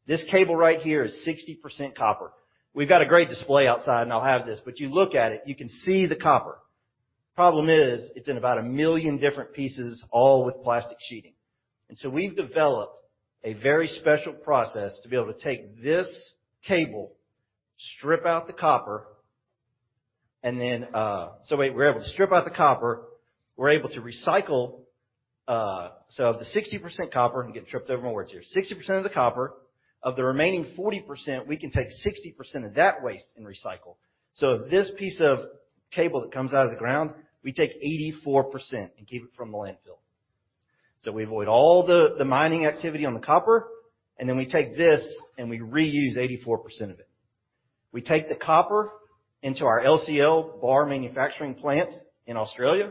This cable right here is 60% copper. We've got a great display outside, and I'll have this, but you look at it, you can see the copper. Problem is, it's in about a million different pieces, all with plastic sheeting. We've developed a very special process to be able to take this cable, strip out the copper. We're able to recycle, so of the 60% copper. I'm getting tripped over my words here. 60% of the copper, of the remaining 40%, we can take 60% of that waste and recycle. This piece of cable that comes out of the ground, we take 84% and keep it from the landfill. We avoid all the mining activity on the copper, and then we take this, and we reuse 84% of it. We take the copper into our LCL bar manufacturing plant in Australia,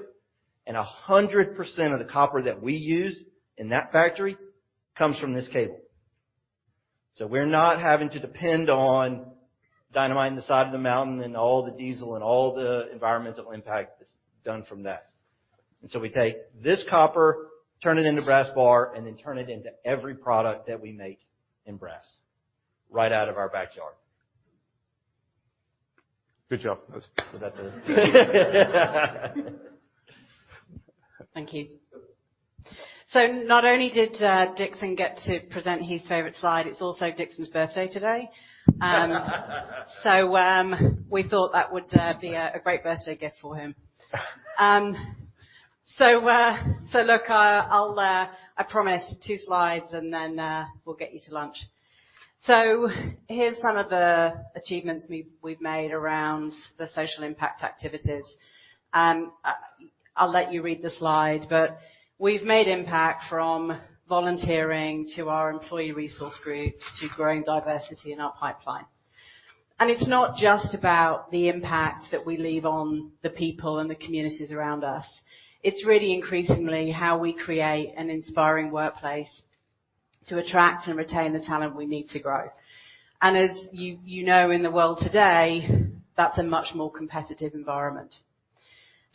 and 100% of the copper that we use in that factory comes from this cable. We're not having to depend on dynamite in the side of the mountain and all the diesel and all the environmental impact that's done from that. We take this copper, turn it into brass bar, and then turn it into every product that we make in brass right out of our backyard. Good job. Was that good? Thank you. Not only did Dixon get to present his favorite slide, it's also Dixon's birthday today. We thought that would be a great birthday gift for him. I promise two slides, and then we'll get you to lunch. Here's some of the achievements we've made around the social impact activities. I'll let you read the slide, but we've made impact from volunteering to our employee resource groups to growing diversity in our pipeline. It's not just about the impact that we leave on the people and the communities around us. It's really increasingly how we create an inspiring workplace to attract and retain the talent we need to grow. As you know, in the world today, that's a much more competitive environment.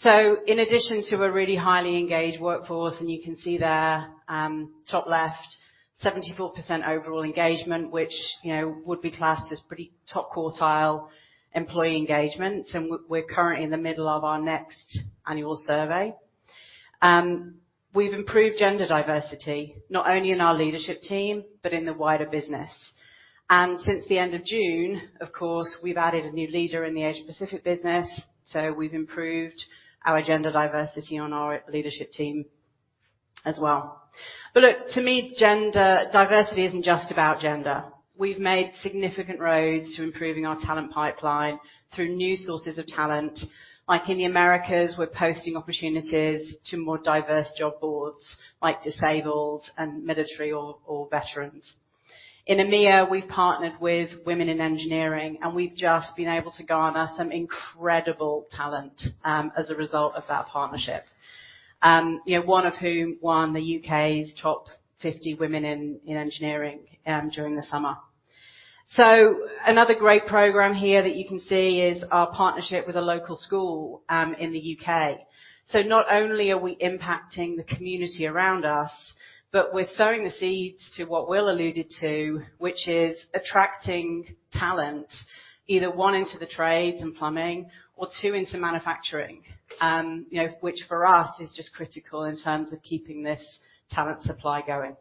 In addition to a really highly engaged workforce, and you can see there, top left, 74% overall engagement, which, you know, would be classed as pretty top quartile employee engagement, and we're currently in the middle of our next annual survey. We've improved gender diversity, not only in our leadership team, but in the wider business. Since the end of June, of course, we've added a new leader in the Asia-Pacific business, so we've improved our gender diversity on our leadership team as well. Look, to me, gender diversity isn't just about gender. We've made significant roads to improving our talent pipeline through new sources of talent. Like in the Americas, we're posting opportunities to more diverse job boards like disabled and military or veterans. In EMEA, we've partnered with Women in Engineering, and we've just been able to garner some incredible talent as a result of that partnership. You know, one of whom won the U.K.'s top fifty women in engineering during the summer. Another great program here that you can see is our partnership with a local school in the U.K. Not only are we impacting the community around us. We're sowing the seeds to what Will alluded to, which is attracting talent, either one into the trades and plumbing, or two into manufacturing. You know, which for us is just critical in terms of keeping this talent supply going.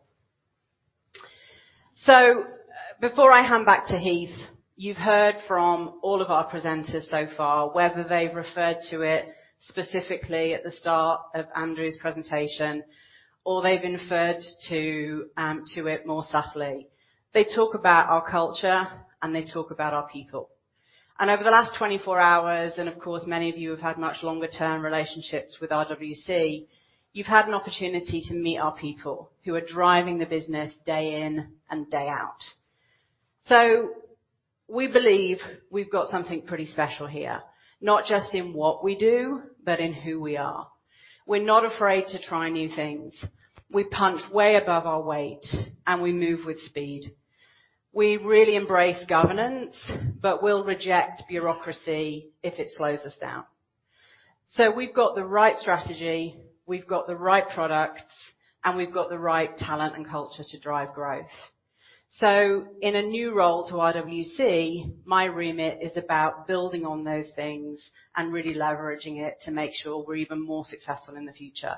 Before I hand back to Heath, you've heard from all of our presenters so far, whether they've referred to it specifically at the start of Andrew's presentation, or they've referred to to it more subtly. They talk about our culture, and they talk about our people. Over the last 24 hours, and of course, many of you have had much longer-term relationships with RWC, you've had an opportunity to meet our people who are driving the business day in and day out. We believe we've got something pretty special here, not just in what we do, but in who we are. We're not afraid to try new things. We punch way above our weight, and we move with speed. We really embrace governance, but we'll reject bureaucracy if it slows us down. We've got the right strategy, we've got the right products, and we've got the right talent and culture to drive growth. In a new role to RWC, my remit is about building on those things and really leveraging it to make sure we're even more successful in the future.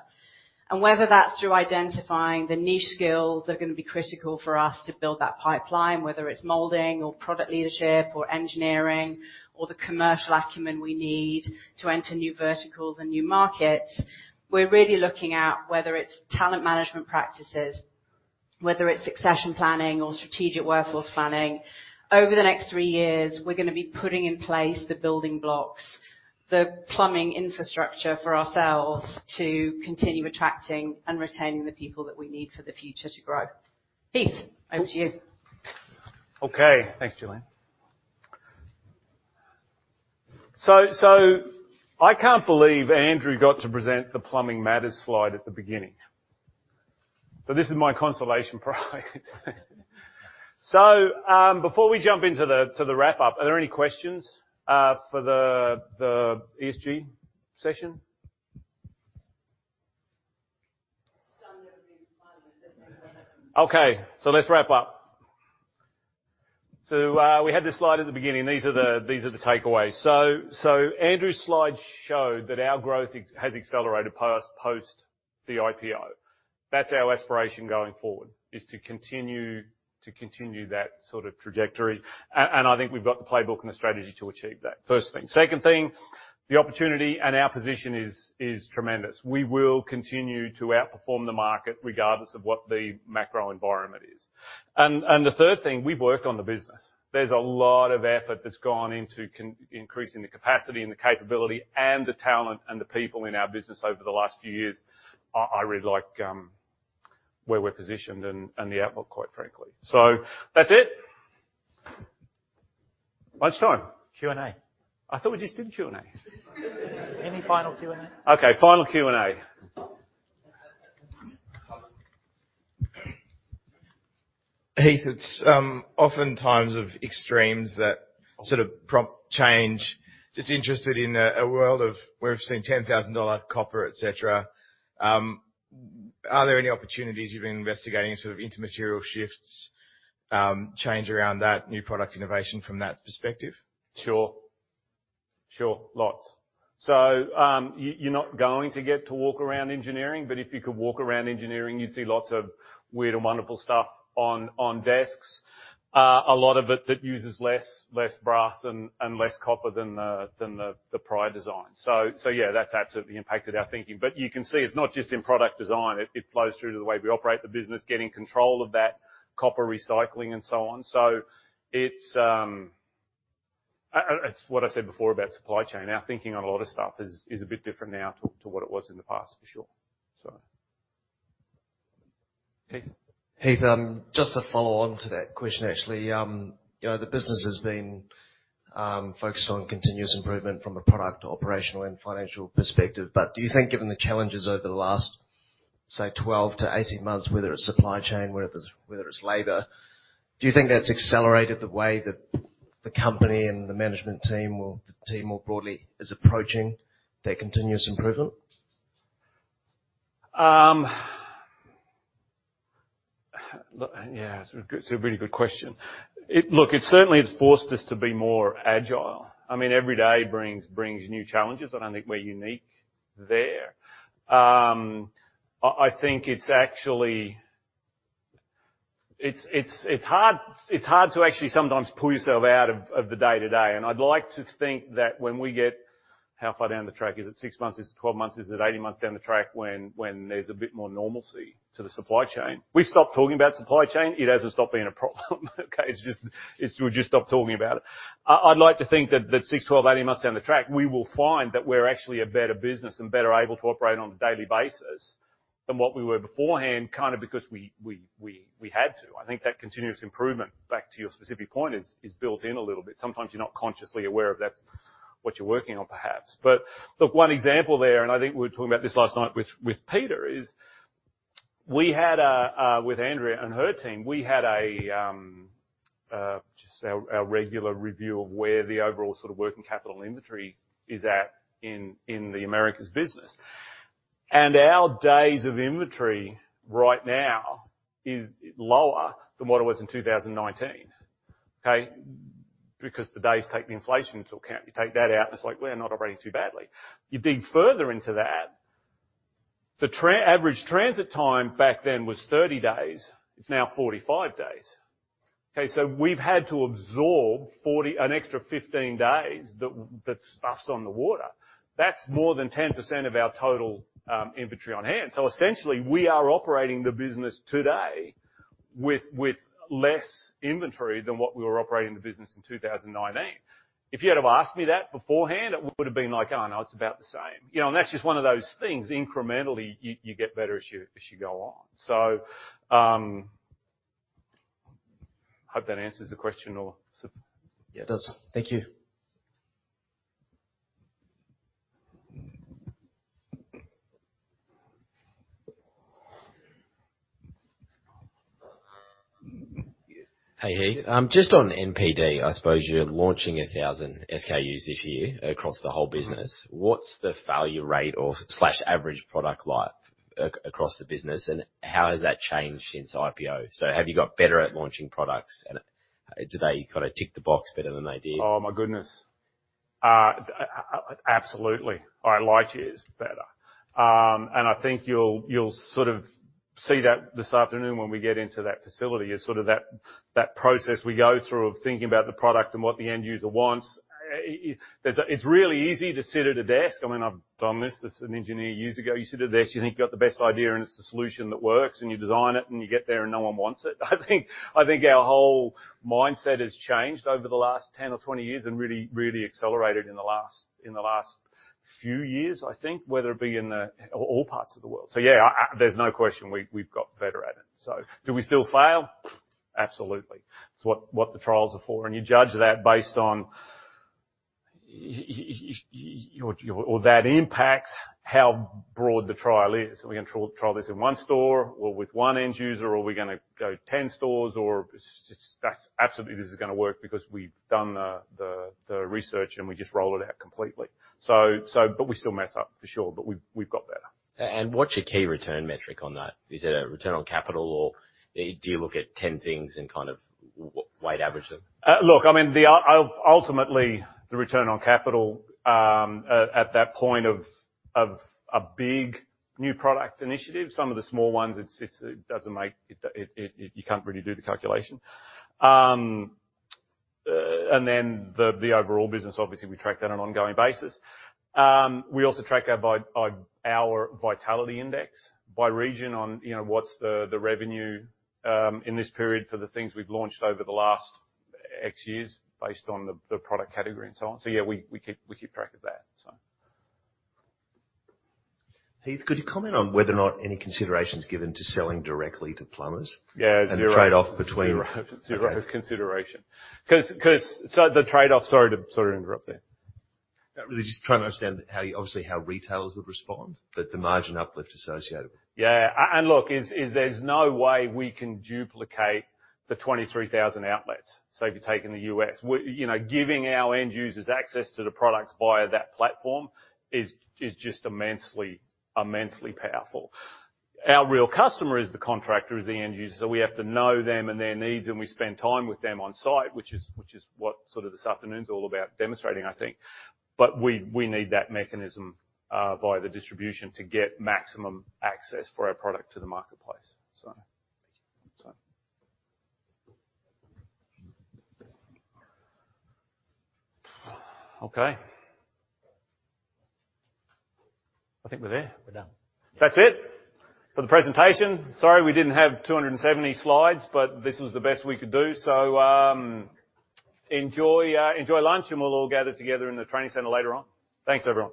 Whether that's through identifying the niche skills that are gonna be critical for us to build that pipeline, whether it's molding or product leadership or engineering or the commercial acumen we need to enter new verticals and new markets, we're really looking at whether it's talent management practices, whether it's succession planning or strategic workforce planning. Over the next three years, we're gonna be putting in place the building blocks, the plumbing infrastructure for ourselves to continue attracting and retaining the people that we need for the future to grow. Heath, over to you. Okay. Thanks, Gillian. I can't believe Andrew got to present the Plumbing Matters slide at the beginning. This is my consolation prize. Before we jump into the wrap-up, are there any questions for the ESG session? Stunned over these slides. Okay, let's wrap up. We had this slide at the beginning. These are the takeaways. Andrew's slide showed that our growth has accelerated post the IPO. That's our aspiration going forward, is to continue that sort of trajectory. I think we've got the playbook and the strategy to achieve that. First thing. Second thing, the opportunity and our position is tremendous. We will continue to outperform the market regardless of what the macro environment is. The third thing, we've worked on the business. There's a lot of effort that's gone into increasing the capacity and the capability and the talent and the people in our business over the last few years. I really like where we're positioned and the outlook, quite frankly. That's it. Lunchtime. Q&A. I thought we just did Q&A. Any final Q&A? Okay, final Q&A. Heath, it's oftentimes of extremes that sort of prompt change. Just interested in a world where we've seen $10,000 copper, et cetera. Are there any opportunities you've been investigating in sort of intermaterial shifts, change around that, new product innovation from that perspective? Sure. Lots. You're not going to get to walk around engineering, but if you could walk around engineering, you'd see lots of weird and wonderful stuff on desks. A lot of it that uses less brass and less copper than the prior design. Yeah, that's absolutely impacted our thinking. You can see it's not just in product design. It flows through to the way we operate the business, getting control of that copper recycling and so on. It's what I said before about supply chain. Our thinking on a lot of stuff is a bit different now to what it was in the past, for sure. Heath? Heath, just to follow on to that question, actually. You know, the business has been focused on continuous improvement from a product, operational, and financial perspective. Do you think given the challenges over the last, say, 12-18 months, whether it's supply chain, whether it's labor, do you think that's accelerated the way that the company and the management team or the team more broadly is approaching that continuous improvement? It's a really good question. It certainly has forced us to be more agile. I mean, every day brings new challenges. I don't think we're unique there. I think it's actually hard to sometimes pull yourself out of the day-to-day. I'd like to think that when we get how far down the track, is it 6 months, is it 12 months, is it 18 months down the track when there's a bit more normalcy to the supply chain. We've stopped talking about supply chain. It hasn't stopped being a problem. Okay? It's just we've just stopped talking about it. I'd like to think that 6, 12, 18 months down the track, we will find that we're actually a better business and better able to operate on a daily basis than what we were beforehand, kind of because we had to. I think that continuous improvement, back to your specific point, is built in a little bit. Sometimes you're not consciously aware of that's what you're working on, perhaps. Look, one example there, and I think we were talking about this last night with Peter, is we had a. With Andrea and her team, we had a just our regular review of where the overall sort of working capital inventory is at in the Americas business. Our days of inventory right now is lower than what it was in 2019, okay? Because the days take the inflation into account. You take that out, and it's like, we're not operating too badly. You dig further into that, the average transit time back then was 30 days, it's now 45 days. Okay. We've had to absorb an extra 15 days that that's stuff's on the water. That's more than 10% of our total, inventory on hand. Essentially, we are operating the business today with less inventory than what we were operating the business in 2019. If you'd have asked me that beforehand, it would've been like, "Oh, no, it's about the same." You know, and that's just one of those things, incrementally, you get better as you go on. Hope that answers the question or Yeah, it does. Thank you. Hey, Heath. Just on NPD, I suppose you're launching 1,000 SKUs this year across the whole business. Mm-hmm. What's the failure rate or slash average product life across the business, and how has that changed since IPO? Have you got better at launching products, and do they kinda tick the box better than they did? Oh my goodness. Absolutely. I like to use better. I think you'll sort of see that this afternoon when we get into that facility, is sort of that process we go through of thinking about the product and what the end user wants. It's really easy to sit at a desk. I mean, I've done this as an engineer years ago. You sit at a desk, you think you've got the best idea, and it's the solution that works, and you design it, and you get there, and no one wants it. I think our whole mindset has changed over the last 10 or 20 years and really accelerated in the last few years, I think, whether it be in all parts of the world. Yeah, there's no question we've got better at it. Do we still fail? Absolutely. It's what the trials are for. You judge that based on you or that impacts how broad the trial is. Are we gonna trial this in 1 store or with 1 end user, or are we gonna go 10 stores? It's just, that's absolutely this is gonna work because we've done the research, and we just roll it out completely. But we still mess up for sure, but we've got better. What's your key return metric on that? Is it a return on capital, or do you look at 10 things and kind of weight average them? Look, I mean, ultimately, the return on capital at that point of a big new product initiative, some of the small ones, it doesn't make. You can't really do the calculation. The overall business, obviously, we track that on an ongoing basis. We also track it by our vitality index by region, you know, what's the revenue in this period for the things we've launched over the last X years based on the product category and so on. Yeah, we keep track of that. Heath, could you comment on whether or not any consideration is given to selling directly to plumbers? Yeah, zero. The trade-off between- Zero. Okay. Zero consideration. 'Cause the trade-off. Sorry to sort of interrupt there. No, really just trying to understand how you, obviously, how retailers would respond, but the margin uplift associated with it. Look, there's no way we can duplicate the 23,000 outlets. If you're taking the U.S., we're, you know, giving our end users access to the products via that platform is just immensely powerful. Our real customer is the contractor, the end user, so we have to know them and their needs, and we spend time with them on site, which is what sort of this afternoon is all about demonstrating, I think. We need that mechanism via the distribution to get maximum access for our product to the marketplace. Thank you. Okay. I think we're there. We're done. That's it for the presentation. Sorry, we didn't have 270 slides, but this was the best we could do. Enjoy lunch, and we'll all gather together in the training center later on. Thanks, everyone.